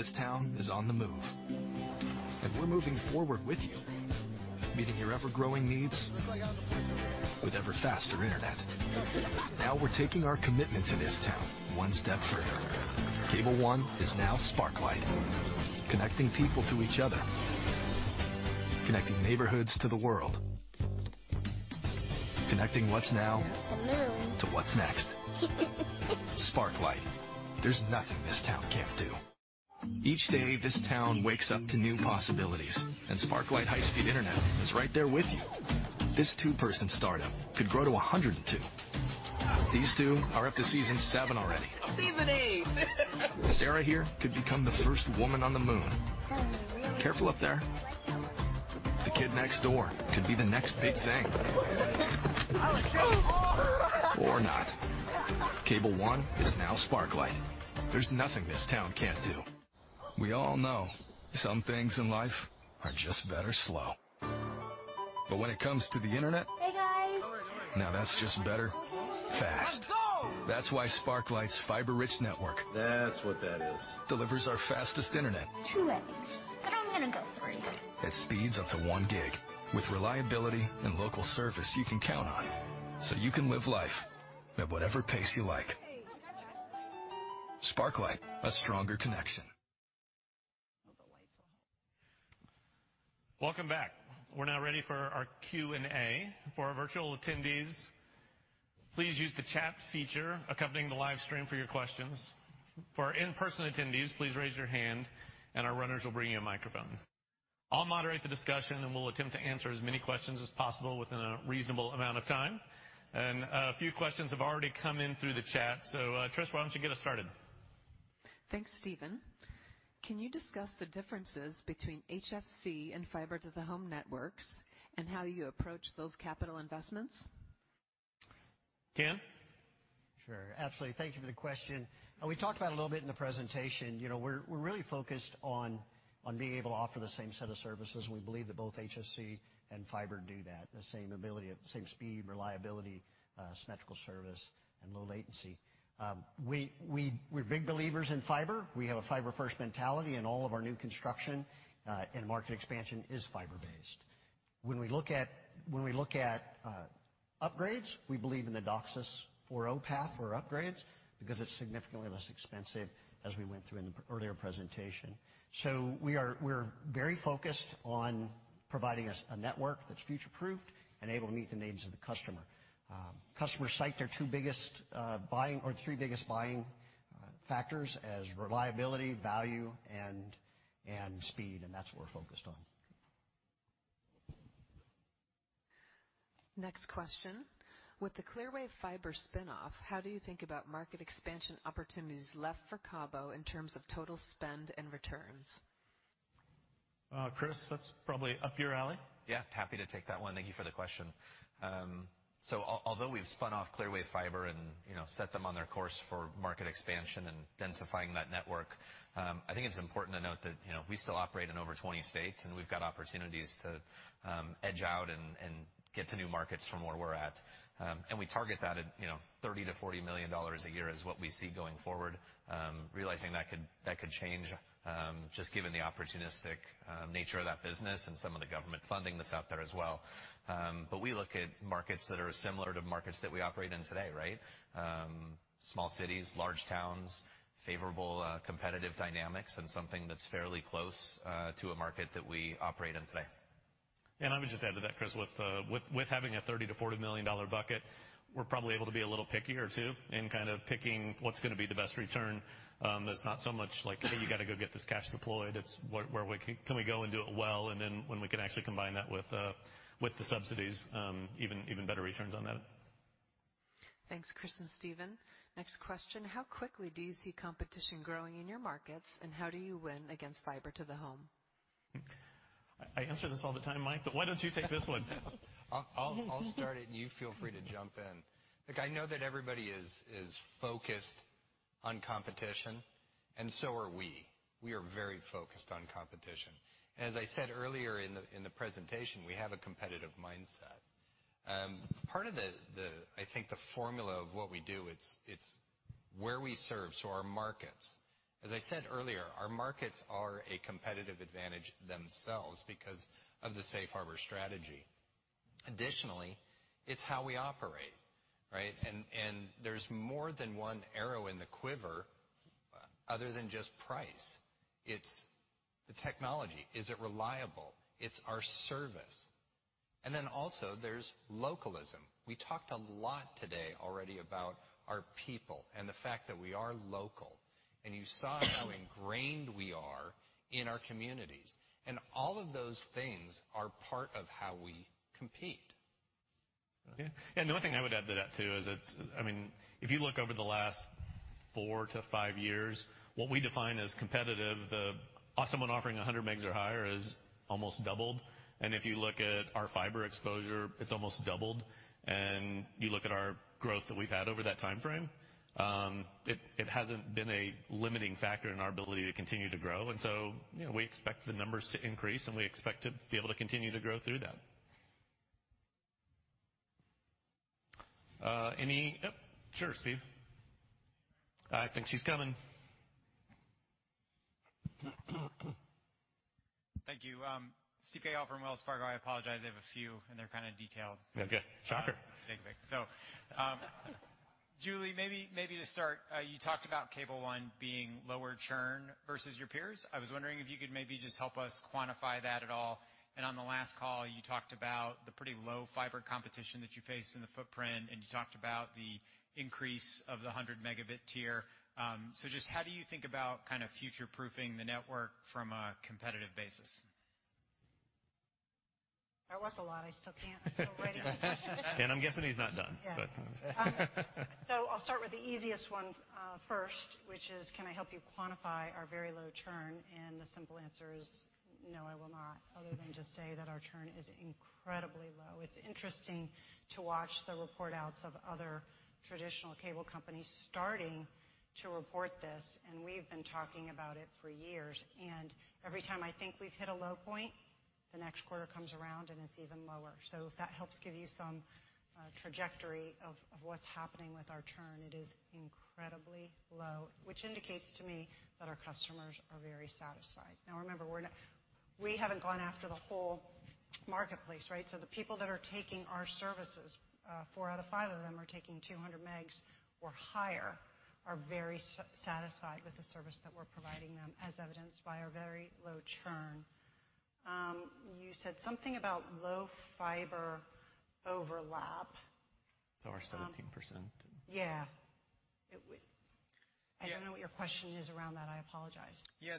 This town is on the move, and we're moving forward with you. Meeting your ever-growing needs with ever-faster internet. Now we're taking our commitment to this town one step further. Cable One is now Sparklight. Connecting people to each other. Connecting neighborhoods to the world. Connecting what's now. To what's next. Sparklight. There's nothing this town can't do. Each day, this town wakes up to new possibilities, and Sparklight high-speed internet is right there with you. This two-person startup could grow to 102. These two are up to season seven already. Season eight. Sarah here could become the first woman on the moon. Careful up there. The kid next door could be the next big thing. Or not. Cable One is now Sparklight. There's nothing this town can't do. We all know some things in life are just better slow. When it comes to the internet. Now, that's just better fast. That's why Sparklight's fiber-rich network. That's what that is. Delivers our fastest internet. Two eggs, but I'm gonna go three. At speeds up to 1 gig. With reliability and local service you can count on, so you can live life at whatever pace you like. Sparklight, a stronger connection. Welcome back. We're now ready for our Q&A. For our virtual attendees, please use the chat feature accompanying the live stream for your questions. For our in-person attendees, please raise your hand, and our runners will bring you a microphone. I'll moderate the discussion, and we'll attempt to answer as many questions as possible within a reasonable amount of time. A few questions have already come in through the chat. Trish, why don't you get us started? Thanks, Steven. Can you discuss the differences between HFC and fiber to the home networks and how you approach those capital investments? Ken? Sure. Absolutely. Thank you for the question. We talked about it a little bit in the presentation. You know, we're really focused on being able to offer the same set of services. We believe that both HFC and fiber do that, the same ability, the same speed, reliability, symmetrical service, and low latency. We're big believers in fiber. We have a fiber-first mentality, and all of our new construction and market expansion is fiber-based. When we look at upgrades, we believe in the DOCSIS 4.0 path for upgrades because it's significantly less expensive, as we went through in the earlier presentation. We're very focused on providing a network that's future-proofed and able to meet the needs of the customer. Customers cite their three biggest buying factors as reliability, value, and speed, and that's what we're focused on. Next question: With the Clearwave Fiber spinoff, how do you think about market expansion opportunities left for CABO in terms of total spend and returns? Chris, that's probably up your alley. Yeah, happy to take that one. Thank you for the question. Although we've spun off Clearwave Fiber and, you know, set them on their course for market expansion and densifying that network, I think it's important to note that, you know, we still operate in over 20 states, and we've got opportunities to edge out and get to new markets from where we're at. We target that at, you know, $30 million-$40 million a year is what we see going forward. Realizing that could change, just given the opportunistic nature of that business and some of the government funding that's out there as well. We look at markets that are similar to markets that we operate in today, right? Small cities, large towns, favorable competitive dynamics, and something that's fairly close to a market that we operate in today. Let me just add to that, Chris. With having a $30 million-$40 million bucket, we're probably able to be a little pickier too in kind of picking what's gonna be the best return. It's not so much like hey, you gotta go get this cash deployed. It's where we could, can we go and do it well? Then when we can actually combine that with the subsidies, even better returns on that. Thanks, Chris and Steven. Next question: How quickly do you see competition growing in your markets, and how do you win against fiber to the home? I answer this all the time, Mike, but why don't you take this one? I'll start it, and you feel free to jump in. Look, I know that everybody is focused on competition, and so are we. We are very focused on competition. As I said earlier in the presentation, we have a competitive mindset. Part of the, I think, the formula of what we do, it's where we serve, so our markets. As I said earlier, our markets are a competitive advantage themselves because of the safe harbor strategy. Additionally, it's how we operate, right? There's more than one arrow in the quiver other than just price. It's the technology. Is it reliable? It's our service. Also there's localism. We talked a lot today already about our people and the fact that we are local, and you saw how ingrained we are in our communities. All of those things are part of how we compete. Okay. The only thing I would add to that too is it's I mean, if you look over the last four-five years, what we define as competitive, someone offering 100 megs or higher is almost doubled. If you look at our fiber exposure, it's almost doubled. You look at our growth that we've had over that timeframe, it hasn't been a limiting factor in our ability to continue to grow. So you know, we expect the numbers to increase, and we expect to be able to continue to grow through that. Yep, sure, Steve. I think she's coming. Thank you. Steven Cahall from Wells Fargo. I apologize, I have a few, and they're kinda detailed. Yeah, good. Shocker. Julie, maybe to start, you talked about Cable One being lower churn versus your peers. I was wondering if you could maybe just help us quantify that at all. On the last call, you talked about the pretty low fiber competition that you face in the footprint, and you talked about the increase of the 100-Mb tier. Just how do you think about kind of future-proofing the network from a competitive basis? That was a lot. I still can't. I'm still writing. I'm guessing he's not done. Yeah. I'll start with the easiest one first, which is, can I help you quantify our very low churn? The simple answer is no, I will not, other than just say that our churn is incredibly low. It's interesting to watch the report outs of other traditional cable companies starting to report this, and we've been talking about it for years. Every time I think we've hit a low point, the next quarter comes around, and it's even lower. If that helps give you some trajectory of what's happening with our churn, it is incredibly low, which indicates to me that our customers are very satisfied. Now remember, we haven't gone after the whole marketplace, right? The people that are taking our services, four out of five of them are taking 200 megs or higher, are very satisfied with the service that we're providing them, as evidenced by our very low churn. You said something about low fiber overlap. Our 17%. Yeah. I don't know what your question is around that. I apologize. Yeah.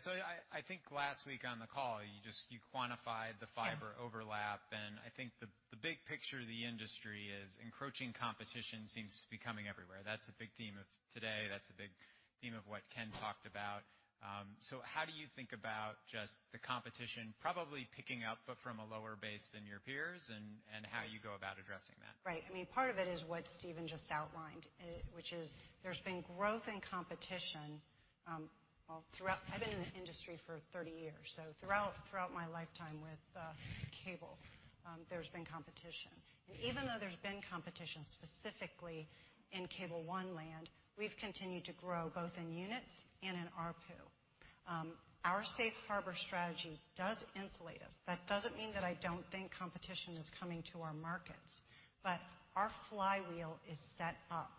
I think last week on the call, you just quantified the fiber overlap, and I think the big picture of the industry is encroaching competition seems to be coming everywhere. That's a big theme of today. That's a big theme of what Ken talked about. How do you think about just the competition probably picking up but from a lower base than your peers, and how you go about addressing that? Right. I mean, part of it is what Steven just outlined, which is there's been growth in competition, well, throughout. I've been in the industry for 30 years, so throughout my lifetime with cable, there's been competition. Even though there's been competition, specifically in Cable One land, we've continued to grow both in units and in ARPU. Our safe harbor strategy does insulate us. That doesn't mean that I don't think competition is coming to our markets. Our flywheel is set up.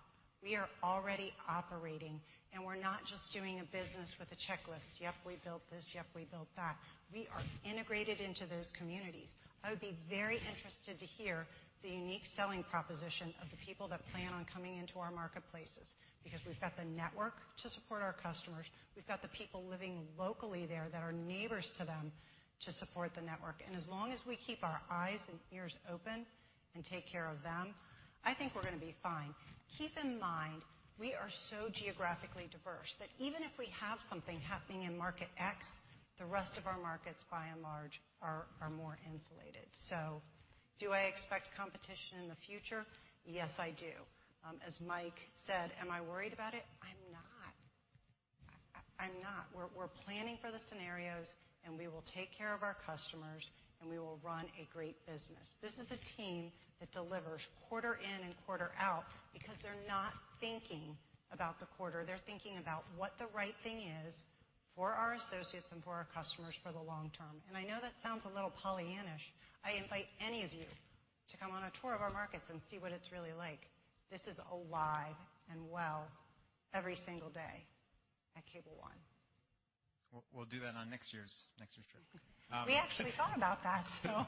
We are already operating, and we're not just doing a business with a checklist. Yep, we built this. Yep, we built that. We are integrated into those communities. I would be very interested to hear the unique selling proposition of the people that plan on coming into our marketplaces because we've got the network to support our customers. We've got the people living locally there that are neighbors to them to support the network. As long as we keep our eyes and ears open and take care of them, I think we're gonna be fine. Keep in mind, we are so geographically diverse that even if we have something happening in market X, the rest of our markets, by and large, are more insulated. Do I expect competition in the future? Yes, I do. As Mike said, am I worried about it? I'm not. We're planning for the scenarios, and we will take care of our customers, and we will run a great business. This is a team that delivers quarter in and quarter out because they're not thinking about the quarter. They're thinking about what the right thing is for our associates and for our customers for the long term. I know that sounds a little Pollyannish. I invite any of you to come on a tour of our markets and see what it's really like. This is alive and well every single day at Cable One. We'll do that on next year's trip. We actually thought about that, so.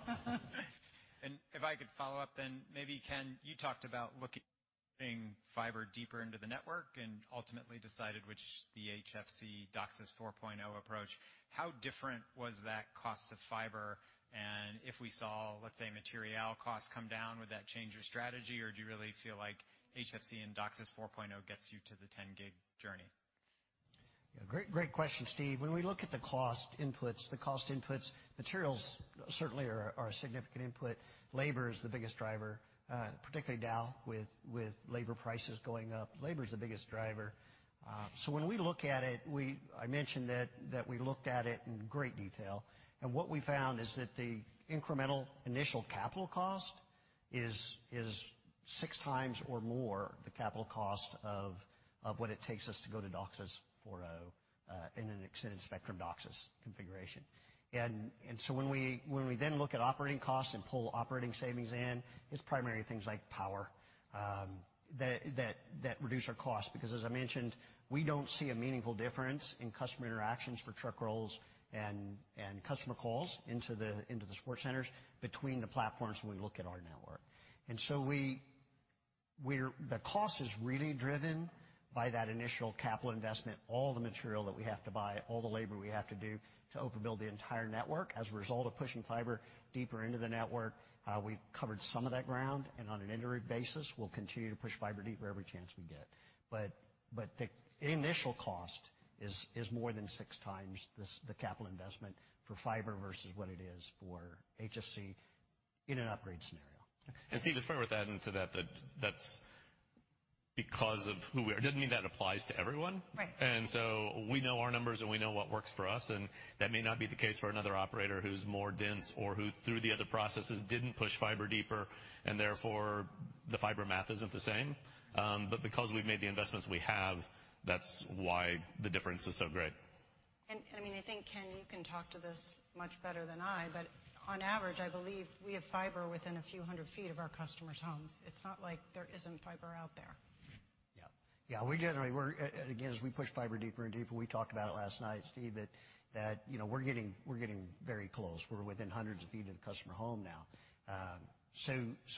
If I could follow up then, maybe, Ken, you talked about looking fiber deeper into the network and ultimately decided with the HFC DOCSIS 4.0 approach. How different was that cost to fiber? If we saw, let's say, material costs come down, would that change your strategy? Do you really feel like HFC and DOCSIS 4.0 gets you to the 10-gig journey? Yeah. Great question, Steve. When we look at the cost inputs, materials certainly are a significant input. Labor is the biggest driver, particularly now with labor prices going up. Labor is the biggest driver. So when we look at it, I mentioned that we looked at it in great detail. What we found is that the incremental initial capital cost is six times or more the capital cost of what it takes us to go to DOCSIS 4.0 in an extended spectrum DOCSIS configuration. When we then look at operating costs and pull operating savings in, it's primarily things like power that reduce our costs. Because as I mentioned, we don't see a meaningful difference in customer interactions for truck rolls and customer calls into the support centers between the platforms when we look at our network. The cost is really driven by that initial capital investment, all the material that we have to buy, all the labor we have to do to overbuild the entire network. As a result of pushing fiber deeper into the network, we covered some of that ground, and on an iterative basis, we'll continue to push fiber deeper every chance we get. The initial cost is more than six times the capital investment for fiber versus what it is for HFC in an upgrade scenario. Steve, it's fair to add into that that's because of who we are. It doesn't mean that applies to everyone. We know our numbers and we know what works for us, and that may not be the case for another operator who's more dense or who, through the other processes, didn't push fiber deeper, and therefore, the fiber math isn't the same. But because we've made the investments we have, that's why the difference is so great. I mean, I think, Ken, you can talk to this much better than I, but on average, I believe we have fiber within a few hundred feet of our customers' homes. It's not like there isn't fiber out there. Yeah. Yeah. We generally again as we push fiber deeper and deeper. We talked about it last night, Steve, that you know we're getting very close. We're within hundreds of feet of the customer home now.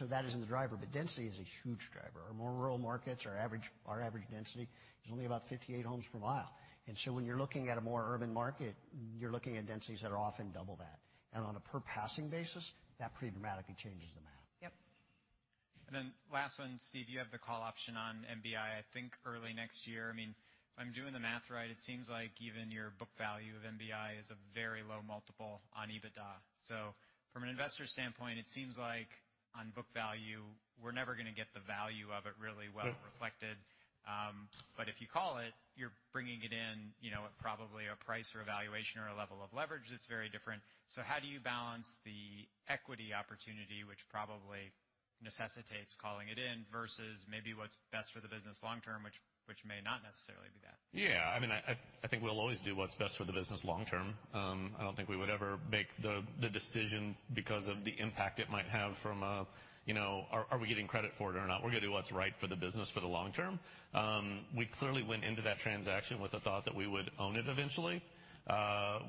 That isn't the driver, but density is a huge driver. In our more rural markets, our average density is only about 58 homes per mile. When you're looking at a more urban market, you're looking at densities that are often double that. On a per passing basis, that pretty dramatically changes the math. Yep. Last one, Steve, you have the call option on MBI, I think early next year. I mean, if I'm doing the math right, it seems like even your book value of MBI is a very low multiple on EBITDA. From an investor standpoint, it seems like on book value, we're never gonna get the value of it really well reflected. If you call it, you're bringing it in, you know, at probably a price or a valuation or a level of leverage that's very different. How do you balance the equity opportunity, which probably necessitates calling it in versus maybe what's best for the business long term, which may not necessarily be that? Yeah. I mean, I think we'll always do what's best for the business long term. I don't think we would ever make the decision because of the impact it might have from a, you know, are we getting credit for it or not? We're gonna do what's right for the business for the long term. We clearly went into that transaction with the thought that we would own it eventually.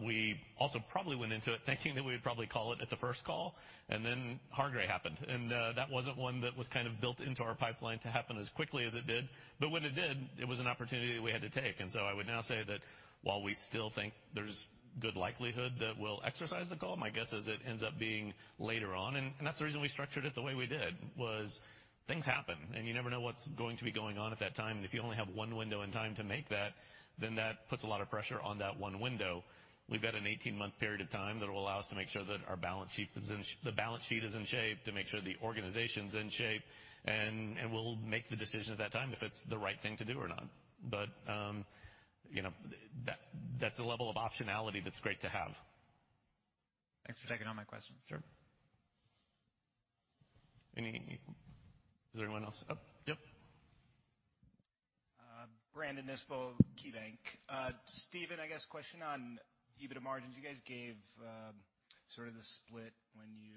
We also probably went into it thinking that we'd probably call it at the first call, and then Hargray happened. That wasn't one that was kind of built into our pipeline to happen as quickly as it did. When it did, it was an opportunity that we had to take. I would now say that while we still think there's good likelihood that we'll exercise the call, my guess is it ends up being later on. That's the reason we structured it the way we did was things happen, and you never know what's going to be going on at that time. If you only have one window in time to make that, then that puts a lot of pressure on that one window. We've got an 18-month period of time that will allow us to make sure that our balance sheet is in shape, to make sure the organization's in shape, and we'll make the decision at that time if it's the right thing to do or not. You know, that's a level of optionality that's great to have. Thanks for taking all my questions. Is there anyone else? Oh, yep. Brandon Nispel, KeyBanc. Steven, I guess question on EBITDA margins. You guys gave, sort of the split when you,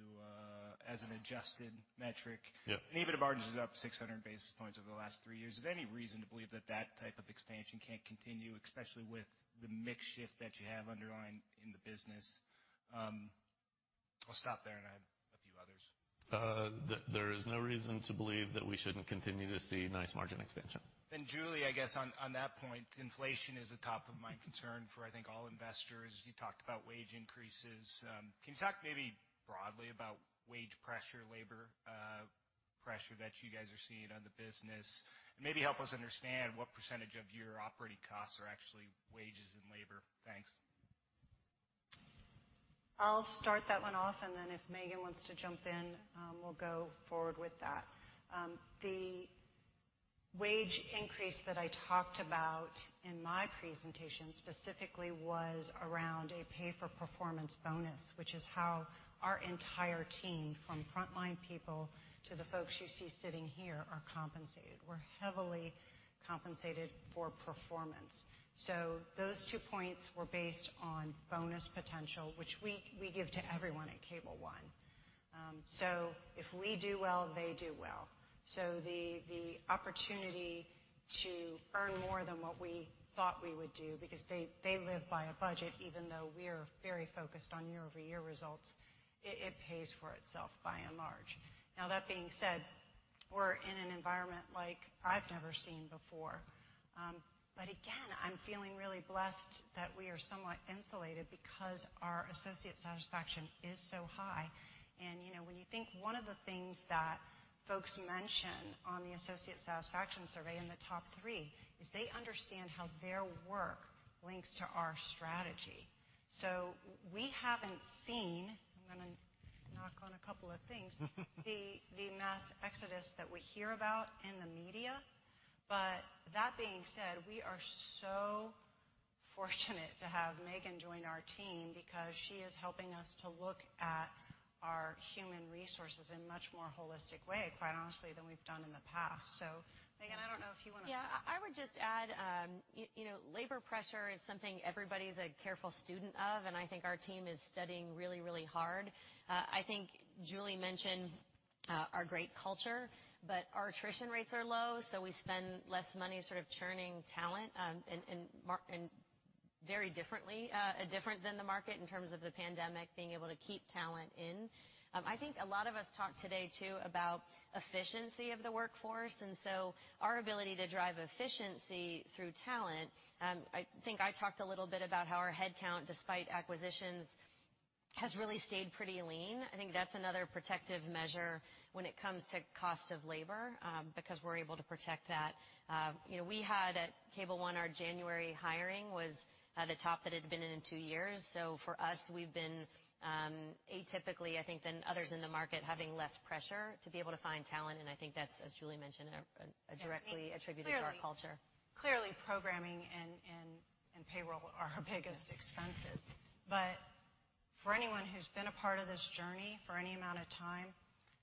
as an adjusted metric. EBITDA margin's up 600 basis points over the last three years. Is there any reason to believe that that type of expansion can't continue, especially with the mix shift that you have underlying in the business? I'll stop there, and I have a few others. There is no reason to believe that we shouldn't continue to see nice margin expansion. Julie, I guess on that point, inflation is a top of mind concern for, I think, all investors. You talked about wage increases. Can you talk maybe broadly about wage pressure, labor pressure that you guys are seeing on the business? And maybe help us understand what percentage of your operating costs are actually wages and labor? Thanks. I'll start that one off, and then if Megan wants to jump in, we'll go forward with that. The wage increase that I talked about in my presentation specifically was around a pay for performance bonus, which is how our entire team, from frontline people to the folks you see sitting here, are compensated. We're heavily compensated for performance. Those two points were based on bonus potential, which we give to everyone at Cable One. If we do well, they do well. The opportunity to earn more than what we thought we would do because they live by a budget, even though we're very focused on year-over-year results, it pays for itself by and large. Now that being said, we're in an environment like I've never seen before. Again, I'm feeling really blessed that we are somewhat insulated because our associate satisfaction is so high. You know, when you think one of the things that folks mention on the associate satisfaction survey in the top three is they understand how their work links to our strategy. We haven't seen, I'm gonna knock on a couple of things, the mass exodus that we hear about in the media. That being said, we are so fortunate to have Megan join our team because she is helping us to look at our human resources in a much more holistic way, quite honestly, than we've done in the past. Megan, I don't know if you wanna— Yeah. I would just add, you know, labor pressure is something everybody's a careful student of, and I think our team is studying really hard. I think Julie mentioned our great culture, but our attrition rates are low, so we spend less money sort of churning talent, and very differently, different than the market in terms of the pandemic, being able to keep talent in. I think a lot of us talked today too about efficiency of the workforce. Our ability to drive efficiency through talent. I think I talked a little bit about how our head count, despite acquisitions, has really stayed pretty lean. I think that's another protective measure when it comes to cost of labor, because we're able to protect that. You know, we had, at Cable One, our January hiring was the top it had been in two years. For us, we've been atypically, I think, than others in the market, having less pressure to be able to find talent, and I think that's, as Julie mentioned, directly attributed to our culture. Clearly programming and payroll are our biggest expenses. For anyone who's been a part of this journey for any amount of time,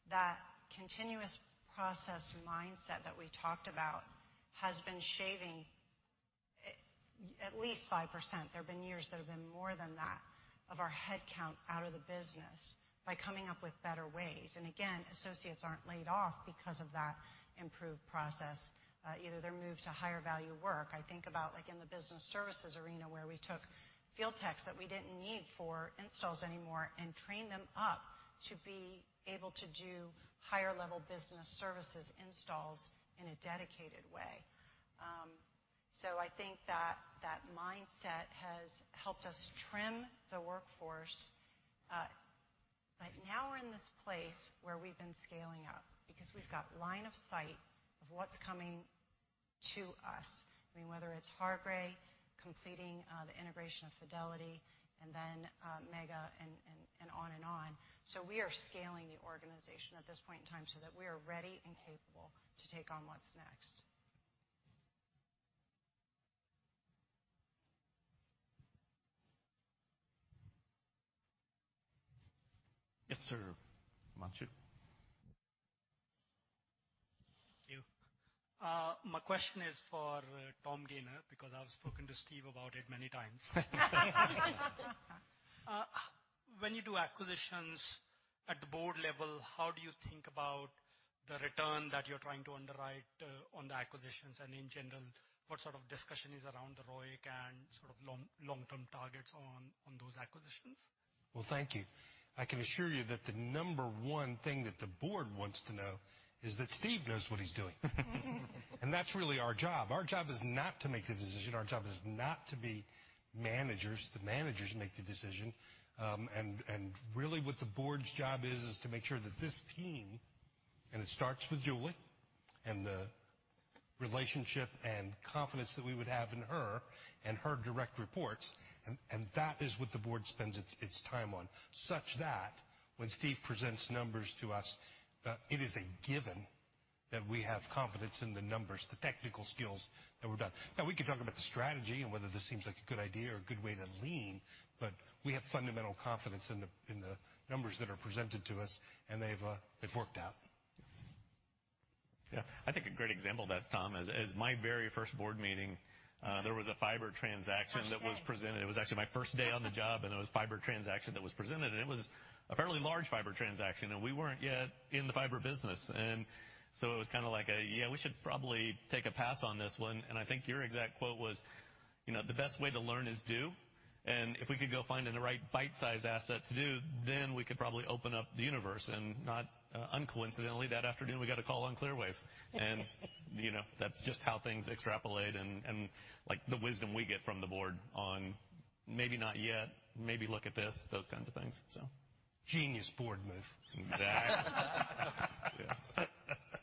that continuous process mindset that we talked about has been shaving at least 5%, there have been years more than that, of our head count out of the business by coming up with better ways. Again, associates aren't laid off because of that improved process. Either they're moved to higher value work. I think about, like in the business services arena, where we took field techs that we didn't need for installs anymore and trained them up to be able to do higher level business services installs in a dedicated way. I think that mindset has helped us trim the workforce. Now we're in this place where we've been scaling up because we've got line of sight of what's coming to us. I mean, whether it's Hargray completing the integration of Fidelity and then Mega and on and on. We are scaling the organization at this point in time so that we are ready and capable to take on what's next. Yes, sir. [Manchu]. Thank you. My question is for Tom Gayner because I've spoken to Steve about it many times. When you do acquisitions at the board level, how do you think about the return that you're trying to underwrite on the acquisitions? In general, what sort of discussion is around the ROIC and sort of long-term targets on those acquisitions? Well, thank you. I can assure you that the number one thing that the board wants to know is that Steve knows what he's doing. That's really our job. Our job is not to make the decision. Our job is not to be managers. The managers make the decision. Really what the board's job is is to make sure that this team, and it starts with Julie, and the relationship and confidence that we would have in her and her direct reports. That is what the board spends its time on, such that when Steve presents numbers to us, it is a given that we have confidence in the numbers, the technical skills that were done. Now, we can talk about the strategy and whether this seems like a good idea or a good way to lean, but we have fundamental confidence in the numbers that are presented to us, and they've worked out. Yeah. I think a great example of that, Tom, is my very first board meeting, there was a fiber transaction that was presented. It was actually my first day on the job, and it was fiber transaction that was presented, and it was a fairly large fiber transaction, and we weren't yet in the fiber business. It was kinda like a, "Yeah, we should probably take a pass on this one." I think your exact quote was, you know, "The best way to learn is do." If we could go find in the right bite-sized asset to do, then we could probably open up the universe. Not uncoincidentally, that afternoon, we got a call on Clearwave. You know, that's just how things extrapolate and like, the wisdom we get from the board on maybe not yet, maybe look at this, those kinds of things, so. Genius board move. Yeah.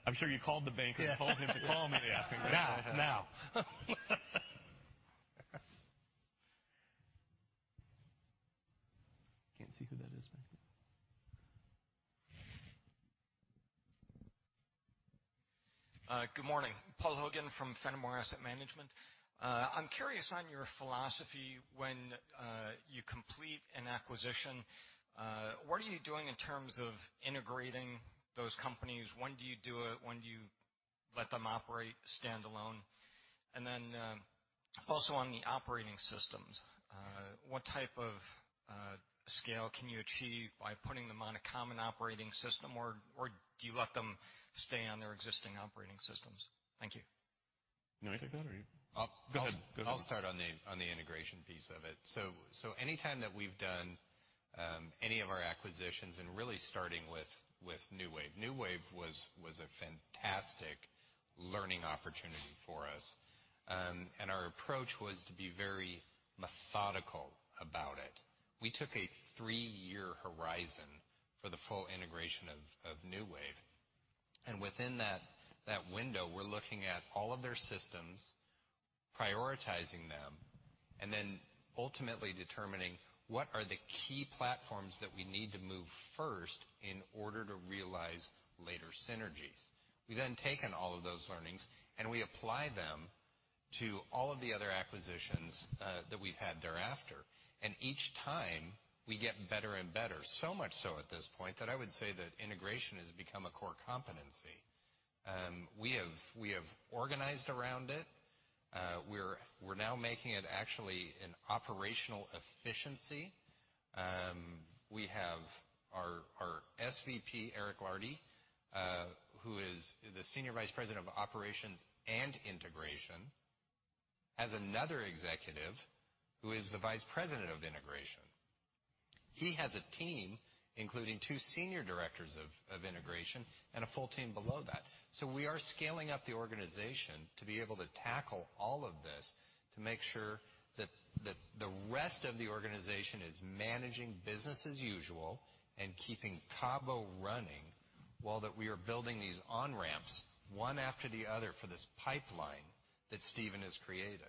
I'm sure you called the banker and told him to call me that afternoon. Now. Can't see who that is back there. Good morning. Paul Hogan from Fenimore Asset Management. I'm curious on your philosophy when you complete an acquisition. What are you doing in terms of integrating those companies? When do you do it? When do you let them operate standalone? Also on the operating systems, what type of scale can you achieve by putting them on a common operating system? Or, do you let them stay on their existing operating systems? Thank you. I'll start on the integration piece of it. Anytime that we've done any of our acquisitions, and really starting with NewWave. NewWave was a fantastic learning opportunity for us. Our approach was to be very methodical about it. We took a three-year horizon for the full integration of NewWave. Within that window, we're looking at all of their systems, prioritizing them, and then ultimately determining what are the key platforms that we need to move first in order to realize later synergies. We taken all of those learnings, and we apply them to all of the other acquisitions, that we've had thereafter. Each time we get better and better, so much so at this point that I would say that integration has become a core competency. We have organized around it. We're now making it actually an operational efficiency. We have our SVP, Eric Lardy, who is the Senior Vice President of Operations and Integration, has another executive who is the Vice President of Integration. He has a team, including two senior directors of integration and a full team below that. We are scaling up the organization to be able to tackle all of this, to make sure that the rest of the organization is managing business as usual and keeping CABO running while we are building these on-ramps, one after the other for this pipeline that Steven has created.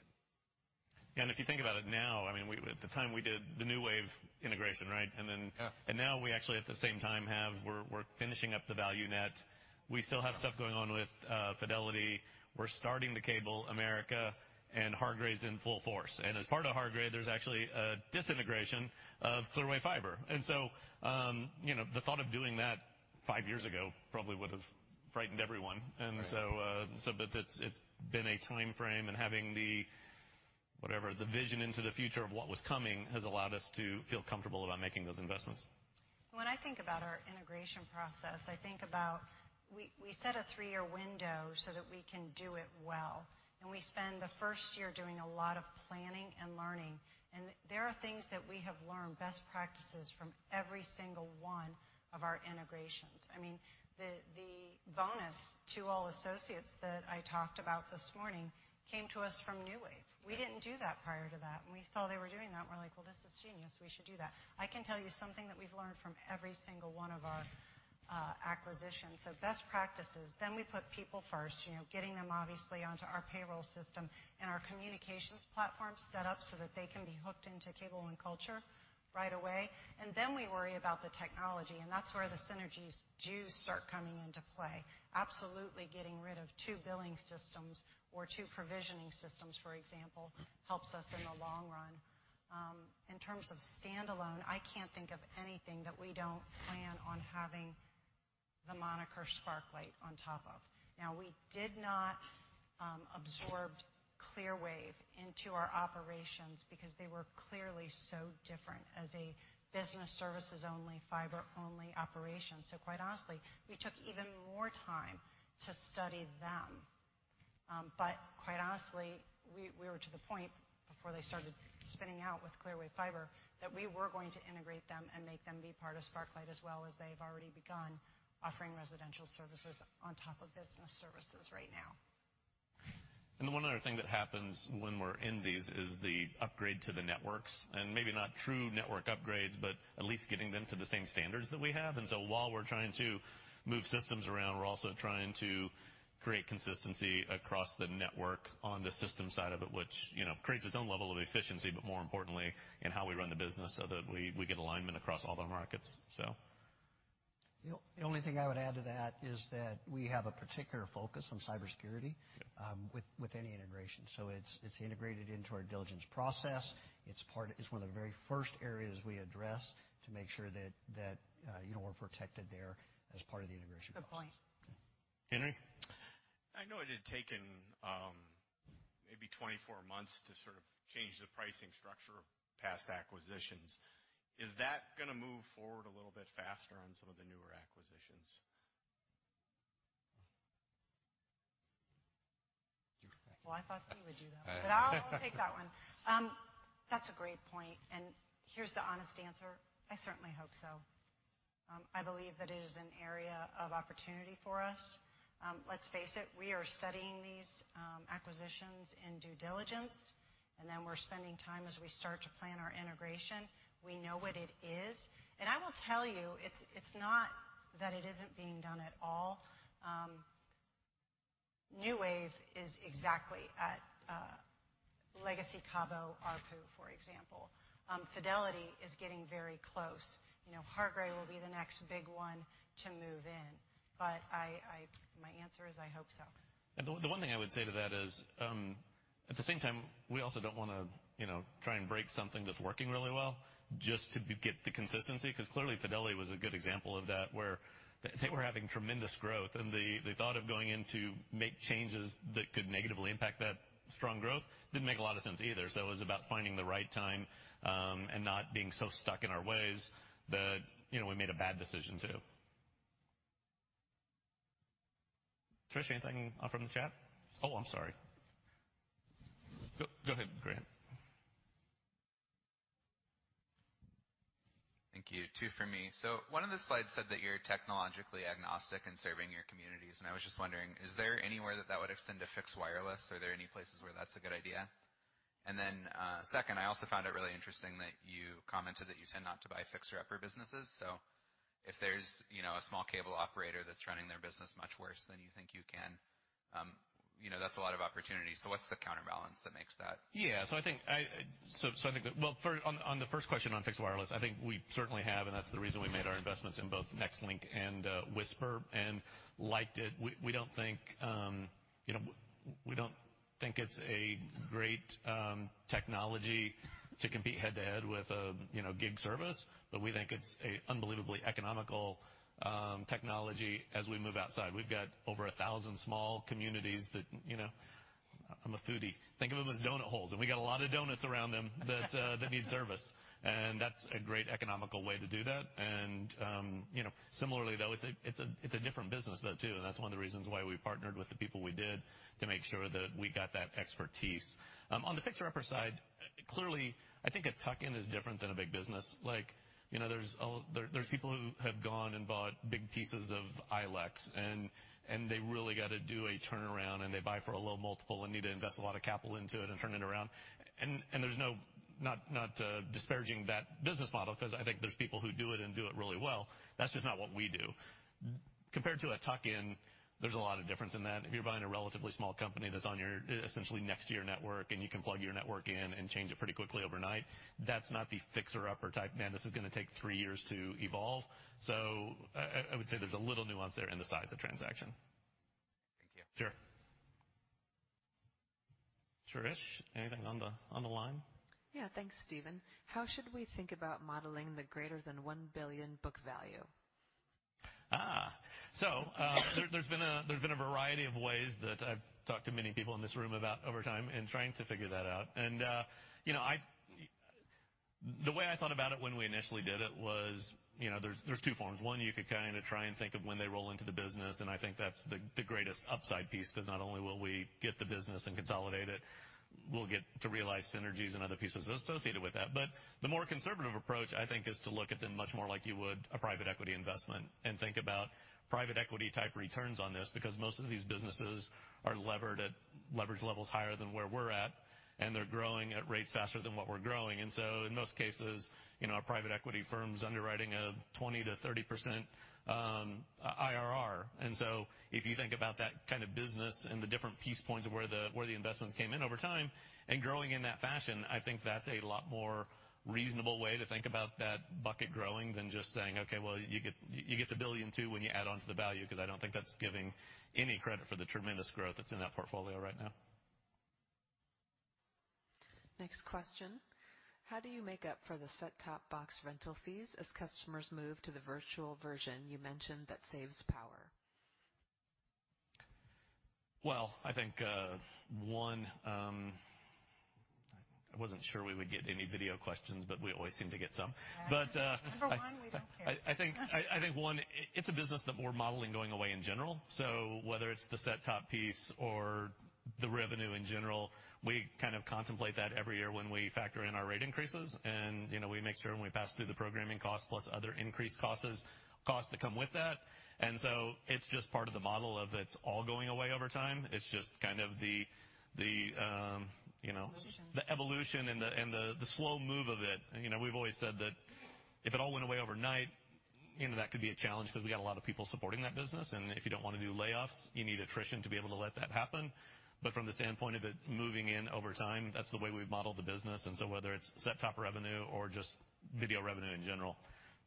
Yeah. If you think about it now, I mean, at the time we did the NewWave integration, right? We actually, at the same time, are finishing up the ValuNet. We still have stuff going on with Fidelity. We're starting the CableAmerica, and Hargray's in full force. As part of Hargray, there's actually disintegration of Clearwave Fiber. You know, the thought of doing that five years ago probably would have frightened everyone. It's been a timeframe and having the, whatever, the vision into the future of what was coming has allowed us to feel comfortable about making those investments. When I think about our integration process, I think about, we set a three-year window so that we can do it well, and we spend the first year doing a lot of planning and learning. There are things that we have learned, best practices from every single one of our integrations. I mean, the bonus to all associates that I talked about this morning came to us from NewWave. We didn't do that prior to that, and we saw they were doing that, and we're like, "Well, this is genius. We should do that." I can tell you something that we've learned from every single one of our acquisitions. Best practices, then we put people first, you know, getting them obviously onto our payroll system and our communications platform set up so that they can be hooked into Cable One culture right away. Then we worry about the technology, and that's where the synergies do start coming into play. Absolutely, getting rid of two billing systems or two provisioning systems, for example, helps us in the long run. In terms of standalone, I can't think of anything that we don't plan on having the moniker Sparklight on top of. Now, we did not absorb Clearwave into our operations because they were clearly so different as a business-services-only, fiber-only operation. Quite honestly, we took even more time to study them. Quite honestly, we were to the point before they started spinning out with Clearwave Fiber that we were going to integrate them and make them be part of Sparklight as well as they've already begun offering residential services on top of business services right now. The one other thing that happens when we're in these is the upgrade to the networks, and maybe not true network upgrades, but at least getting them to the same standards that we have. While we're trying to move systems around, we're also trying to create consistency across the network on the system side of it, which, you know, creates its own level of efficiency, but more importantly in how we run the business so that we get alignment across all the markets, so. The only thing I would add to that is that we have a particular focus on cybersecurity with any integration. It's integrated into our diligence process. It's one of the very first areas we address to make sure that, you know, we're protected there as part of the integration process. Good point. Henry? I know it had taken, maybe 24 months to sort of change the pricing structure of past acquisitions. Is that gonna move forward a little bit faster on some of the newer acquisitions? Well, I thought Steve would do that. I'll take that one. That's a great point, and here's the honest answer. I certainly hope so. I believe that it is an area of opportunity for us. Let's face it, we are studying these acquisitions in due diligence, and then we're spending time as we start to plan our integration. We know what it is. I will tell you, it's not that it isn't being done at all. NewWave is exactly at legacy CABO ARPU, for example. Fidelity is getting very close. You know, Hargray will be the next big one to move in. My answer is I hope so. The one thing I would say to that is, at the same time, we also don't wanna, you know, try and break something that's working really well just to get the consistency. 'Cause clearly, Fidelity was a good example of that, where they were having tremendous growth, and the thought of going in to make changes that could negatively impact that strong growth didn't make a lot of sense either. It was about finding the right time, and not being so stuck in our ways that, you know, we made a bad decision too. Trish, anything off from the chat? Oh, I'm sorry. Go ahead, Grant. Thank you. Two for me. One of the slides said that you're technologically agnostic in serving your communities, and I was just wondering, is there anywhere that that would extend to fixed wireless? Are there any places where that's a good idea? And then, second, I also found it really interesting that you commented that you tend not to buy fixer-upper businesses. If there's, you know, a small cable operator that's running their business much worse than you think you can, you know, that's a lot of opportunity. What's the counterbalance that makes that? Yeah. I think that— Well, first, on the first question on fixed wireless, I think we certainly have, and that's the reason we made our investments in both Nextlink and Wisper and liked it. We don't think, you know, we don't think it's a great technology to compete head-to-head with a gig service, but we think it's an unbelievably economical technology as we move outside. We've got over 1,000 small communities that, you know, I'm a foodie. Think of them as donut holes, and we got a lot of donuts around them that need service. That's a great economical way to do that. You know, similarly, though, it's a different business though too, and that's one of the reasons why we partnered with the people we did to make sure that we got that expertise. On the fixer-upper side, clearly, I think a tuck-in is different than a big business. Like, you know, there's people who have gone and bought big pieces of ILEC, and they really gotta do a turnaround, and they buy for a low multiple and need to invest a lot of capital into it and turn it around. There's no— not disparaging that business model, 'cause I think there's people who do it and do it really well. That's just not what we do. Compared to a tuck-in, there's a lot of difference in that. If you're buying a relatively small company that's on your, essentially next to your network, and you can plug your network in and change it pretty quickly overnight, that's not the fixer-upper type, "Man, this is gonna take three years to evolve." I would say there's a little nuance there in the size of transaction. Thank you. Sure. Trish, anything on the line? Yeah. Thanks, Steven. How should we think about modeling the greater than $1 billion book value? There's been a variety of ways that I've talked to many people in this room about over time and trying to figure that out. You know, the way I thought about it when we initially did it was, you know, there's two forms. One, you could kinda try and think of when they roll into the business, and I think that's the greatest upside piece, 'cause not only will we get the business and consolidate it, we'll get to realize synergies and other pieces associated with that. The more conservative approach, I think, is to look at them much more like you would a private equity investment and think about private-equity-type returns on this, because most of these businesses are levered at leverage levels higher than where we're at, and they're growing at rates faster than what we're growing. In most cases, you know, a private equity firm's underwriting a 20%-30% IRR. If you think about that kind of business and the different piece points of where the investments came in over time and growing in that fashion, I think that's a lot more reasonable way to think about that bucket growing than just saying, "Okay, well, you get the [billion too] when you add on to the value," 'cause I don't think that's giving any credit for the tremendous growth that's in that portfolio right now. Next question. How do you make up for the set-top box rental fees as customers move to the virtual version you mentioned that saves power? Well, I think, one, I wasn't sure we would get any video questions, but we always seem to get some. Number one, we don't care. I think one it's a business that we're modeling going away in general. Whether it's the set-top piece or the revenue in general, we kind of contemplate that every year when we factor in our rate increases. You know, we make sure when we pass through the programming costs plus other increased costs that come with that. It's just part of the model of it's all going away over time. It's just kind of the you know, the evolution and the slow move of it. You know, we've always said that if it all went away overnight, you know, that could be a challenge, 'cause we got a lot of people supporting that business. If you don't wanna do layoffs, you need attrition to be able to let that happen. From the standpoint of it moving in over time, that's the way we've modeled the business. Whether it's set-top revenue or just video revenue in general,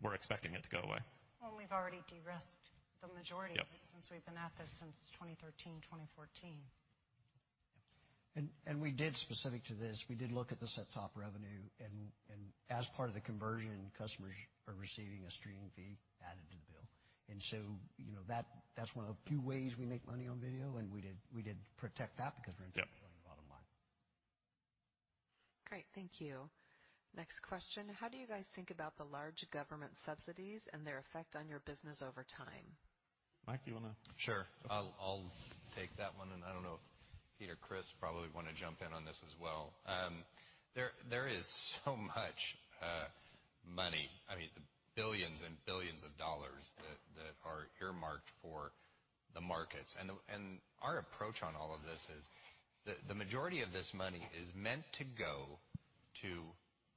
we're expecting it to go away. Well, we've already de-risked the majority of it since we've been at this since 2013, 2014. We did, specific to this, we did look at the set-top revenue. As part of the conversion, customers are receiving a streaming fee added to the bill. You know, that's one of the few ways we make money on video, and we did protect that because we're implementing the bottom line. Great. Thank you. Next question. How do you guys think about the large government subsidies and their effect on your business over time? Mike, you wanna? Sure. I'll take that one, and I don't know if Pete or Chris probably wanna jump in on this as well. There is so much money, I mean, the billions and billions of dollars that are earmarked for the markets. Our approach on all of this is the majority of this money is meant to go to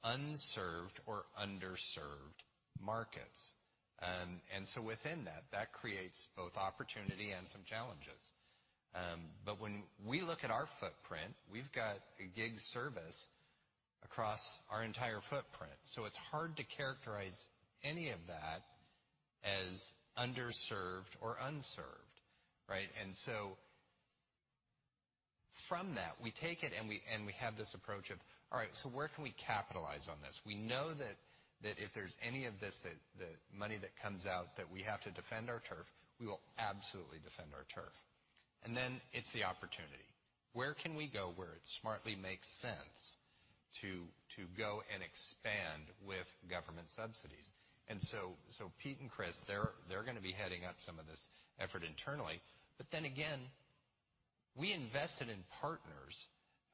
unserved or underserved markets. Within that creates both opportunity and some challenges. When we look at our footprint, we've got a gig service across our entire footprint, so it's hard to characterize any of that as underserved or unserved, right? From that, we take it, and we have this approach of, all right, so where can we capitalize on this? We know that if there's any of this, that money that comes out that we have to defend our turf, we will absolutely defend our turf. Then it's the opportunity. Where can we go where it smartly makes sense to go and expand with government subsidies? Pete and Chris, they're gonna be heading up some of this effort internally. Again, we invested in partners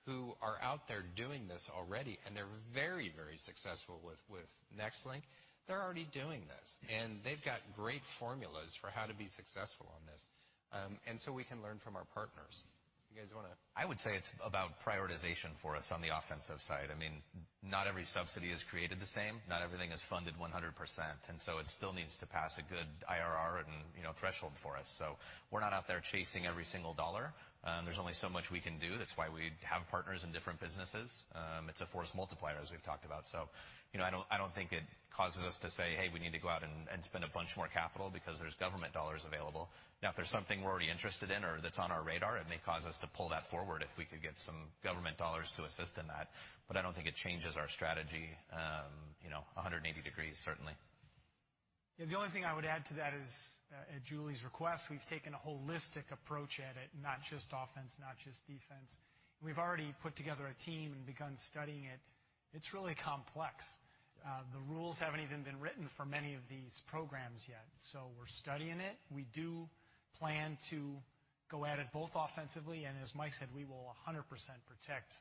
who are out there doing this already, and they're very successful with Nextlink. They're already doing this, and they've got great formulas for how to be successful on this. We can learn from our partners. You guys wanna- I would say it's about prioritization for us on the offensive side. I mean, not every subsidy is created the same, not everything is funded 100%, and so it still needs to pass a good IRR and, you know, threshold for us. We're not out there chasing every single dollar. There's only so much we can do. That's why we have partners in different businesses. It's a force multiplier, as we've talked about. You know, I don't think it causes us to say, "Hey, we need to go out and spend a bunch more capital because there's government dollars available." Now, if there's something we're already interested in or that's on our radar, it may cause us to pull that forward if we could get some government dollars to assist in that. I don't think it changes our strategy, you know, 180 degrees, certainly. Yeah, the only thing I would add to that is, at Julie's request, we've taken a holistic approach at it, not just offense, not just defense. We've already put together a team and begun studying it. It's really complex. The rules haven't even been written for many of these programs yet, so we're studying it. We do plan to go at it both offensively, and as Mike said, we will 100% protect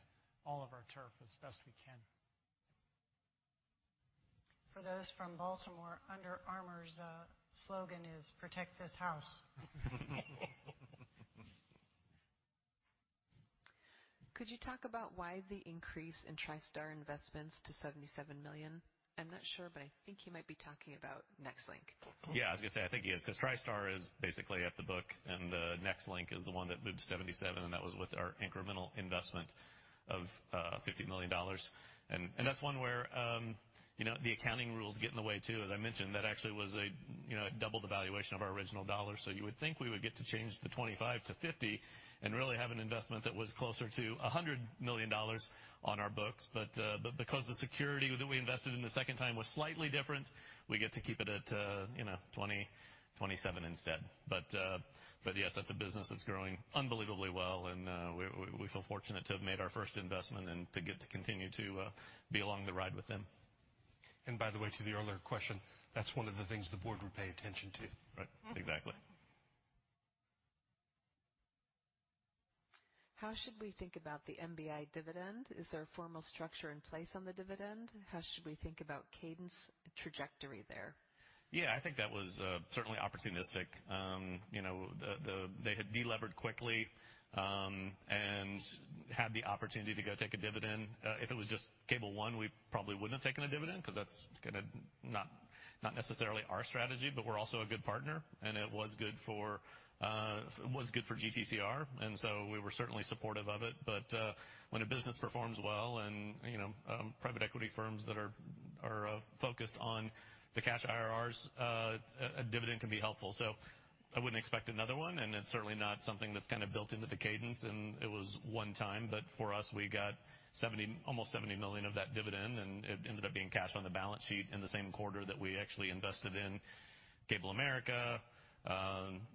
all of our turf as best we can. For those from Baltimore, Under Armour's slogan is, "Protect This House." Could you talk about why the increase in TriStar investments to $77 million? I'm not sure, but I think he might be talking about Nextlink. Yeah, I was gonna say I think he is, 'cause TriStar is basically at the book, and the Nextlink is the one that moved to $77 million, and that was with our incremental investment of $50 million. That's one where, you know, the accounting rules get in the way, too. As I mentioned, that actually was a, you know, it doubled the valuation of our original dollar. You would think we would get to change the $25 million to $50 million and really have an investment that was closer to $100 million on our books. Because the security that we invested in the second time was slightly different, we get to keep it at, you know, $20 million, $27 million instead. Yes, that's a business that's growing unbelievably well, and we feel fortunate to have made our first investment and to get to continue to be along the ride with them. By the way, to the earlier question, that's one of the things the board would pay attention to. Right. Exactly. How should we think about the MBI dividend? Is there a formal structure in place on the dividend? How should we think about cadence trajectory there? Yeah, I think that was certainly opportunistic. You know, they had de-levered quickly and had the opportunity to go take a dividend. If it was just Cable One, we probably wouldn't have taken a dividend, 'cause that's kinda not necessarily our strategy, but we're also a good partner, and it was good for GTCR, we were certainly supportive of it. When a business performs well, you know, private equity firms that are focused on the cash IRRs, a dividend can be helpful. I wouldn't expect another one, and it's certainly not something that's kinda built into the cadence, and it was one time. For us, we got 70— almost $70 million of that dividend, and it ended up being cash on the balance sheet in the same quarter that we actually invested in CableAmerica,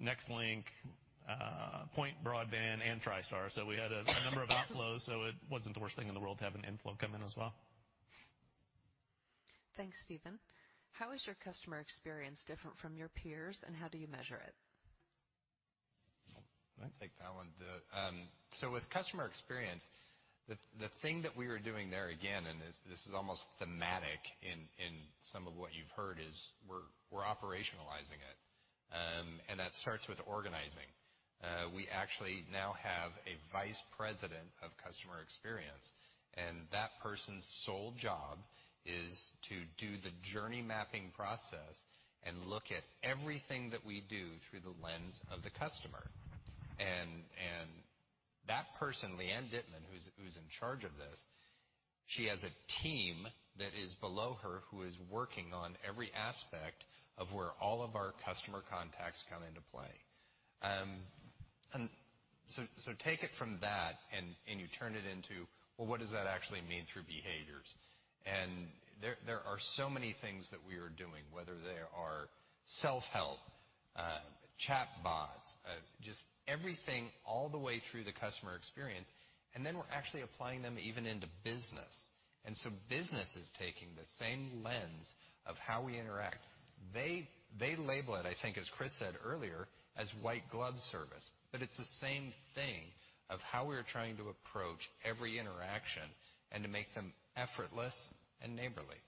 Nextlink, Point Broadband and TriStar. We had a number of outflows, so it wasn't the worst thing in the world to have an inflow come in as well. Thanks, Steven. How is your customer experience different from your peers, and how do you measure it? I'll take that one. With customer experience, the thing that we are doing there again, and this is almost thematic in some of what you've heard, is we're operationalizing it. That starts with organizing. We actually now have a vice president of customer experience, and that person's sole job is to do the journey mapping process and look at everything that we do through the lens of the customer. That person, Leann Dittman, who's in charge of this, she has a team that is below her who is working on every aspect of where all of our customer contacts come into play. Take it from that and you turn it into, well, what does that actually mean through behaviors? There are so many things that we are doing, whether they are self-help, chatbots, just everything all the way through the customer experience, and then we're actually applying them even into business. Business is taking the same lens of how we interact. They label it, I think, as Chris said earlier, as white glove service, but it's the same thing of how we are trying to approach every interaction and to make them effortless and neighborly.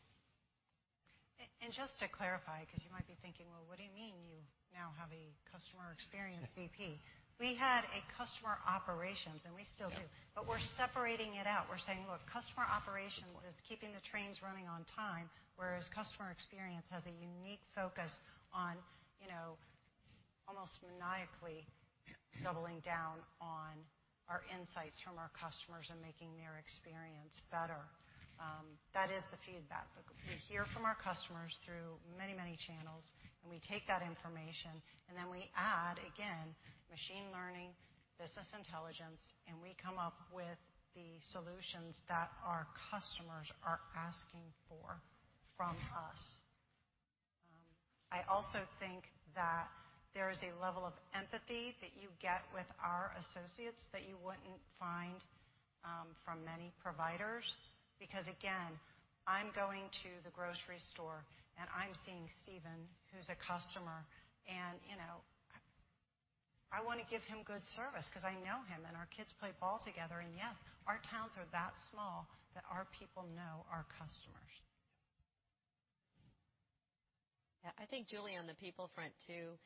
Just to clarify, 'cause you might be thinking, "Well, what do you mean you now have a customer experience VP?" We had a customer operations, and we still do. We're separating it out. We're saying, look, customer operation is keeping the trains running on time, whereas customer experience has a unique focus on, you know, almost maniacally doubling down on our insights from our customers and making their experience better. That is the feedback. We hear from our customers through many, many channels, and we take that information, and then we add, again, machine learning, business intelligence, and we come up with the solutions that our customers are asking for from us. I also think that there is a level of empathy that you get with our associates that you wouldn't find from many providers. Because again, I'm going to the grocery store, and I'm seeing Steven, who's a customer, and, you know, I want to give him good service 'cause I know him and our kids play ball together, and yes, our towns are that small that our people know our customers. Yeah, I think, Julie, on the people front too,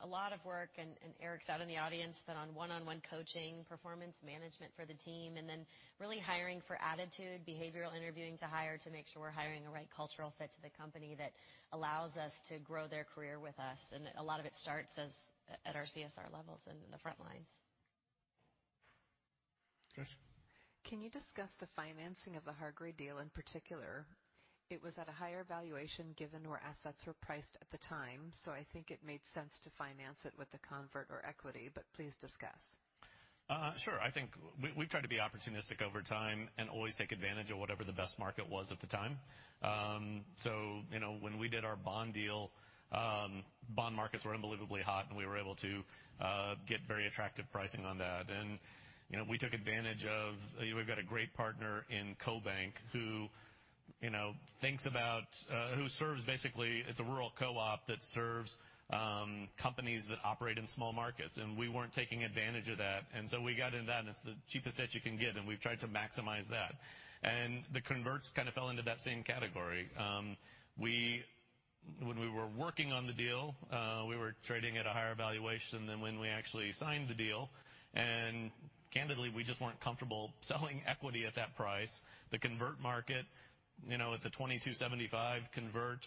a lot of work, and Eric's out in the audience, but on one-on-one coaching, performance management for the team, and then really hiring for attitude, behavioral interviewing to hire to make sure we're hiring the right cultural fit to the company that allows us to grow their career with us. A lot of it starts as, at our CSR levels and in the front lines. Trish? Can you discuss the financing of the Hargray deal in particular? It was at a higher valuation given where assets were priced at the time, so I think it made sense to finance it with a convert or equity, but please discuss. Sure. I think we try to be opportunistic over time and always take advantage of whatever the best market was at the time. You know, when we did our bond deal, bond markets were unbelievably hot, and we were able to get very attractive pricing on that. You know, we took advantage of, you know, we've got a great partner in CoBank who you know serves basically as a rural co-op that serves companies that operate in small markets, and we weren't taking advantage of that. We got into that, and it's the cheapest debt you can get, and we've tried to maximize that. The converts kind of fell into that same category. When we were working on the deal, we were trading at a higher valuation than when we actually signed the deal. Candidly, we just weren't comfortable selling equity at that price. The convert market, you know, at the $22.75 convert,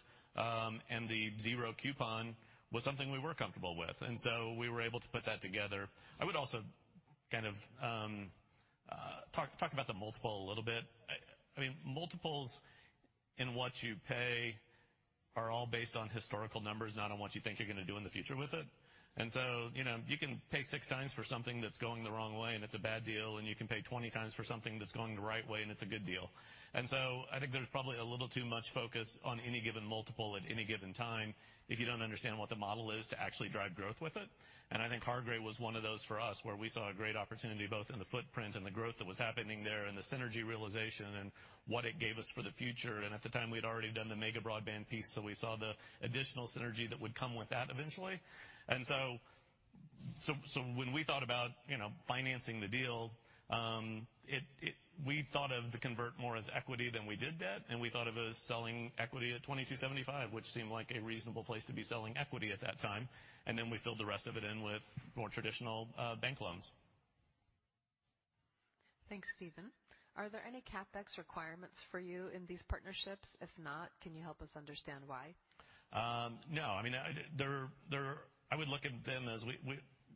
and the zero coupon was something we were comfortable with. So we were able to put that together. I would also kind of talk about the multiple a little bit. I mean, multiples in what you pay are all based on historical numbers, not on what you think you're gonna do in the future with it. You know, you can pay 6x for something that's going the wrong way, and it's a bad deal, and you can pay 20x for something that's going the right way, and it's a good deal. I think there's probably a little too much focus on any given multiple at any given time if you don't understand what the model is to actually drive growth with it. I think Hargray was one of those for us, where we saw a great opportunity, both in the footprint and the growth that was happening there, and the synergy realization and what it gave us for the future. At the time, we'd already done the Mega Broadband piece, so we saw the additional synergy that would come with that eventually. When we thought about, you know, financing the deal, we thought of the convert more as equity than we did debt, and we thought of it as selling equity at $22.75, which seemed like a reasonable place to be selling equity at that time. We filled the rest of it in with more traditional bank loans. Thanks, Steven. Are there any CapEx requirements for you in these partnerships? If not, can you help us understand why? No. I mean, I would look at them as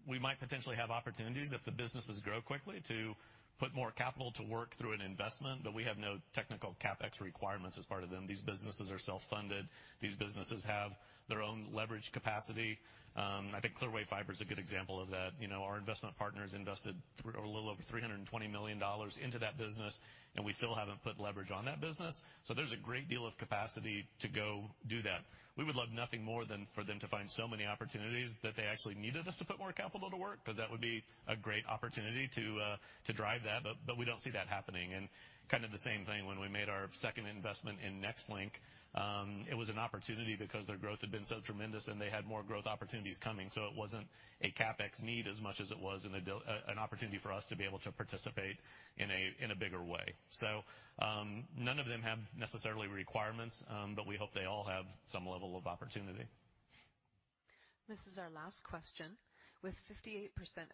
we might potentially have opportunities if the businesses grow quickly to put more capital to work through an investment, but we have no technical CapEx requirements as part of them. These businesses are self-funded. These businesses have their own leverage capacity. I think Clearwave Fiber is a good example of that. You know, our investment partners invested a little over $320 million into that business, and we still haven't put leverage on that business. So there's a great deal of capacity to go do that. We would love nothing more than for them to find so many opportunities that they actually needed us to put more capital to work, 'cause that would be a great opportunity to drive that, but we don't see that happening. Kind of the same thing when we made our second investment in Nextlink. It was an opportunity because their growth had been so tremendous, and they had more growth opportunities coming, so it wasn't a CapEx need as much as it was an opportunity for us to be able to participate in a bigger way. None of them have necessary requirements, but we hope they all have some level of opportunity. This is our last question. With 58%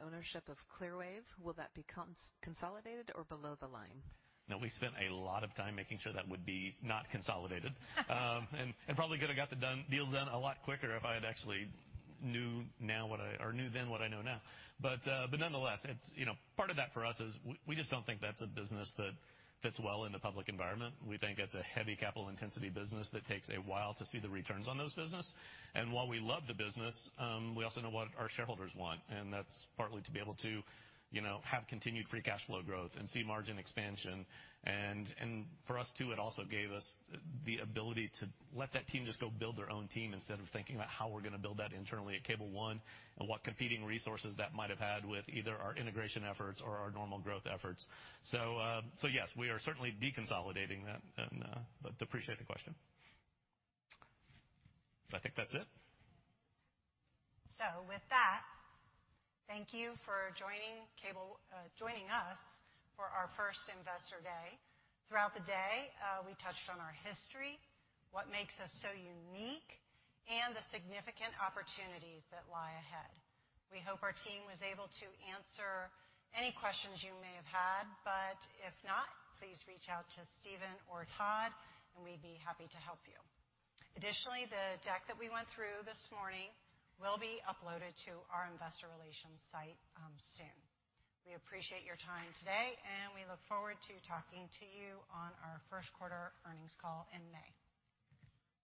ownership of Clearwave, will that become consolidated or below the line? No, we spent a lot of time making sure that would not be consolidated. We probably could have got the deal done a lot quicker if I had actually knew then what I know now. Nonetheless, it's, you know, part of that for us is we just don't think that's a business that fits well in the public environment. We think it's a heavy capital-intensive business that takes a while to see the returns on those businesses. While we love the business, we also know what our shareholders want, and that's partly to be able to, you know, have continued free cash flow growth and see margin expansion. For us too, it also gave us the ability to let that team just go build their own team instead of thinking about how we're gonna build that internally at Cable One and what competing resources that might have had with either our integration efforts or our normal growth efforts. Yes, we are certainly deconsolidating that, and— but appreciate the question. I think that's it. With that, thank you for joining Cable— joining us for our first Investor Day. Throughout the day, we touched on our history, what makes us so unique, and the significant opportunities that lie ahead. We hope our team was able to answer any questions you may have had, but if not, please reach out to Steven or Todd, and we'd be happy to help you. Additionally, the deck that we went through this morning will be uploaded to our Investor Relations site soon. We appreciate your time today, and we look forward to talking to you on our first quarter earnings call in May.